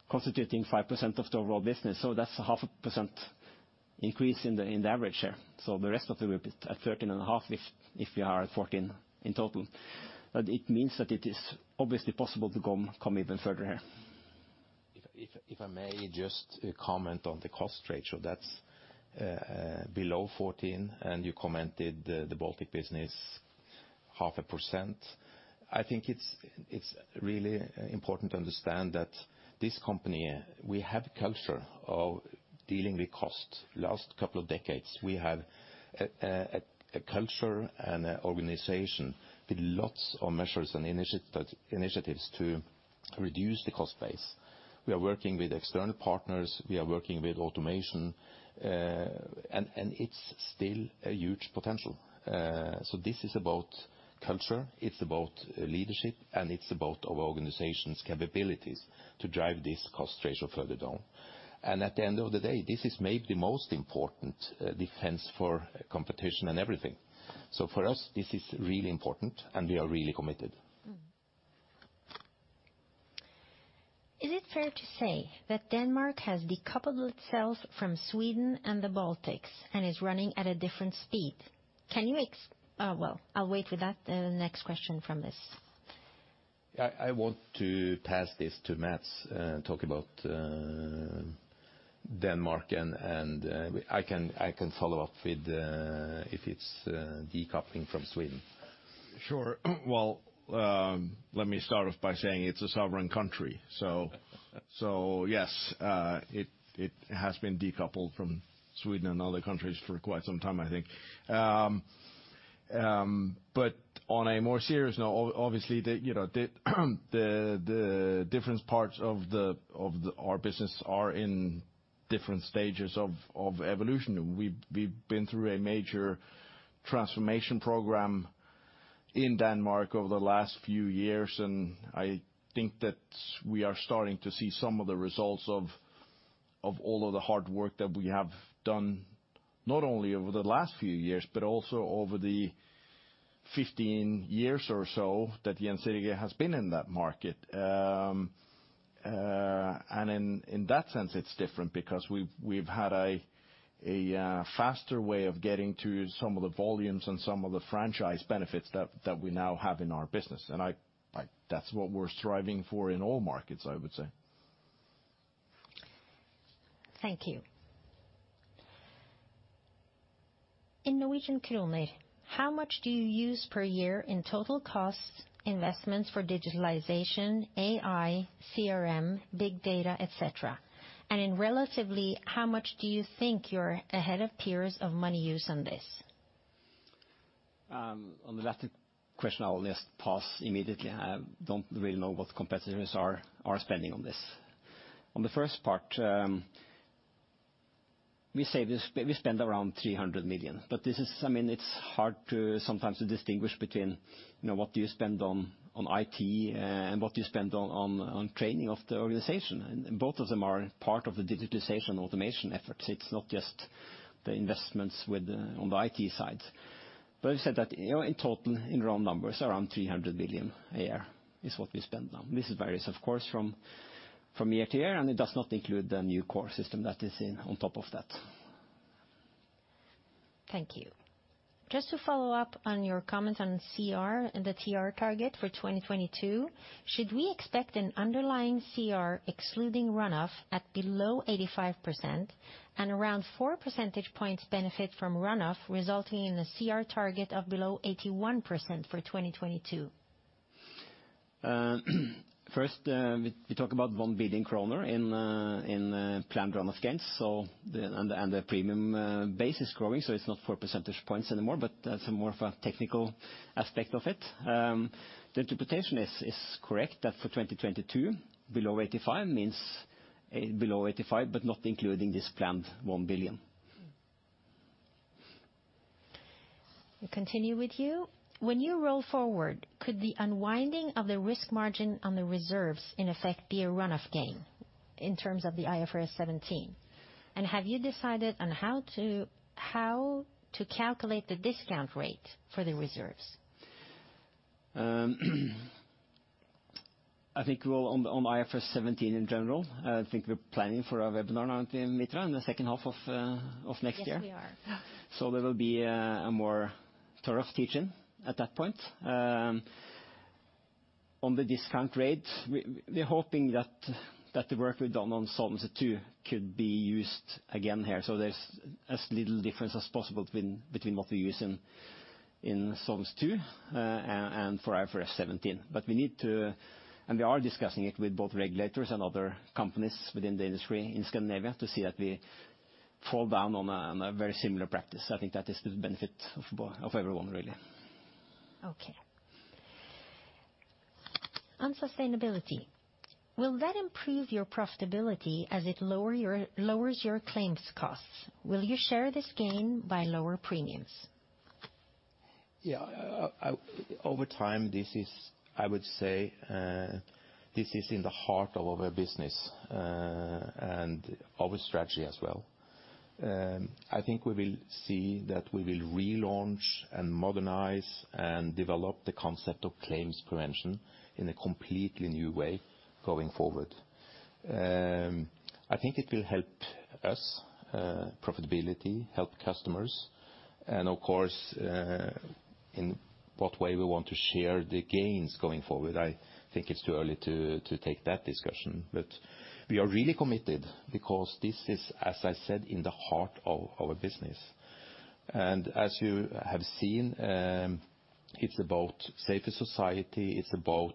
constituting 5% of the overall business. That's a 0.5% increase in the average here. The rest of the group is at 13.5, if we are at 14 in total. It means that it is obviously possible to come even further here. If I may just comment on the cost ratio that's below 14%, and you commented the Baltic business 0.5%. I think it's really important to understand that this company, we have a culture of dealing with cost. Last couple of decades, we have a culture and an organization with lots of measures and initiatives to reduce the cost base. We are working with external partners. We are working with automation. It's still a huge potential. This is about culture, it's about leadership, and it's about our organization's capabilities to drive this cost ratio further down. At the end of the day, this is maybe the most important defense for competition and everything. For us, this is really important, and we are really committed. Is it fair to say that Denmark has decoupled itself from Sweden and the Baltics and is running at a different speed? Well, I'll wait with that, next question from this. I want to pass this to Mats, talk about Denmark, and I can follow up with that if it's decoupling from Sweden. Sure. Well, let me start off by saying it's a sovereign country. Yes, it has been decoupled from Sweden and other countries for quite some time, I think. But on a more serious note, obviously, you know, the different parts of our business are in different stages of evolution. We've been through a major transformation program in Denmark over the last few years, and I think that we are starting to see some of the results of all of the hard work that we have done, not only over the last few years but also over the 15 years or so that Gjensidige has been in that market. In that sense it's different because we've had a faster way of getting to some of the volumes and some of the franchise benefits that we now have in our business. That's what we're striving for in all markets, I would say. Thank you. In Norwegian krone, how much do you use per year in total costs, investments for digitalization, AI, CRM, big data, et cetera, and in relatively how much do you think you're ahead of peers of money used on this? On the latter question, I'll just pass immediately. I don't really know what competitors are spending on this. On the first part, we spend around 300 million. This is, I mean, it's hard sometimes to distinguish between, you know, what you spend on IT and what you spend on training of the organization. Both of them are part of the digitization automation efforts. It's not just the investments on the IT side. We said that, you know, in total, in round numbers, around 300 million a year is what we spend now. This varies of course from year to year, and it does not include the new core system that is on top of that. Thank you. Just to follow up on your comments on CR and the TR target for 2022, should we expect an underlying CR excluding runoff at below 85% and around 4 percentage points benefit from runoff, resulting in a CR target of below 81% for 2022? First, we talk about 1 billion kroner in planned runoff gains. The premium base is growing, so it's not 4 percentage points anymore, but that's more of a technical aspect of it. The interpretation is correct that for 2022 below 85% means below 85% but not including this planned 1 billion. We continue with you. When you roll forward, could the unwinding of the risk margin on the reserves in effect be a runoff gain in terms of the IFRS 17, and have you decided on how to calculate the discount rate for the reserves? I think we will on IFRS 17 in general. I think we're planning for a webinar, aren't we, Mitra, in the second half of next year? Yes, we are. There will be a more thorough teaching at that point. On the discount rate, we're hoping that the work we've done on Solvency II could be used again here, so there's as little difference as possible between what we use in Solvency II and for IFRS 17. We need to discuss it with both regulators and other companies within the industry in Scandinavia to see that we fall down on a very similar practice. I think that is to the benefit of everyone, really. Okay. On sustainability, will that improve your profitability as it lowers your claims costs? Will you share this gain by lower premiums? Yeah. Over time, this is, I would say, this is in the heart of our business, and our strategy as well. I think we will see that we will relaunch, and modernize, and develop the concept of claims prevention in a completely new way going forward. I think it will help us, profitability, help customers, and of course, in what way we want to share the gains going forward, I think it's too early to take that discussion. We are really committed because this is, as I said, in the heart of our business. As you have seen, it's about safer society, it's about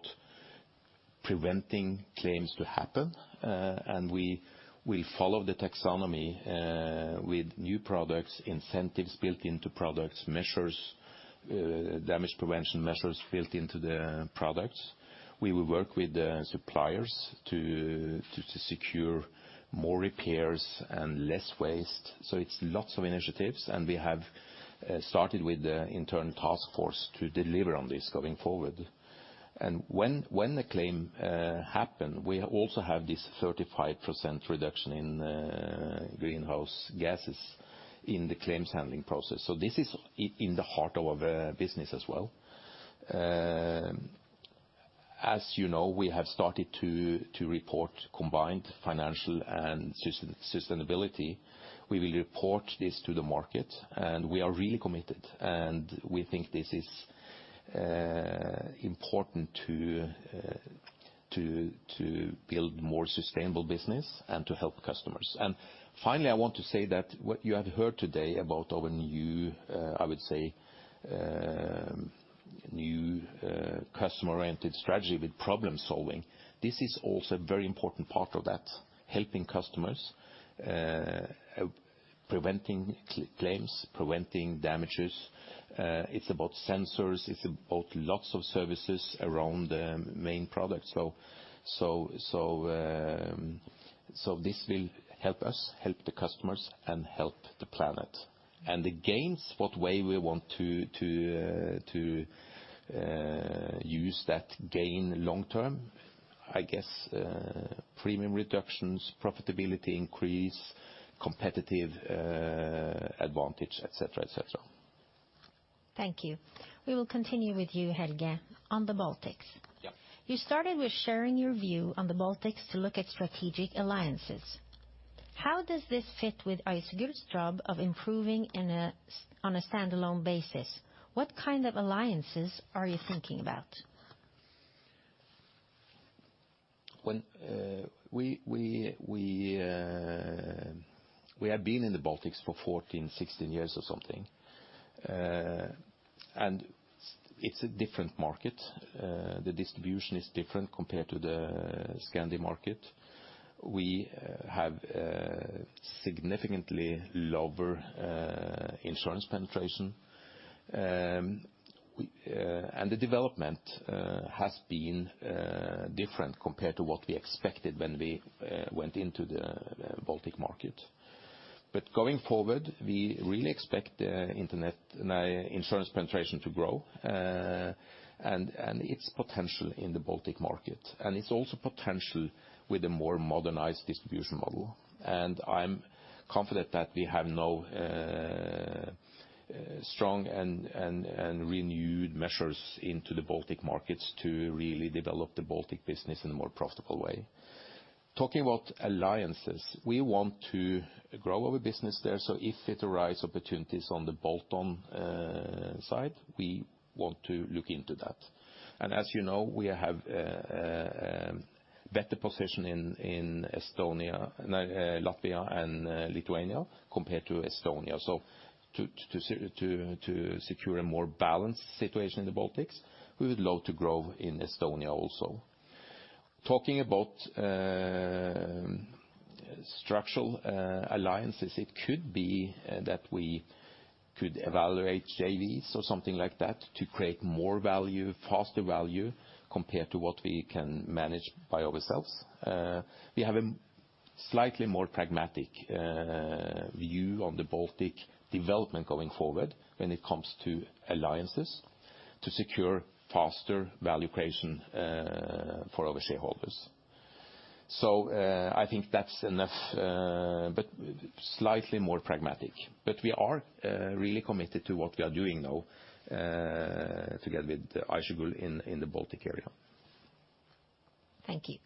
preventing claims to happen, and we follow the taxonomy, with new products, incentives built into products, measures, damage prevention measures built into the products. We will work with the suppliers to secure more repairs and less waste. It's lots of initiatives, and we have started with the internal task force to deliver on this going forward. When the claim happen, we also have this 35% reduction in greenhouse gases in the claims handling process. This is in the heart of our business as well. As you know, we have started to report combined financial and sustainability. We will report this to the market, and we are really committed, and we think this is important to build more sustainable business and to help customers. Finally, I want to say that what you have heard today about our new customer-oriented strategy with problem solving, this is also a very important part of that, helping customers, preventing claims, preventing damages. It's about sensors. It's about lots of services around the main product. This will help us help the customers and help the planet. The gains, what way we want to use that gain long term, I guess, premium reductions, profitability increase, competitive advantage, et cetera, et cetera. Thank you. We will continue with you, Helge. On the Baltics You started with sharing your view on the Baltics to look at strategic alliances. How does this fit with Aysegül Cin's job of improving on a standalone basis? What kind of alliances are you thinking about? We have been in the Baltics for 14-16 years or something. It's a different market. The distribution is different compared to the Scandi market. We have significantly lower insurance penetration. The development has been different compared to what we expected when we went into the Baltic market. Going forward, we really expect increased insurance penetration to grow, and its potential in the Baltic market, and it's also potential with a more modernized distribution model. I'm confident that we have now strong and renewed measures into the Baltic markets to really develop the Baltic business in a more profitable way. Talking about alliances, we want to grow our business there, so if it arise opportunities on the bolt-on side, we want to look into that. As you know, we have better position in Latvia and Lithuania compared to Estonia. To secure a more balanced situation in the Baltics, we would love to grow in Estonia also. Talking about structural alliances, it could be that we could evaluate JVs or something like that to create more value, faster value compared to what we can manage by ourselves. We have a slightly more pragmatic view on the Baltic development going forward when it comes to alliances to secure faster value creation for our shareholders. I think that's enough, but slightly more pragmatic. We are really committed to what we are doing now, together with Aysegül Cin in the Baltic area. Thank you.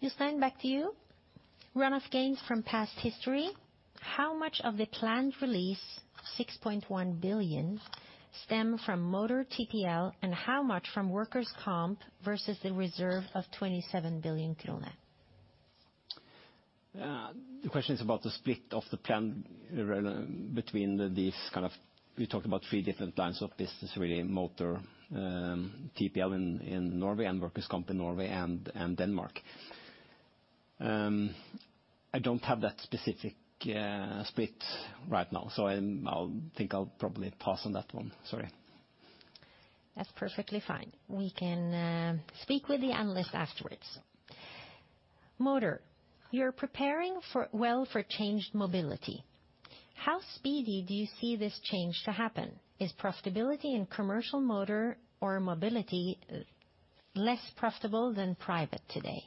Jostein, back to you. Runoff gains from past history, how much of the planned release, 6.1 billion, stem from motor TPL, and how much from workers' comp versus the reserve of 27 billion kroner? The question is about the split of the plan between these kind of. We talked about three different lines of business, really motor, TPL in Norway and workers' comp in Norway and Denmark. I don't have that specific split right now, so I think I'll probably pass on that one. Sorry. That's perfectly fine. We can speak with the analyst afterwards. Motor, you're preparing for changed mobility. How speedy do you see this change to happen? Is profitability in commercial motor or mobility less profitable than private today?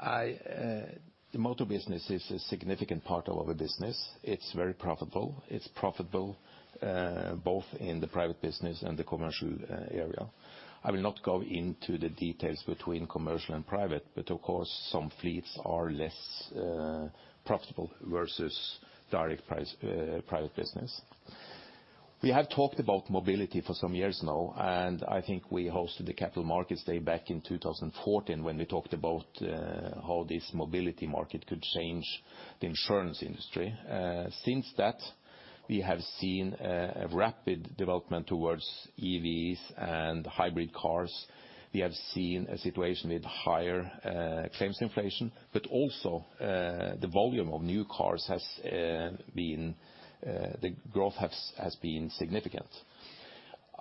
The motor business is a significant part of our business. It's very profitable. It's profitable both in the private business and the commercial area. I will not go into the details between commercial and private, but of course, some fleets are less profitable versus direct price private business. We have talked about mobility for some years now, and I think we hosted the Capital Markets Day back in 2014 when we talked about how this mobility market could change the insurance industry. Since that, we have seen a rapid development towards EVs and hybrid cars. We have seen a situation with higher claims inflation, but also the volume of new cars has been the growth has been significant.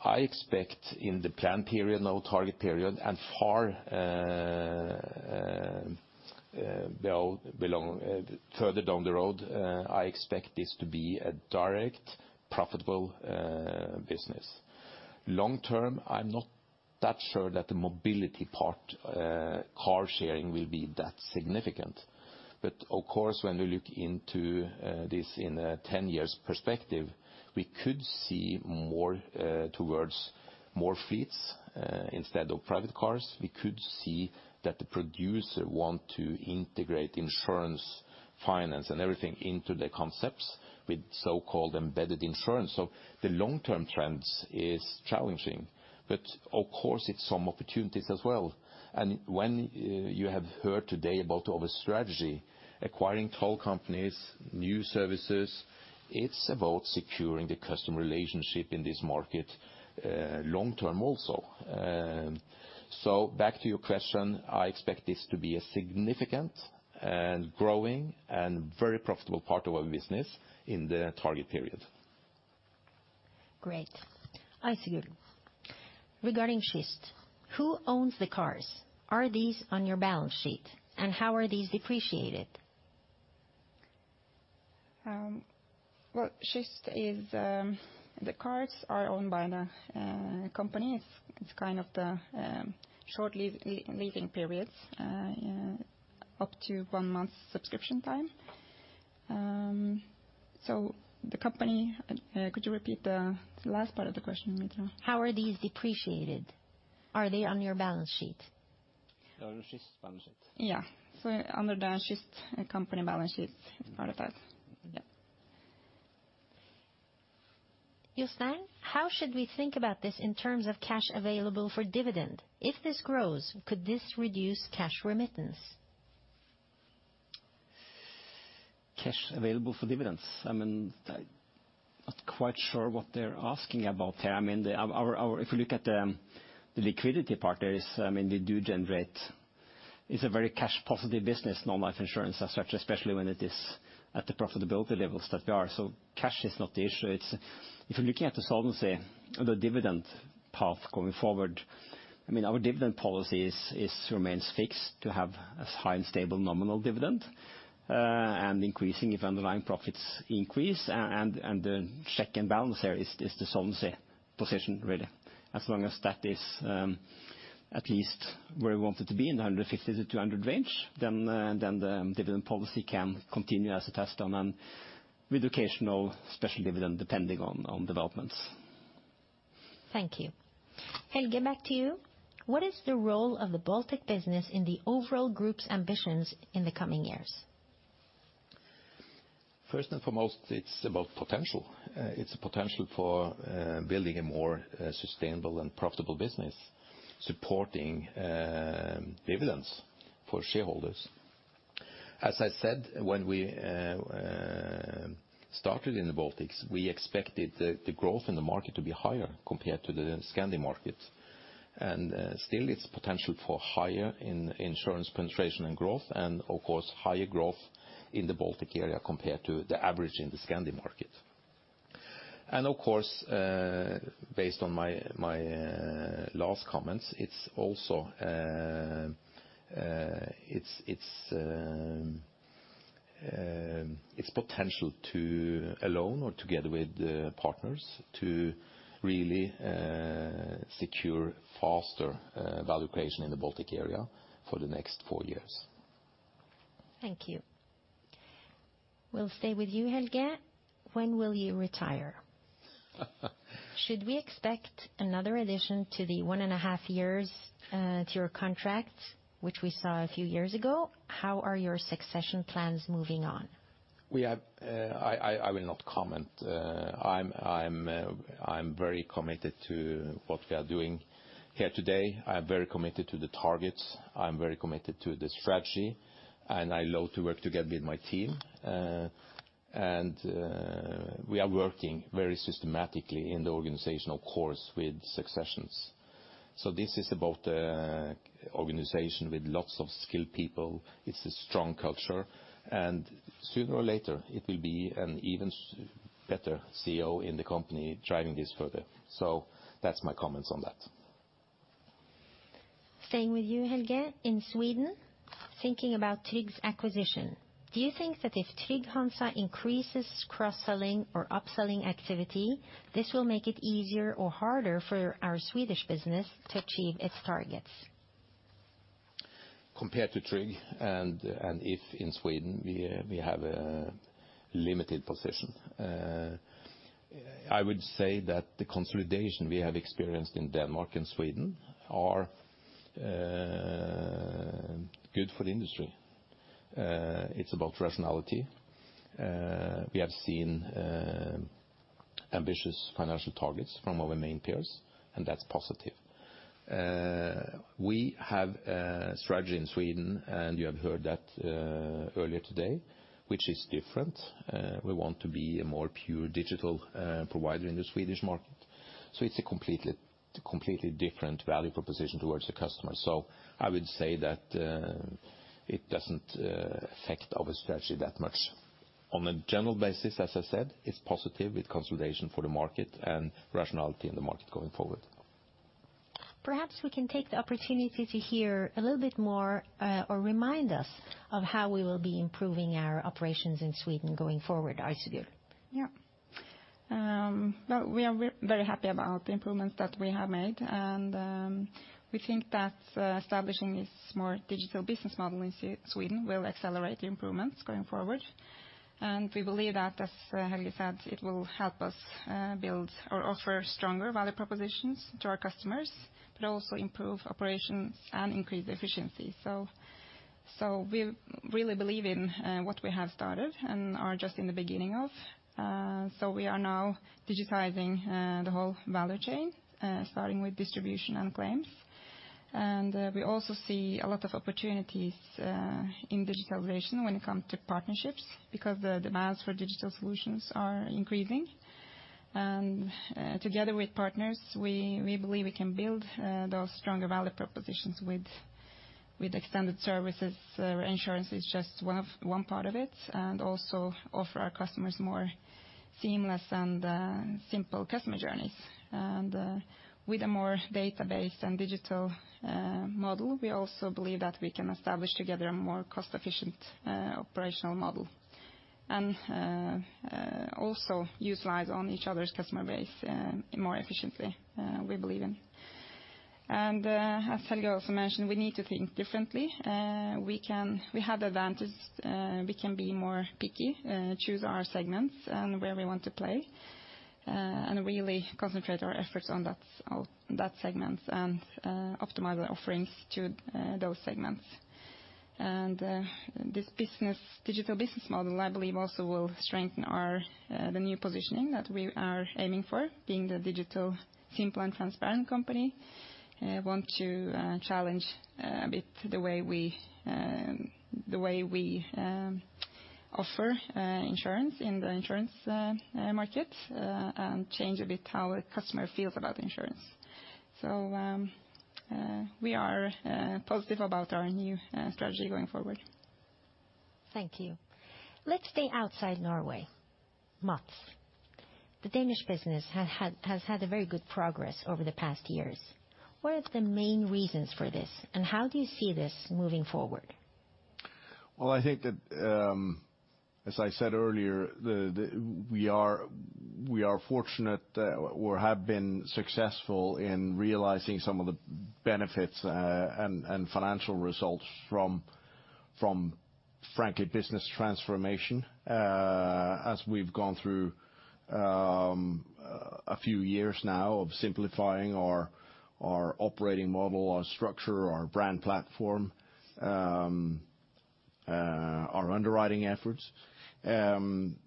I expect in the plan period, our target period and far beyond further down the road, I expect this to be a directly profitable business. Long term, I'm not that sure that the mobility part, car sharing will be that significant. But of course, when we look into this in a 10-year perspective, we could see more towards more fleets instead of private cars. We could see that the producers want to integrate insurance, finance, and everything into their concepts with so-called embedded insurance. The long-term trends is challenging, but of course, there are some opportunities as well. When you have heard today about all the strategy, acquiring toll companies, new services, it's about securing the customer relationship in this market, long-term also. Back to your question, I expect this to be a significant and growing and very profitable part of our business in the target period. Great. Aysegül Cin, regarding Kvist, who owns the cars? Are these on your balance sheet, and how are these depreciated? Well, Kvist is. The cars are owned by the company. It's kind of the short leasing periods, up to one month subscription time. The company, could you repeat the last part of the question, Mitra? How are these depreciated? Are they on your balance sheet? On Kvist balance sheet. Yeah. Under the Kvist company balance sheet is part of that. Yeah. Jostein, how should we think about this in terms of cash available for dividend? If this grows, could this reduce cash remittance? Cash available for dividends? I mean, I'm not quite sure what they're asking about here. I mean, our if you look at the liquidity part, there is, I mean, we do generate. It's a very cash positive business, non-life insurance as such, especially when it is at the profitability levels that we are. Cash is not the issue. It's if you're looking at the solvency of the dividend path going forward. I mean, our dividend policy remains fixed to have as high and stable nominal dividend, and increasing if underlying profits increase. The check and balance there is the solvency position, really. As long as that is at least where we want it to be in the 150%-200% range, then the dividend policy can continue as it has done, and with occasional special dividend depending on developments. Thank you. Helge, back to you. What is the role of the Baltic business in the overall group's ambitions in the coming years? First and foremost, it's about potential. It's a potential for building a more sustainable and profitable business supporting dividends for shareholders. As I said, when we started in the Baltics, we expected the growth in the market to be higher compared to the Scandi market. Still its potential for higher insurance penetration and growth and of course, higher growth in the Baltic area compared to the average in the Scandi market. Of course, based on my last comments, it's also its potential to alone or together with the partners to really secure faster value creation in the Baltic area for the next four years. Thank you. We'll stay with you, Helge. When will you retire? Should we expect another addition to the one and a half years to your contract, which we saw a few years ago? How are your succession plans moving on? I will not comment. I'm very committed to what we are doing here today. I am very committed to the targets, I'm very committed to the strategy, and I love to work together with my team. We are working very systematically in the organizational course with successions. This is about organization with lots of skilled people. It's a strong culture. Sooner or later it will be an even stronger CEO in the company driving this further. That's my comments on that. Staying with you, Helge, in Sweden, thinking about Tryg's acquisition, do you think that if Trygg-Hansa increases cross-selling or upselling activity, this will make it easier or harder for our Swedish business to achieve its targets? Compared to Tryg, and if in Sweden we have a limited position. I would say that the consolidation we have experienced in Denmark and Sweden are good for the industry. It's about rationality. We have seen ambitious financial targets from our main peers, and that's positive. We have a strategy in Sweden, and you have heard that earlier today, which is different. We want to be a more pure digital provider in the Swedish market. It's a completely different value proposition towards the customer. I would say that it doesn't affect our strategy that much. On a general basis, as I said, it's positive with consolidation for the market and rationality in the market going forward. Perhaps we can take the opportunity to hear a little bit more, or remind us of how we will be improving our operations in Sweden going forward, Aysegül. Yeah. Well, we are very happy about the improvements that we have made, and we think that establishing this more digital business model in Sweden will accelerate the improvements going forward. We believe that, as Helge said, it will help us build or offer stronger value propositions to our customers, but also improve operations and increase efficiency. So we really believe in what we have started and are just in the beginning of. We are now digitizing the whole value chain, starting with distribution and claims. We also see a lot of opportunities in digital operation when it comes to partnerships because the demands for digital solutions are increasing. Together with partners, we believe we can build those stronger value propositions with extended services. Insurance is just one part of it, and we also offer our customers more seamless and simple customer journeys. With a more data-based and digital model, we also believe that we can establish together a more cost-efficient operational model. Also utilize one another's customer base more efficiently, we believe in. As Helge also mentioned, we need to think differently. We have the advantage, we can be more picky, choose our segments and where we want to play, and really concentrate our efforts on that segment and optimize the offerings to those segments. This business digital business model, I believe, also will strengthen our new positioning that we are aiming for, being the digital simple and transparent company. We want to challenge a bit the way we offer insurance in the market and change a bit how a customer feels about insurance. We are positive about our new strategy going forward. Thank you. Let's stay outside Norway. Mats, the Danish business has had a very good progress over the past years. What are the main reasons for this, and how do you see this moving forward? Well, I think that, as I said earlier, we are fortunate or have been successful in realizing some of the benefits and financial results from, frankly, business transformation. As we've gone through a few years now of simplifying our operating model, our structure, our brand platform, our underwriting efforts, and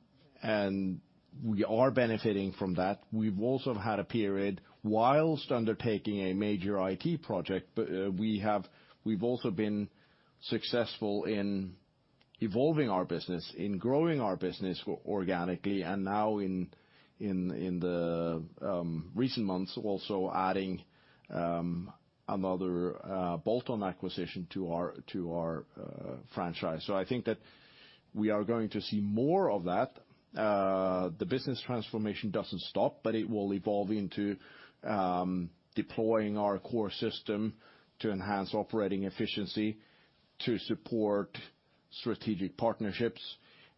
we are benefiting from that. We've also had a period whilst undertaking a major IT project, but we've also been successful in evolving our business, in growing our business organically, and now in the recent months, also adding another bolt-on acquisition to our franchise. I think that we are going to see more of that. The business transformation doesn't stop, but it will evolve into deploying our core system to enhance operating efficiency to support strategic partnerships.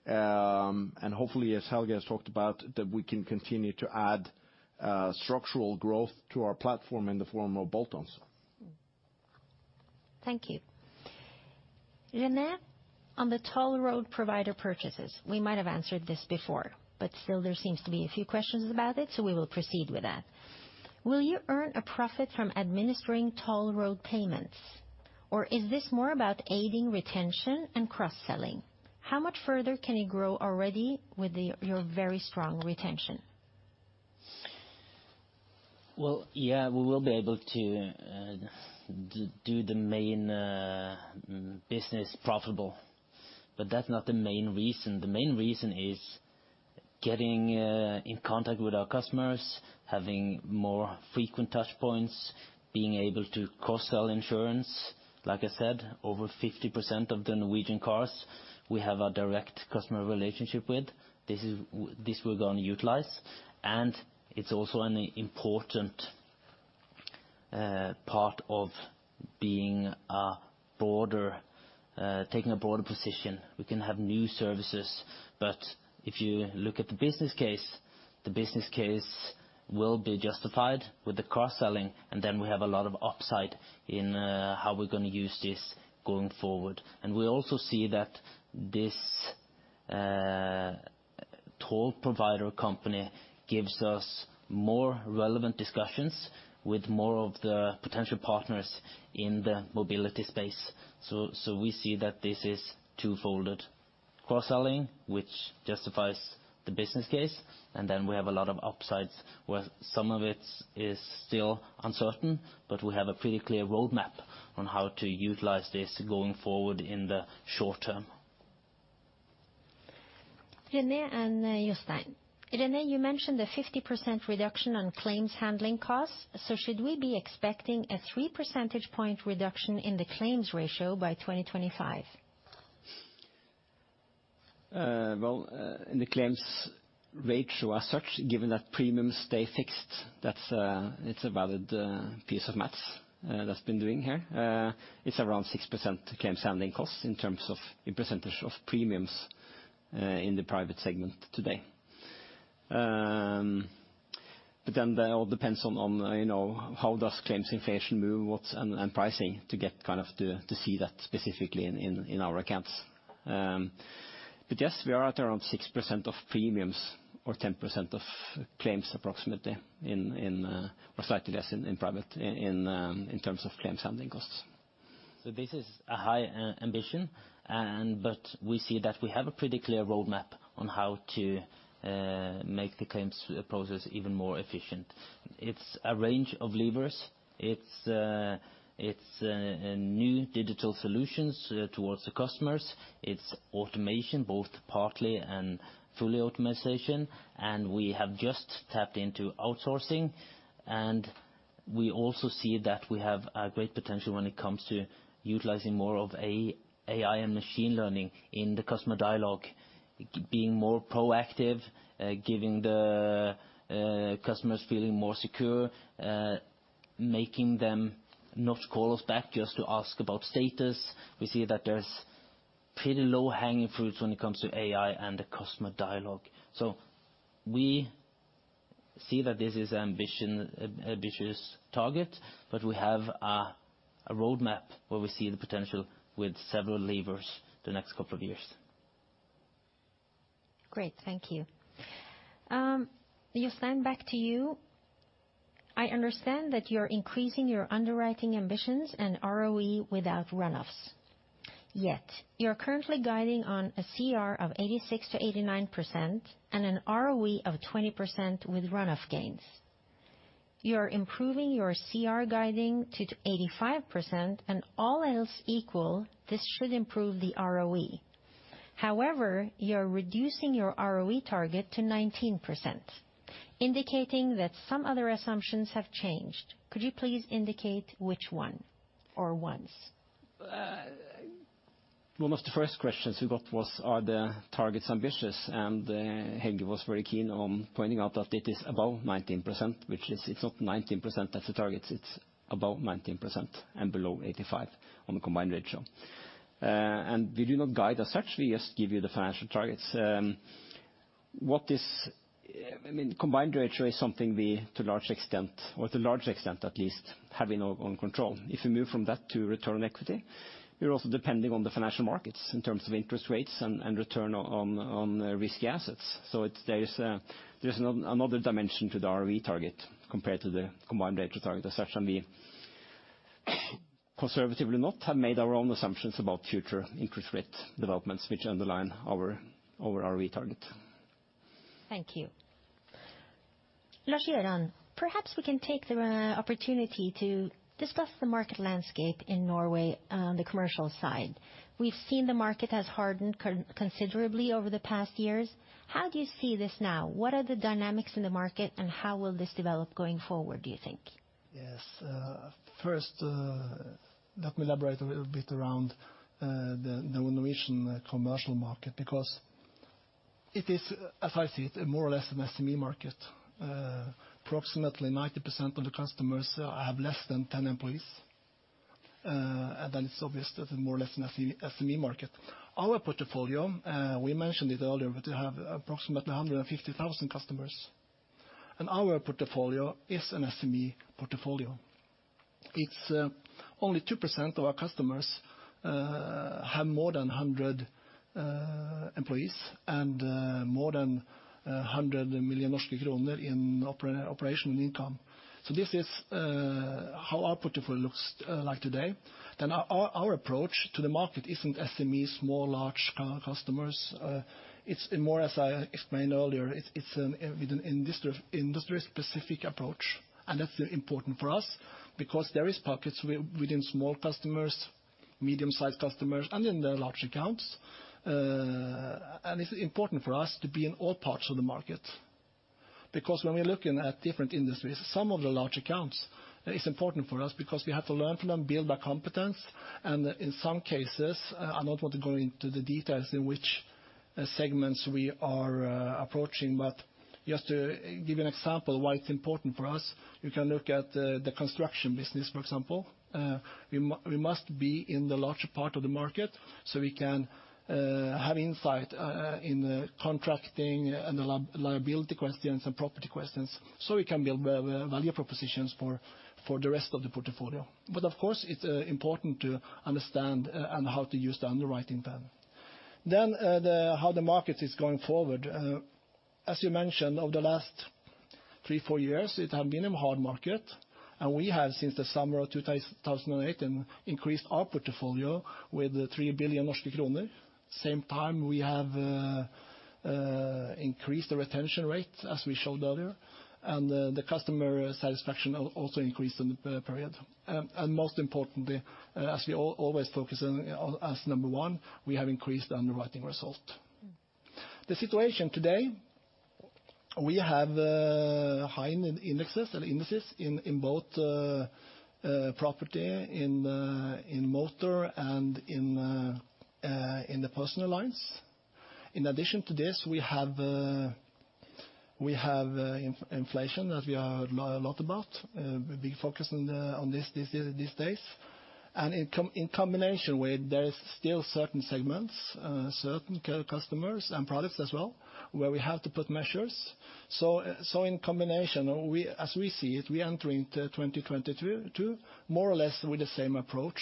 Hopefully, as Helge has talked about, that we can continue to add structural growth to our platform in the form of bolt-ons. Thank you. René, on the toll road provider purchases, we might have answered this before, but still there seems to be a few questions about it, so we will proceed with that. Will you earn a profit from administering toll road payments? Or is this more about aiding retention and cross-selling? How much further can you grow already with the, your very strong retention? Well, yeah, we will be able to do the main business profitable, but that's not the main reason. The main reason is getting in contact with our customers, having more frequent touch points, being able to cross-sell insurance. Like I said, over 50% of the Norwegian cars, we have a direct customer relationship with. This we're gonna utilize, and it's also an important part of being a broader, taking a broader position. We can have new services. But if you look at the business case, the business case will be justified with the cross-selling, and then we have a lot of upside in how we're gonna use this going forward. We also see that this toll provider company gives us more relevant discussions with more of the potential partners in the mobility space. We see that this is twofold cross-selling, which justifies the business case. We have a lot of upsides, where some of it is still uncertain, but we have a pretty clear roadmap on how to utilize this going forward in the short term. René and Jostein. René, you mentioned a 50% reduction on claims handling costs. Should we be expecting a three percentage point reduction in the claims ratio by 2025? Well, in the claims ratio as such, given that premiums stay fixed, it's a valid piece of math that's been doing here. It's around 6% claims handling costs in terms of the percentage of premiums in the Private segment today. That all depends on you know how does claims inflation move, what's and pricing to get kind of to see that specifically in our accounts. Yes, we are at around 6% of premiums or 10% of claims approximately or slightly less in Private in terms of claims handling costs. This is a high ambition, but we see that we have a pretty clear roadmap on how to make the claims process even more efficient. It's a range of levers. It's new digital solutions towards the customers. It's automation, both partly and fully automation. We have just tapped into outsourcing. We also see that we have a great potential when it comes to utilizing more of AI and machine learning in the customer dialogue, being more proactive, giving the customers feeling more secure, making them not call us back just to ask about status. We see that there's pretty low hanging fruits when it comes to AI and the customer dialogue. We see that this is an ambitious target, but we have a roadmap where we see the potential with several levers the next couple of years. Great. Thank you. Jostein, back to you. I understand that you're increasing your underwriting ambitions and ROE without runoffs. Yet, you're currently guiding on a CR of 86%-89% and an ROE of 20% with runoff gains. You're improving your CR guiding to 85% and all else equal, this should improve the ROE. However, you're reducing your ROE target to 19%, indicating that some other assumptions have changed. Could you please indicate which one or ones? One of the first questions we got was, are the targets ambitious? Helge was very keen on pointing out that it is above 19%, which, it's not 19% that's the target, it's above 19% and below 85 on the combined ratio. We do not guide as such, we just give you the financial targets. I mean, combined ratio is something we, to a large extent at least, have in our own control. If we move from that to return on equity, we're also depending on the financial markets in terms of interest rates and return on risky assets. There is another dimension to the ROE target compared to the combined ratio target as such. We have conservatively made our own assumptions about future interest rate developments which underline our ROE target. Thank you. Lars Gøran, perhaps we can take the opportunity to discuss the market landscape in Norway on the commercial side. We've seen the market has hardened considerably over the past years. How do you see this now? What are the dynamics in the market, and how will this develop going forward, do you think? Yes. First, let me elaborate a little bit around the Norwegian commercial market, because it is, as I see it, more or less an SME market. Approximately 90% of the customers have less than 10 employees. It's obvious that it's more or less an SME market. Our portfolio, we mentioned it earlier, but we have approximately 150,000 customers and our portfolio is an SME portfolio. It's only 2% of our customers have more than 100 employees and more than 100 million kroner in operation and income. This is how our portfolio looks like today. Our approach to the market is SMEs more large customers. It's more as I explained earlier, it's an industry specific approach, and that's important for us because there is pockets within small customers, medium-sized customers, and in the large accounts. It's important for us to be in all parts of the market. Because when we are looking at different industries, some of the large accounts is important for us because we have to learn from them, build our competence. In some cases, I don't want to go into the details in which segments we are approaching. Just to give you an example why it's important for us, you can look at the construction business, for example. We must be in the larger part of the market so we can have insight in contracting and the liability questions and property questions, so we can build better value propositions for the rest of the portfolio. Of course, it's important to understand and how to use the underwriting plan. Then, how the market is going forward. As you mentioned, over the last 3-4 years, it has been a hard market, and we have since the summer of 2008 increased our portfolio with 3 billion kroner. At the same time, we have increased the retention rate, as we showed earlier. The customer satisfaction also increased in the period. Most importantly, as we always focus on as number one, we have increased underwriting result. The situation today, we have high indexes or indices in both property in motor and in the personal lines. In addition to this, we have inflation that we are talking a lot about, a big focus on this these days. In combination with, there is still certain segments certain customers and products as well, where we have to put measures. In combination, we, as we see it, are entering 2022 too more or less with the same approach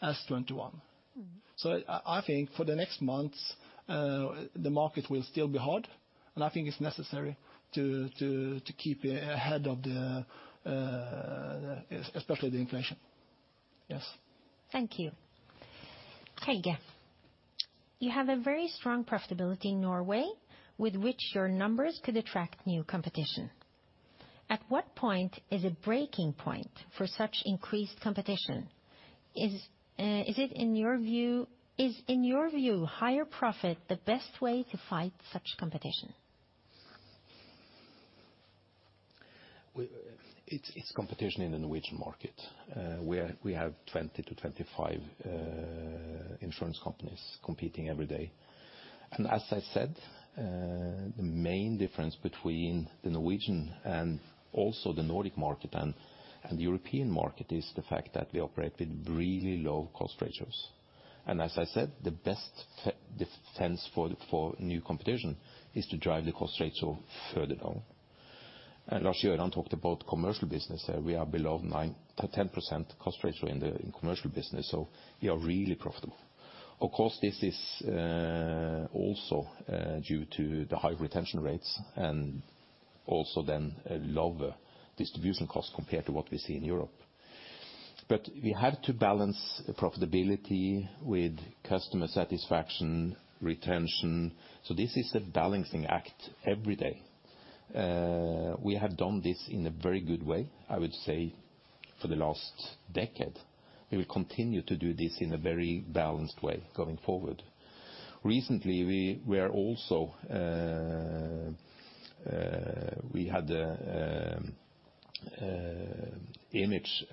as 2021. Mm-hmm. I think for the next months, the market will still be hard, and I think it's necessary to keep ahead of, especially the inflation. Yes. Thank you. Helge, you have a very strong profitability in Norway with which your numbers could attract new competition. At what point is a breaking point for such increased competition? Is it in your view, higher profit the best way to fight such competition? It's competition in the Norwegian market where we have 20-25 insurance companies competing every day. As I said, the main difference between the Norwegian and the Nordic market and the European market is the fact that we operate with really low cost ratios. As I said, the best defense for new competition is to drive the cost ratio further down. Lars Gøran talked about commercial business. We are below 9%-10% cost ratio in the commercial business, so we are really profitable. Of course, this is also due to the high retention rates and a lower distribution cost compared to what we see in Europe. We have to balance profitability with customer satisfaction, retention. This is a balancing act every day. We have done this in a very good way, I would say for the last decade. We will continue to do this in a very balanced way going forward. Recently, we also had an image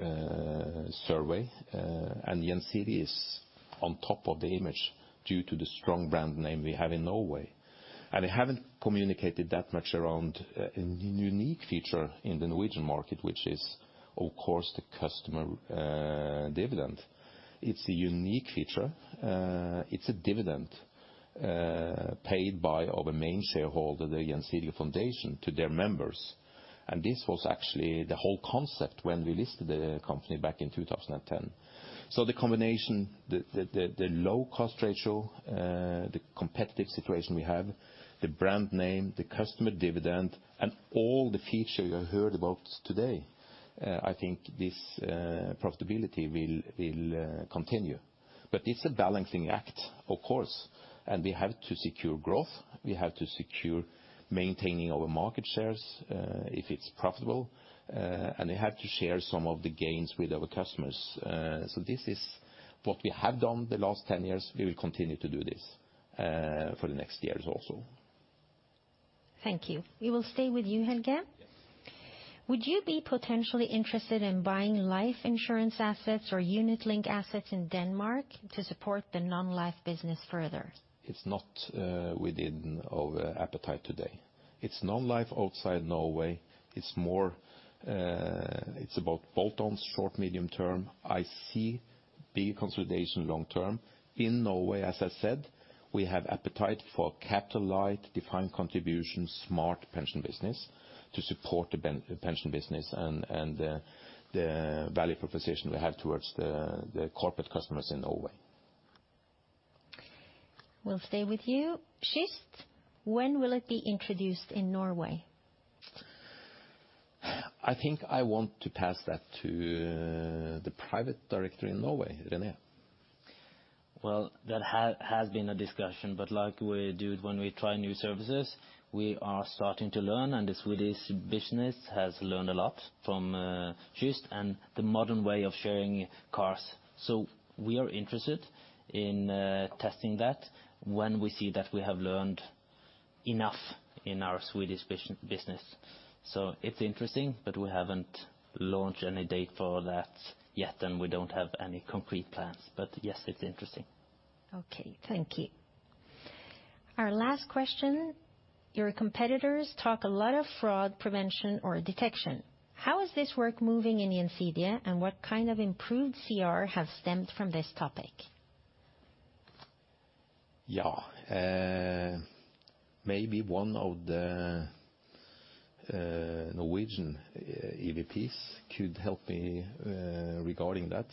survey, and Gjensidige is on top of the image due to the strong brand name we have in Norway. I haven't communicated that much around a unique feature in the Norwegian market, which is of course the customer dividend. It's a unique feature. It's a dividend paid by our main shareholder, the Gjensidige Foundation, to their members. This was actually the whole concept when we listed the company back in 2010. The combination, the low cost ratio, the competitive situation we have, the brand name, the customer dividend, and all the features you have heard about today, I think this profitability will continue. But it's a balancing act, of course, and we have to secure growth, we have to secure maintaining our market shares, if it's profitable, and we have to share some of the gains with our customers. This is what we have done the last 10 years. We will continue to do this, for the next years also. Thank you. We will stay with you, Helge. Yes. Would you be potentially interested in buying life insurance assets or unit link assets in Denmark to support the non-life business further? It's not within our appetite today. It's non-life outside Norway. It's more, it's about bolt-ons short, medium term. I see a consolidation long term. In Norway, as I said, we have appetite for capital light, defined contribution, smart pension business to support the pension business and the value proposition we have towards the corporate customers in Norway. We'll stay with you. Schyst, when will it be introduced in Norway? I think I want to pass that to the private director in Norway, René. Well, that has been a discussion, but like we do when we try new services, we are starting to learn, and the Swedish business has learned a lot from Schyst and the modern way of sharing cars. We are interested in testing that when we see that we have learned enough in our Swedish business. It's interesting, but we haven't launched any date for that yet, and we don't have any concrete plans. Yes, it's interesting. Okay, thank you. Our last question, your competitors talk a lot about fraud prevention or detection. How is this work moving in Gjensidige, and what kind of improved CR have stemmed from this topic? Yeah. Maybe one of the Norwegian EVPs could help me regarding that.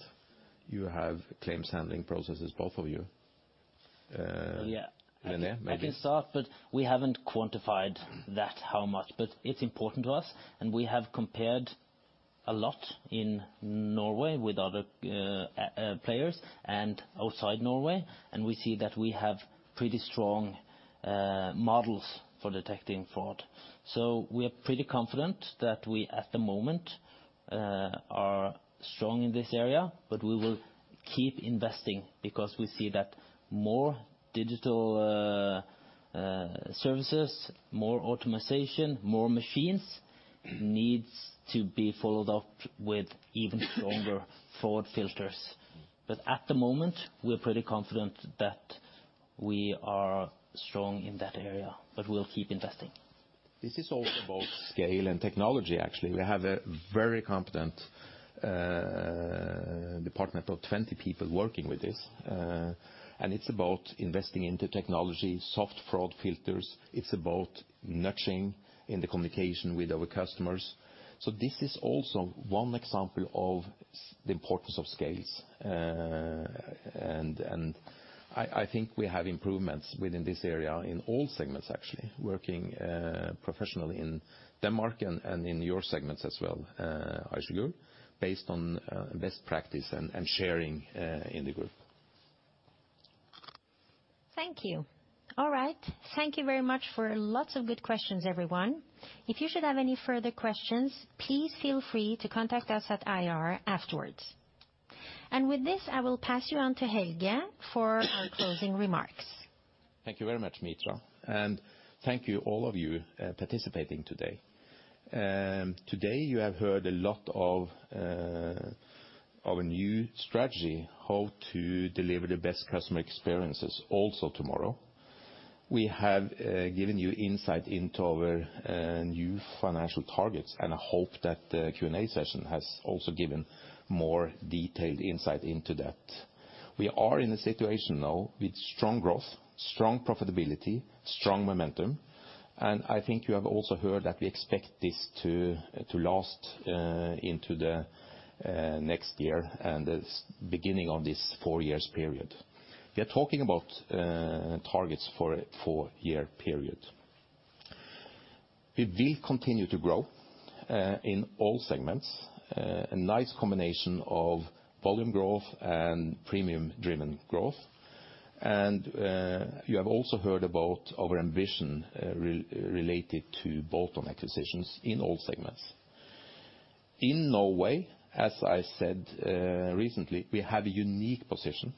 You have claims handling processes, both of you. Rene. René, maybe. I can start, but we haven't quantified that how much. It's important to us, and we have compared a lot in Norway with other players and outside Norway, and we see that we have pretty strong models for detecting fraud. We're pretty confident that we, at the moment, are strong in this area, but we will keep investing because we see that more digital services, more automation, more machines needs to be followed up with even stronger fraud filters. At the moment, we're pretty confident that we are strong in that area, but we'll keep investing. This is all about scale and technology, actually. We have a very competent department of 20 people working with this. And it's about investing into technology, soft fraud filters. It's about nurturing in the communication with our customers. This is also one example of the importance of scales. And I think we have improvements within this area in all segments, actually, working professionally in Denmark and in your segments as well, Aysegül, based on best practice and sharing in the group. Thank you. All right. Thank you very much for lots of good questions, everyone. If you should have any further questions, please feel free to contact us at IR afterwards. With this, I will pass you on to Helge for our closing remarks. Thank you very much, Mitra. Thank you, all of you, participating today. Today you have heard a lot of our new strategy, how to deliver the best customer experiences also tomorrow. We have given you insight into our new financial targets, and I hope that the Q&A session has also given more detailed insight into that. We are in a situation now with strong growth, strong profitability, strong momentum, and I think you have also heard that we expect this to last into the next year and the beginning of this four years period. We are talking about targets for a four-year period. We will continue to grow in all segments, a nice combination of volume growth and premium-driven growth. You have also heard about our ambition related to bolt-on acquisitions in all segments. In Norway, as I said, recently, we have a unique position,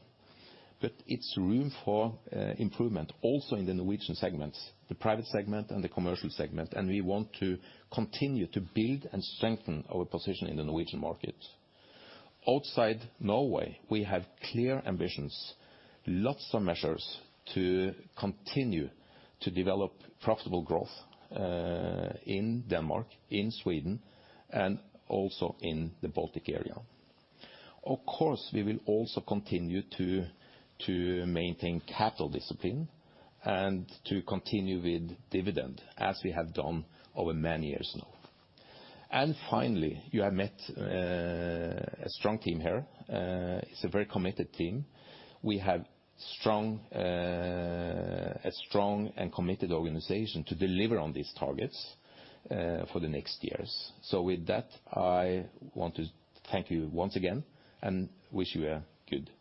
but it's room for improvement also in the Norwegian segments, the private segment and the commercial segment, and we want to continue to build and strengthen our position in the Norwegian market. Outside Norway, we have clear ambitions, lots of measures to continue to develop profitable growth in Denmark, in Sweden, and also in the Baltic area. Of course, we will also continue to maintain capital discipline and to continue with dividend, as we have done over many years now. Finally, you have met a strong team here. It's a very committed team. We have a strong and committed organization to deliver on these targets for the next years. With that, I want to thank you once again and wish you a good day.